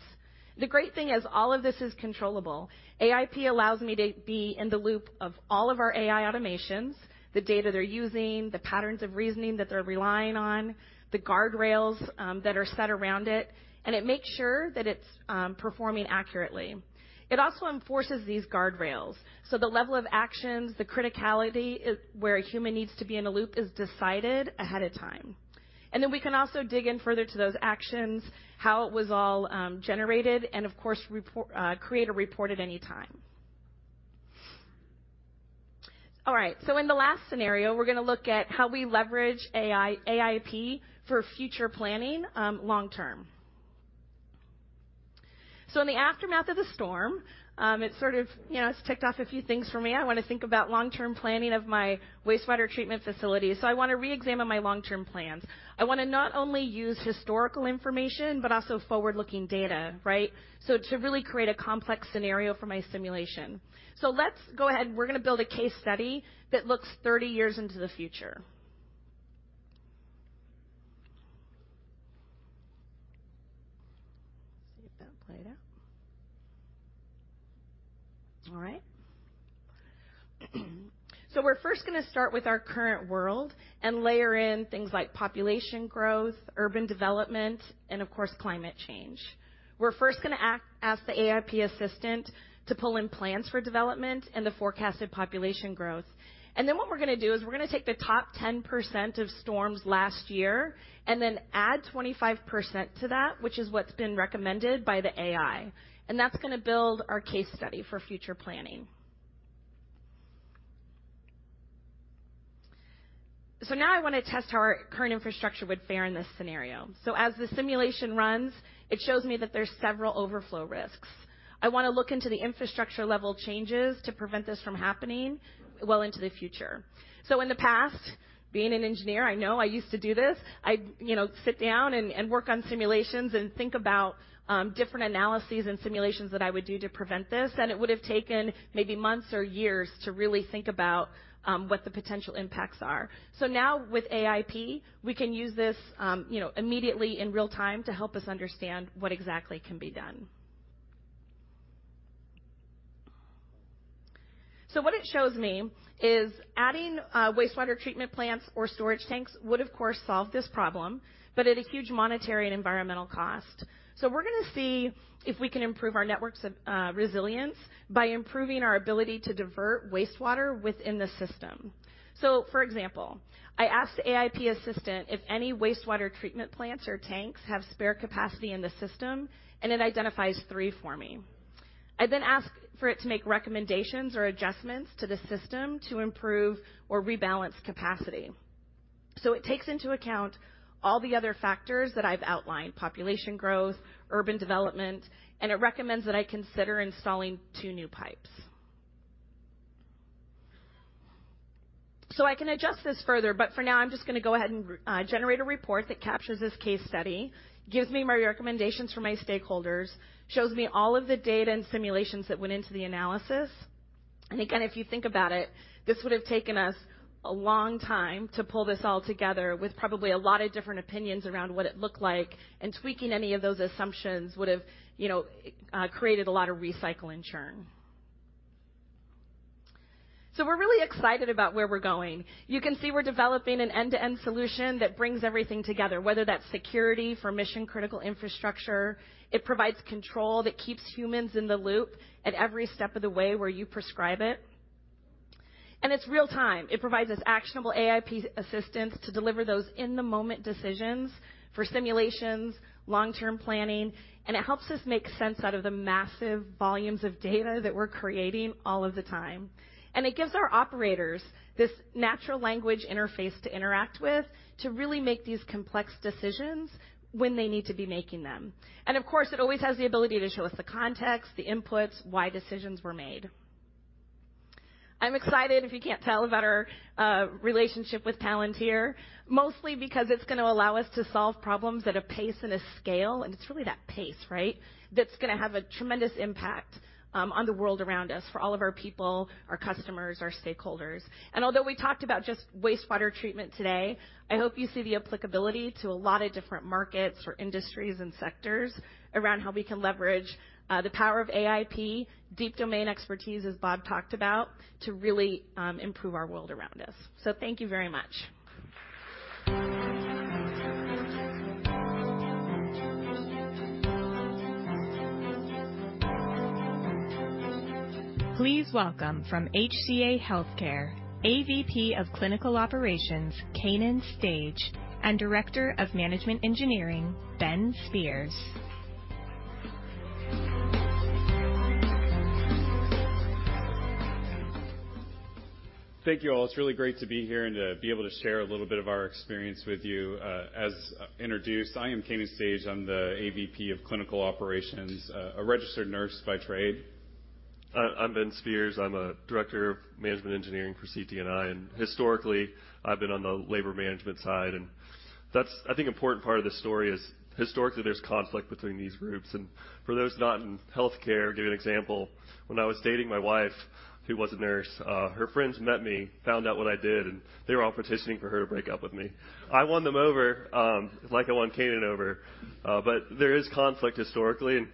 The great thing is all of this is controllable. AIP allows me to be in the loop of all of our AI automations, the data they're using, the patterns of reasoning that they're relying on, the guardrails that are set around it, and it makes sure that it's performing accurately. It also enforces these guardrails. The level of actions, the criticality is where a human needs to be in a loop, is decided ahead of time. Then we can also dig in further to those actions, how it was all generated, and of course, report, create a report at any time. All right, in the last scenario, we're going to look at how we leverage AI, AIP for future planning, long term. In the aftermath of the storm, it sort of, you know, ticked off a few things for me. I want to think about long-term planning of my wastewater treatment facilities. I want to reexamine my long-term plans. I want to not only use historical information, but also forward-looking data, right? To really create a complex scenario for my simulation. Let's go ahead. We're going to build a case study that looks 30 years into the future. See if that played out. All right. We're first going to start with our current world and layer in things like population growth, urban development, and of course, climate change. We're first going to ask the AIP assistant to pull in plans for development and the forecasted population growth. What we're going to do is we're going to take the top 10% of storms last year and then add 25% to that, which is what's been recommended by the AI, and that's going to build our case study for future planning. Now I want to test how our current infrastructure would fare in this scenario. As the simulation runs, it shows me that there are several overflow risks. I want to look into the infrastructure-level changes to prevent this from happening well into the future. In the past, being an engineer, I know I used to do this. I'd, you know, sit down and work on simulations and think about different analyses and simulations that I would do to prevent this, and it would have taken maybe months or years to really think about what the potential impacts are. Now with AIP, we can use this, you know, immediately in real time to help us understand what exactly can be done. What it shows me is adding wastewater treatment plants or storage tanks would of course, solve this problem, but at a huge monetary and environmental cost. We're going to see if we can improve our network's resilience by improving our ability to divert wastewater within the system. For example, I asked the AIP assistant if any wastewater treatment plants or tanks have spare capacity in the system, and it identifies three for me. I ask for it to make recommendations or adjustments to the system to improve or rebalance capacity. It takes into account all the other factors that I've outlined: population growth, urban development, and it recommends that I consider installing two new pipes. I can adjust this further, but for now, I'm just going to go ahead and generate a report that captures this case study, gives me my recommendations for my stakeholders, shows me all of the data and simulations that went into the analysis. Again, if you think about it, this would have taken us a long time to pull this all together with probably a lot of different opinions around what it looked like, and tweaking any of those assumptions would have, you know, created a lot of recycle and churn. We're really excited about where we're going. You can see we're developing an end-to-end solution that brings everything together, whether that's security for mission-critical infrastructure. It provides control that keeps humans in the loop at every step of the way where you prescribe it, and it's real-time. It provides us actionable AIP assistance to deliver those in-the-moment decisions for simulations, long-term planning, and it helps us make sense out of the massive volumes of data that we're creating all of the time. It gives our operators this natural language interface to interact with to really make these complex decisions when they need to be making them. Of course, it always has the ability to show us the context, the inputs, why decisions were made. I'm excited, if you can't tell, about our relationship with Palantir, mostly because it's going to allow us to solve problems at a pace and a scale, and it's really that pace, right? That's gonna have a tremendous impact on the world around us, for all of our people, our customers, our stakeholders. Although we talked about just wastewater treatment today, I hope you see the applicability to a lot of different markets or industries and sectors around how we can leverage the power of AIP, deep domain expertise, as Bob talked about, to really improve our world around us. Thank you very much. Please welcome from HCA Healthcare, AVP of Clinical Operations, Canaan Stage, and Director of Management Engineering, Ben Spears. Thank you all. It's really great to be here and to be able to share a little bit of our experience with you. As introduced, I am Canaan Stage. I'm the AVP of Clinical Operations, a registered nurse by trade. I'm Ben Spears. I'm a Director of Management Engineering for CT&I, and historically, I've been on the labor management side, and that's I think important part of the story is historically, there's conflict between these groups. For those not in healthcare, give you an example, when I was dating my wife, who was a nurse, her friends met me, found out what I did, and they were all petitioning for her to break up with me. I won them over, like I won Canaan over, but there is conflict historically, and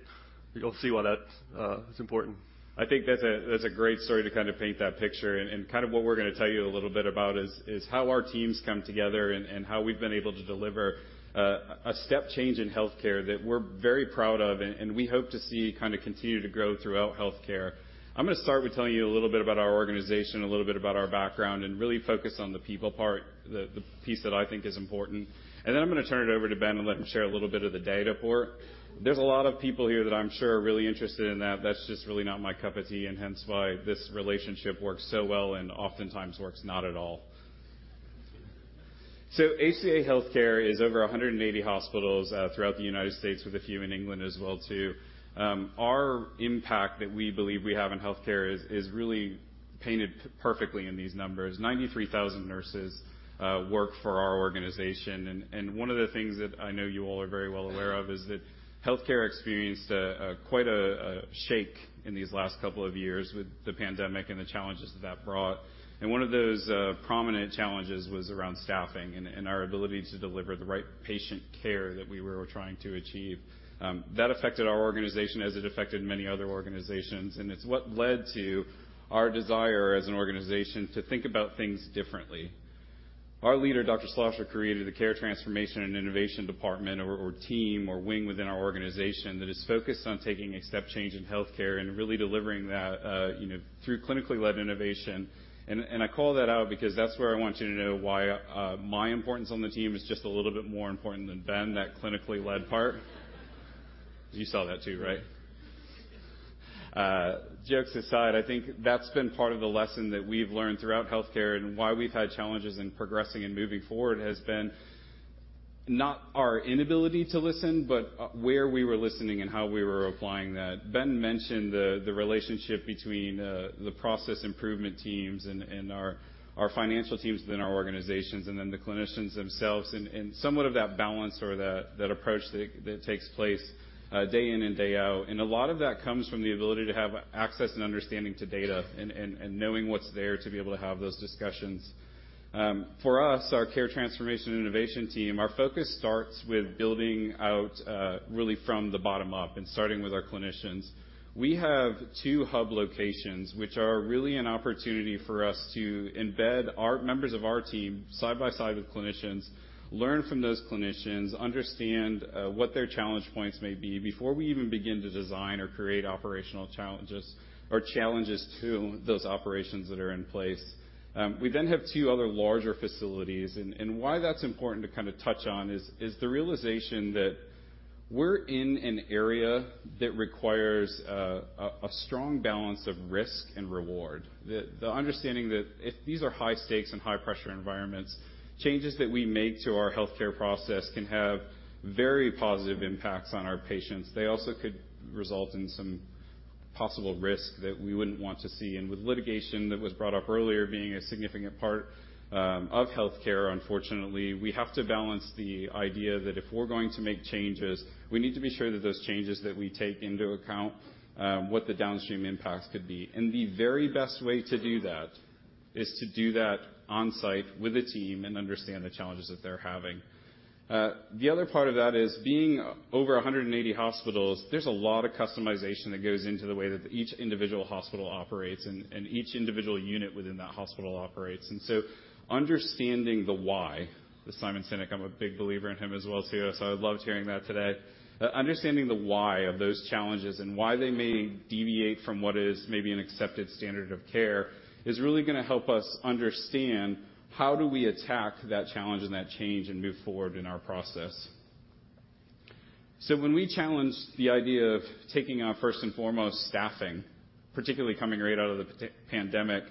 you'll see why that's is important. I think that's a great story to kind of paint that picture and kind of what we're gonna tell you a little bit about is how our teams come together and how we've been able to deliver a step change in healthcare that we're very proud of and we hope to see kind of continue to grow throughout healthcare. I'm gonna start with telling you a little bit about our organization, a little bit about our background, and really focus on the people part, the piece that I think is important. Then I'm gonna turn it over to Ben and let him share a little bit of the data port. There's a lot of people here that I'm sure are really interested in that. That's just really not my cup of tea, hence why this relationship works so well and oftentimes works not at all. HCA Healthcare is over 180 hospitals throughout the United States, with a few in England as well, too. Our impact that we believe we have in healthcare is really painted perfectly in these numbers. 93,000 nurses work for our organization, and one of the things that I know you all are very well aware of is that healthcare experienced a quite a shake in these last couple of years with the pandemic and the challenges that that brought. One of those prominent challenges was around staffing and our ability to deliver the right patient care that we were trying to achieve. That affected our organization as it affected many other organizations, it's what led to our desire as an organization to think about things differently. Our leader, Dr. Schlosser, created the Care Transformation and Innovation department or team or wing within our organization that is focused on taking a step change in healthcare and really delivering that, you know, through clinically led innovation. I call that out because that's where I want you to know why my importance on the team is just a little bit more important than Ben, that clinically led part. You saw that too, right? Jokes aside, I think that's been part of the lesson that we've learned throughout healthcare and why we've had challenges in progressing and moving forward, has been not our inability to listen, but where we were listening and how we were applying that. Ben mentioned the relationship between the process improvement teams and our financial teams within our organizations, and then the clinicians themselves and somewhat of that balance or that approach that takes place day in and day out. A lot of that comes from the ability to have access and understanding to data and knowing what's there to be able to have those discussions. For us, our Care Transformation and Innovation team, our focus starts with building out really from the bottom up and starting with our clinicians. We have two hub locations, which are really an opportunity for us to embed our members of our team, side by side with clinicians, learn from those clinicians, understand what their challenge points may be before we even begin to design or create operational challenges or challenges to those operations that are in place. We then have two other larger facilities, and why that's important to kind of touch on is the realization that we're in an area that requires a strong balance of risk and reward. The understanding that if these are high stakes and high pressure environments, changes that we make to our healthcare process can have very positive impacts on our patients. They also could result in some possible risk that we wouldn't want to see. With litigation, that was brought up earlier, being a significant part of healthcare, unfortunately, we have to balance the idea that if we're going to make changes, we need to be sure that those changes that we take into account what the downstream impacts could be. The very best way to do that is to do that on site with a team and understand the challenges that they're having. The other part of that is being over 180 hospitals, there's a lot of customization that goes into the way that each individual hospital operates and each individual unit within that hospital operates. So understanding the why, the Simon Sinek, I'm a big believer in him as well, too, so I loved hearing that today. Understanding the why of those challenges and why they may deviate from what is maybe an accepted standard of care, is really going to help us understand how do we attack that challenge and that change and move forward in our process. When we challenged the idea of taking on, first and foremost, staffing, particularly coming right out of the pandemic,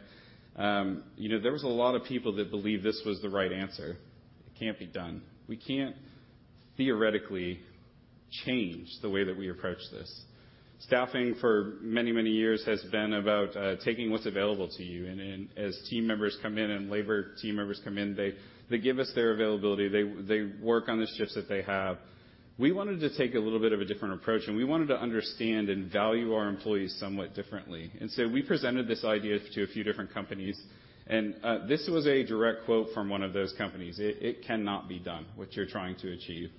you know, there was a lot of people that believed this was the right answer. It can't be done. We can't theoretically change the way that we approach this. Staffing for many, many years has been about taking what's available to you, and then as team members come in and labor team members come in, they give us their availability. They work on the shifts that they have. We wanted to take a little bit of a different approach, and we wanted to understand and value our employees somewhat differently. So we presented this idea to a few different companies, and this was a direct quote from one of those companies: "It cannot be done, what you're trying to achieve."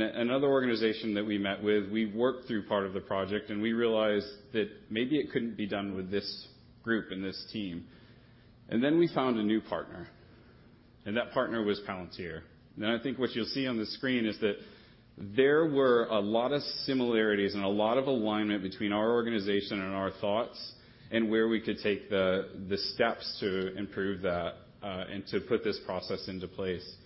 Another organization that we met with, we worked through part of the project, and we realized that maybe it couldn't be done with this group and this team. Then we found a new partner, and that partner was Palantir. I think what you'll see on the screen is that there were a lot of similarities and a lot of alignment between our organization and our thoughts, and where we could take the steps to improve that and to put this process into place.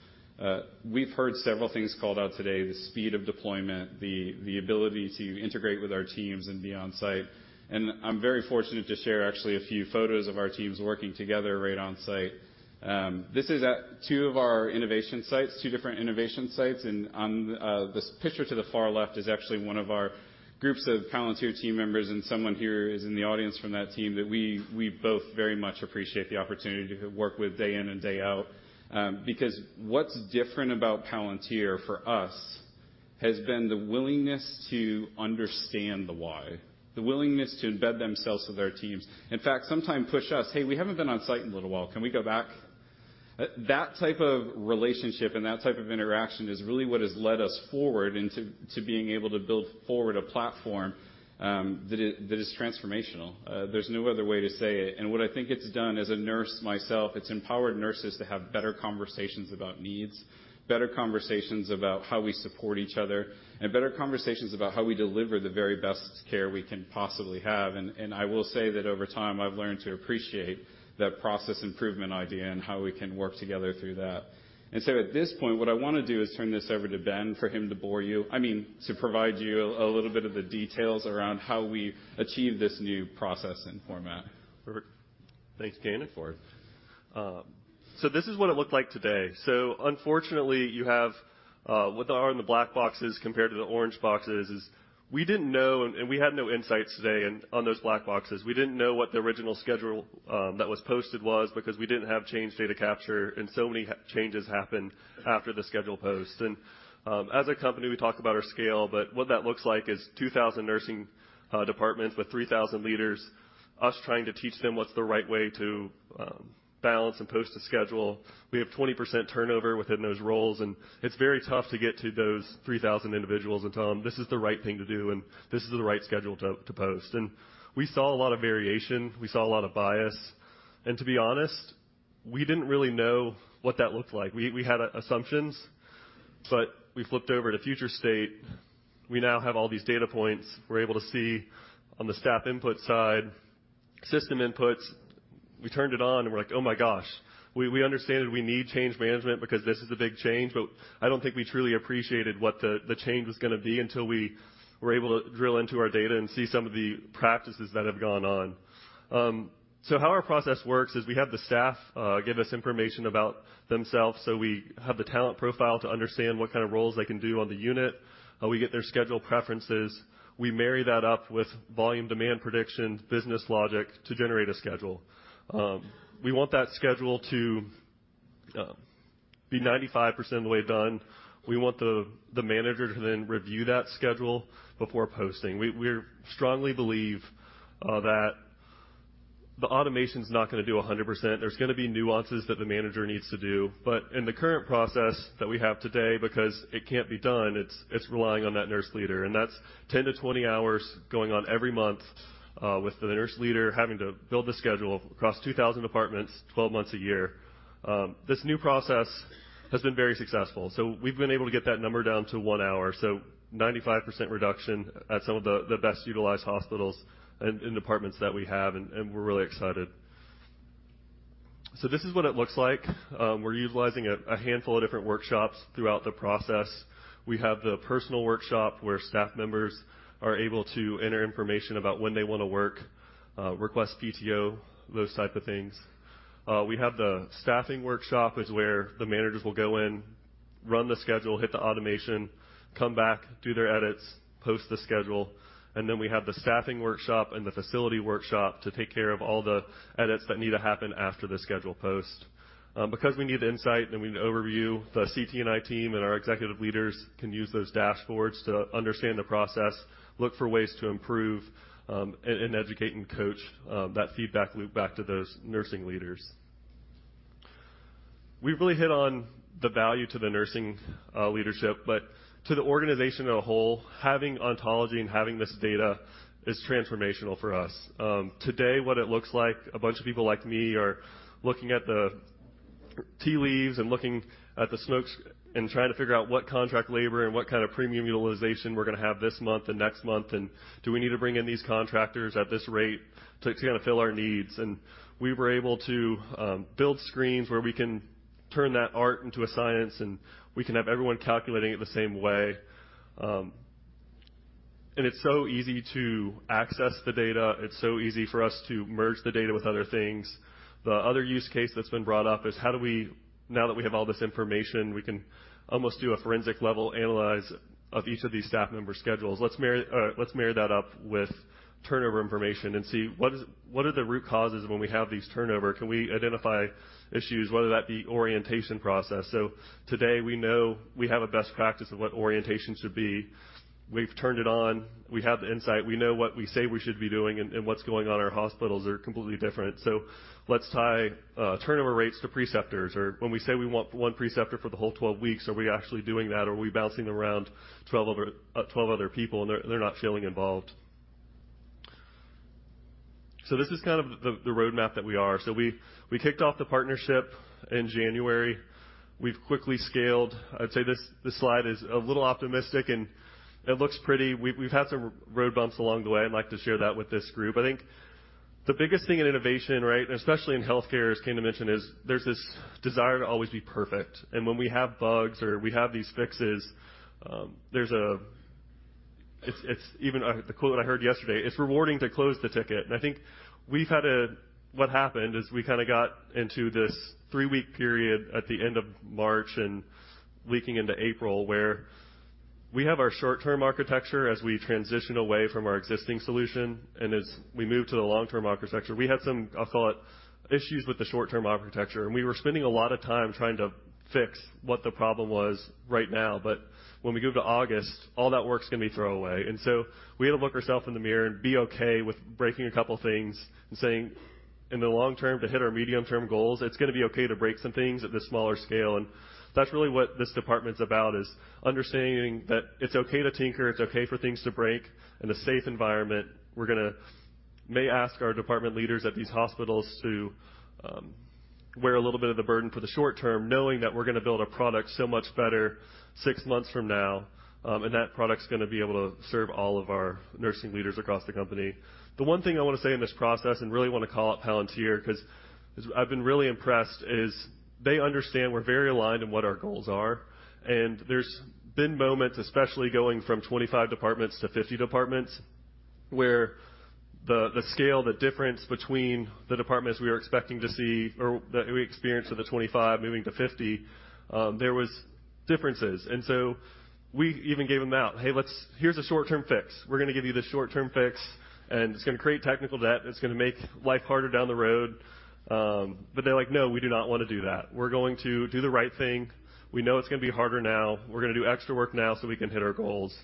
We've heard several things called out today, the speed of deployment, the ability to integrate with our teams and be on site. I'm very fortunate to share actually, a few photos of our teams working together right on site. This is at two of our innovation sites, two different innovation sites. On this picture to the far left is actually one of our groups of Palantir team members, and someone here is in the audience from that team that we both very much appreciate the opportunity to work with day in and day out. What's different about Palantir for us, has been the willingness to understand the why, the willingness to embed themselves with our teams. In fact, sometimes push us: "Hey, we haven't been on site in a little while. Can we go back?" That type of relationship and that type of interaction is really what has led us forward to being able to build forward a platform, that is, that is transformational. There's no other way to say it. What I think it's done as a nurse myself, it's empowered nurses to have better conversations about needs, better conversations about how we support each other, and better conversations about how we deliver the very best care we can possibly have. I will say that over time, I've learned to appreciate that process improvement idea and how we can work together through that. At this point, what I want to do is turn this over to Ben, for him to bore you, I mean, to provide you a little bit of the details around how we achieve this new process and format. Perfect. Thanks, Canaan, for it. This is what it looked like today. Unfortunately, you have, what are in the black boxes compared to the orange boxes is we didn't know, and we had no insights today and on those black boxes. We didn't know what the original schedule that was posted was because we didn't have change data capture, and so many changes happened after the schedule post. As a company, we talk about our scale, but what that looks like is 2,000 nursing departments with 3,000 leaders, us trying to teach them what's the right way to balance and post a schedule. We have 20% turnover within those roles. It's very tough to get to those 3,000 individuals and tell them, "This is the right thing to do, and this is the right schedule to post." We saw a lot of variation, we saw a lot of bias, and to be honest, we didn't really know what that looked like. We had a assumptions. We flipped over to future state. We now have all these data points. We're able to see on the staff input side, system inputs. We turned it on, we're like, oh my gosh, we understand that we need change management because this is a big change, I don't think we truly appreciated what the change was going to be until we were able to drill into our data and see some of the practices that have gone on. How our process works is we have the staff give us information about themselves, so we have the talent profile to understand what kind of roles they can do on the unit, how we get their schedule preferences. We marry that up with volume demand prediction, business logic to generate a schedule. We want that schedule to be 95% of the way done. We want the manager to then review that schedule before posting. We strongly believe that the automation's not gonna do 100%. There's gonna be nuances that the manager needs to do, but in the current process that we have today, because it can't be done, it's relying on that nurse leader, and that's 10 to 20 hours going on every month with the nurse leader having to build the schedule across 2,000 departments, 12 months a year. This new process has been very successful. We've been able to get that number down to 1 hour, 95% reduction at some of the best utilized hospitals and departments that we have, and we're really excited. This is what it looks like. We're utilizing a handful of different workshops throughout the process. We have the personal workshop, where staff members are able to enter information about when they want to work, request PTO, those type of things. We have the staffing workshop, which is where the managers will go in, run the schedule, hit the automation, come back, do their edits, post the schedule, and then we have the staffing workshop and the facility workshop to take care of all the edits that need to happen after the schedule post. Because we need the insight and we overview, the CT&I team and our executive leaders can use those dashboards to understand the process, look for ways to improve, and educate and coach, that feedback loop back to those nursing leaders. We've really hit on the value to the nursing leadership, but to the organization as a whole, having Ontology and having this data is transformational for us. Today, what it looks like, a bunch of people like me are looking at the tea leaves and looking at the smokes and trying to figure out what contract labor and what kind of premium utilization we're gonna have this month and next month, and do we need to bring in these contractors at this rate to kind of fill our needs? We were able to build screens where we can turn that art into a science, and we can have everyone calculating it the same way. It's so easy to access the data. It's so easy for us to merge the data with other things. The other use case that's been brought up is how do we now that we have all this information, we can almost do a forensic level analyze of each of these staff members' schedules. Let's marry that up with turnover information and see What are the root causes when we have these turnover? Can we identify issues, whether that be orientation process? Today, we know we have a best practice of what orientation should be. We've turned it on. We have the insight. We know what we say we should be doing and what's going on in our hospitals are completely different. Let's tie turnover rates to preceptors, or when we say we want one preceptor for the whole 12 weeks, are we actually doing that, or are we bouncing around 12 other, 12 other people, and they're not feeling involved? This is kind of the roadmap that we are. We, we kicked off the partnership in January. We've quickly scaled. I'd say this slide is a little optimistic, and it looks pretty. We've, we've had some road bumps along the way. I'd like to share that with this group. I think the biggest thing in innovation, right, and especially in healthcare, as Kane mentioned, is there's this desire to always be perfect. When we have bugs or we have these fixes, it's even the quote that I heard yesterday: "It's rewarding to close the ticket." I think we've had a. What happened is we kinda got into this three-week period at the end of March and leaking into April, where we have our short-term architecture as we transition away from our existing solution, and as we move to the long-term architecture, we had some, I'll call it issues with the short-term architecture, and we were spending a lot of time trying to fix what the problem was right now. When we go to August, all that work's going to be thrown away. We had to look ourself in the mirror and be okay with breaking a couple of things and saying, in the long term, to hit our medium-term goals, it's gonna be okay to break some things at the smaller scale. That's really what this department's about, is understanding that it's okay to tinker, it's okay for things to break in a safe environment. We're gonna may ask our department leaders at these hospitals to wear a little bit of the burden for the short term, knowing that we're gonna build a product so much better six months from now, and that product's gonna be able to serve all of our nursing leaders across the company. The one thing I want to say in this process, and really want to call out Palantir, 'cause as I've been really impressed, is they understand we're very aligned in what our goals are. There's been moments, especially going from 25 departments to 50 departments, where the scale, the difference between the departments we are expecting to see or that we experienced with the 25 moving to 50, there was differences. We even gave them out. "Hey, here's a short-term fix. We're gonna give you this short-term fix, and it's gonna create technical debt, and it's gonna make life harder down the road." They're like, "No, we do not want to do that. We're going to do the right thing. We know it's gonna be harder now. We're gonna do extra work now, so we can hit our goals.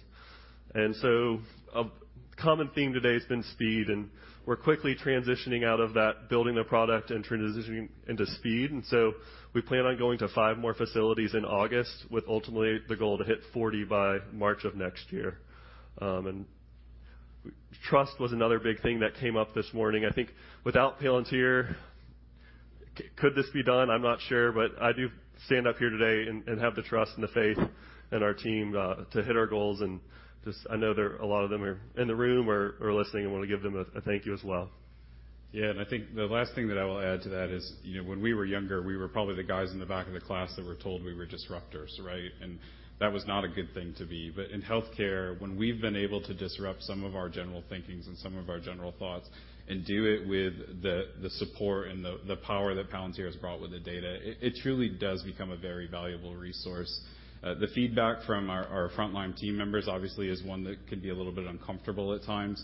A common theme today has been speed, and we're quickly transitioning out of that, building the product and transitioning into speed. We plan on going to five more facilities in August, with ultimately the goal to hit 40 by March of next year. Trust was another big thing that came up this morning. I think without Palantir, could this be done? I'm not sure, but I do stand up here today and have the trust and the faith in our team to hit our goals. Just a lot of them are in the room or listening. I wanna give them a thank you as well. Yeah, I think the last thing that I will add to that is, you know, when we were younger, we were probably the guys in the back of the class that were told we were disruptors, right? That was not a good thing to be. In healthcare, when we've been able to disrupt some of our general thinkings and some of our general thoughts and do it with the support and the power that Palantir has brought with the data, it truly does become a very valuable resource. The feedback from our frontline team members obviously is one that can be a little bit uncomfortable at times.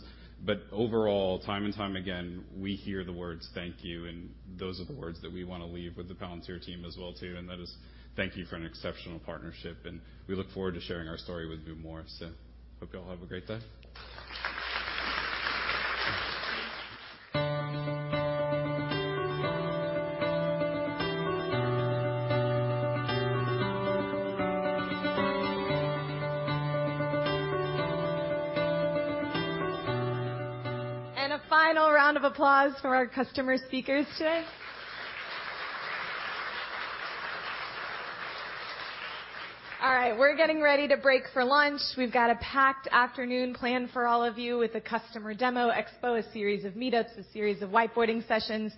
Overall, time and time again, we hear the words thank you. Those are the words that we wanna leave with the Palantir team as well, too. That is, thank you for an exceptional partnership. We look forward to sharing our story with you more. Hope you all have a great day. A final round of applause for our customer speakers today. All right, we're getting ready to break for lunch. We've got a packed afternoon planned for all of you with a customer demo expo, a series of meetups, a series of whiteboarding sessions.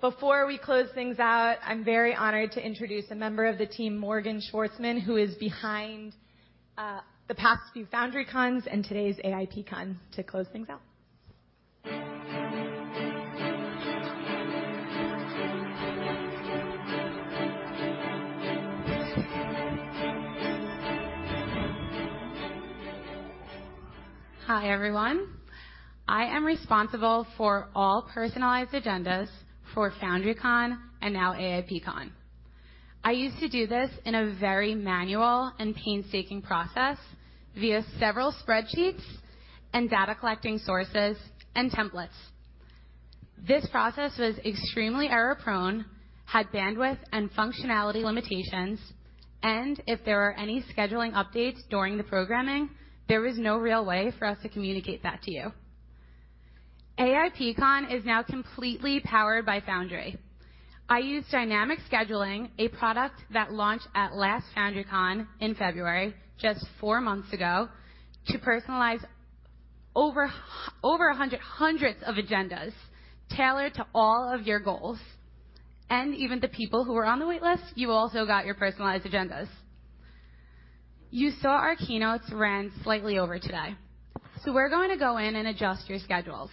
Before we close things out, I'm very honored to introduce a member of the team, Morgan Schwartzman, who is behind the past few FoundryCons, and today's AIPCon, to close things out. Hi, everyone. I am responsible for all personalized agendas for FoundryCon, and now AIPCon. I used to do this in a very manual and painstaking process via several spreadsheets and data collecting sources and templates. This process was extremely error-prone, had bandwidth and functionality limitations, and if there were any scheduling updates during the programming, there was no real way for us to communicate that to you. AIPCon is now completely powered by Foundry. I used Dynamic Scheduling, a product that launched at last FoundryCon in February, just four months ago, to personalize hundreds of agendas tailored to all of your goals. Even the people who were on the wait list, you also got your personalized agendas. You saw our keynotes ran slightly over today, we're going to go in and adjust your schedules.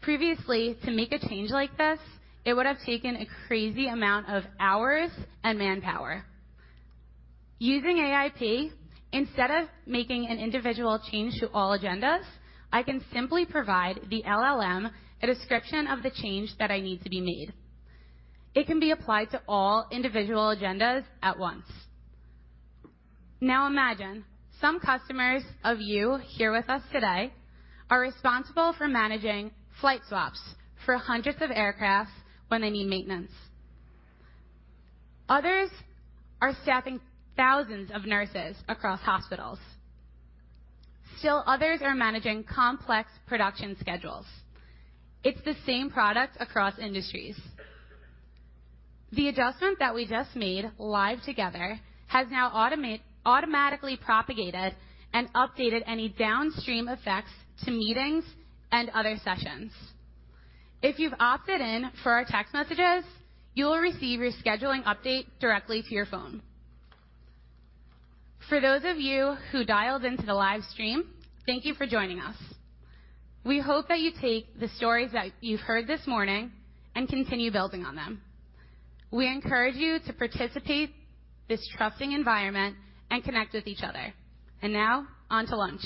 Previously, to make a change like this, it would have taken a crazy amount of hours and manpower. Using AIP, instead of making an individual change to all agendas, I can simply provide the LLM a description of the change that I need to be made. It can be applied to all individual agendas at once. Now, imagine some customers of you here with us today are responsible for managing flight swaps for hundreds of aircrafts when they need maintenance. Others are staffing thousands of nurses across hospitals. Still, others are managing complex production schedules. It's the same product across industries. The adjustment that we just made live together has now automatically propagated and updated any downstream effects to meetings and other sessions. If you've opted in for our text messages, you will receive your scheduling update directly to your phone. For those of you who dialed into the live stream, thank you for joining us. We hope that you take the stories that you've heard this morning and continue building on them. We encourage you to participate in this trusting environment and connect with each other. Now, on to lunch.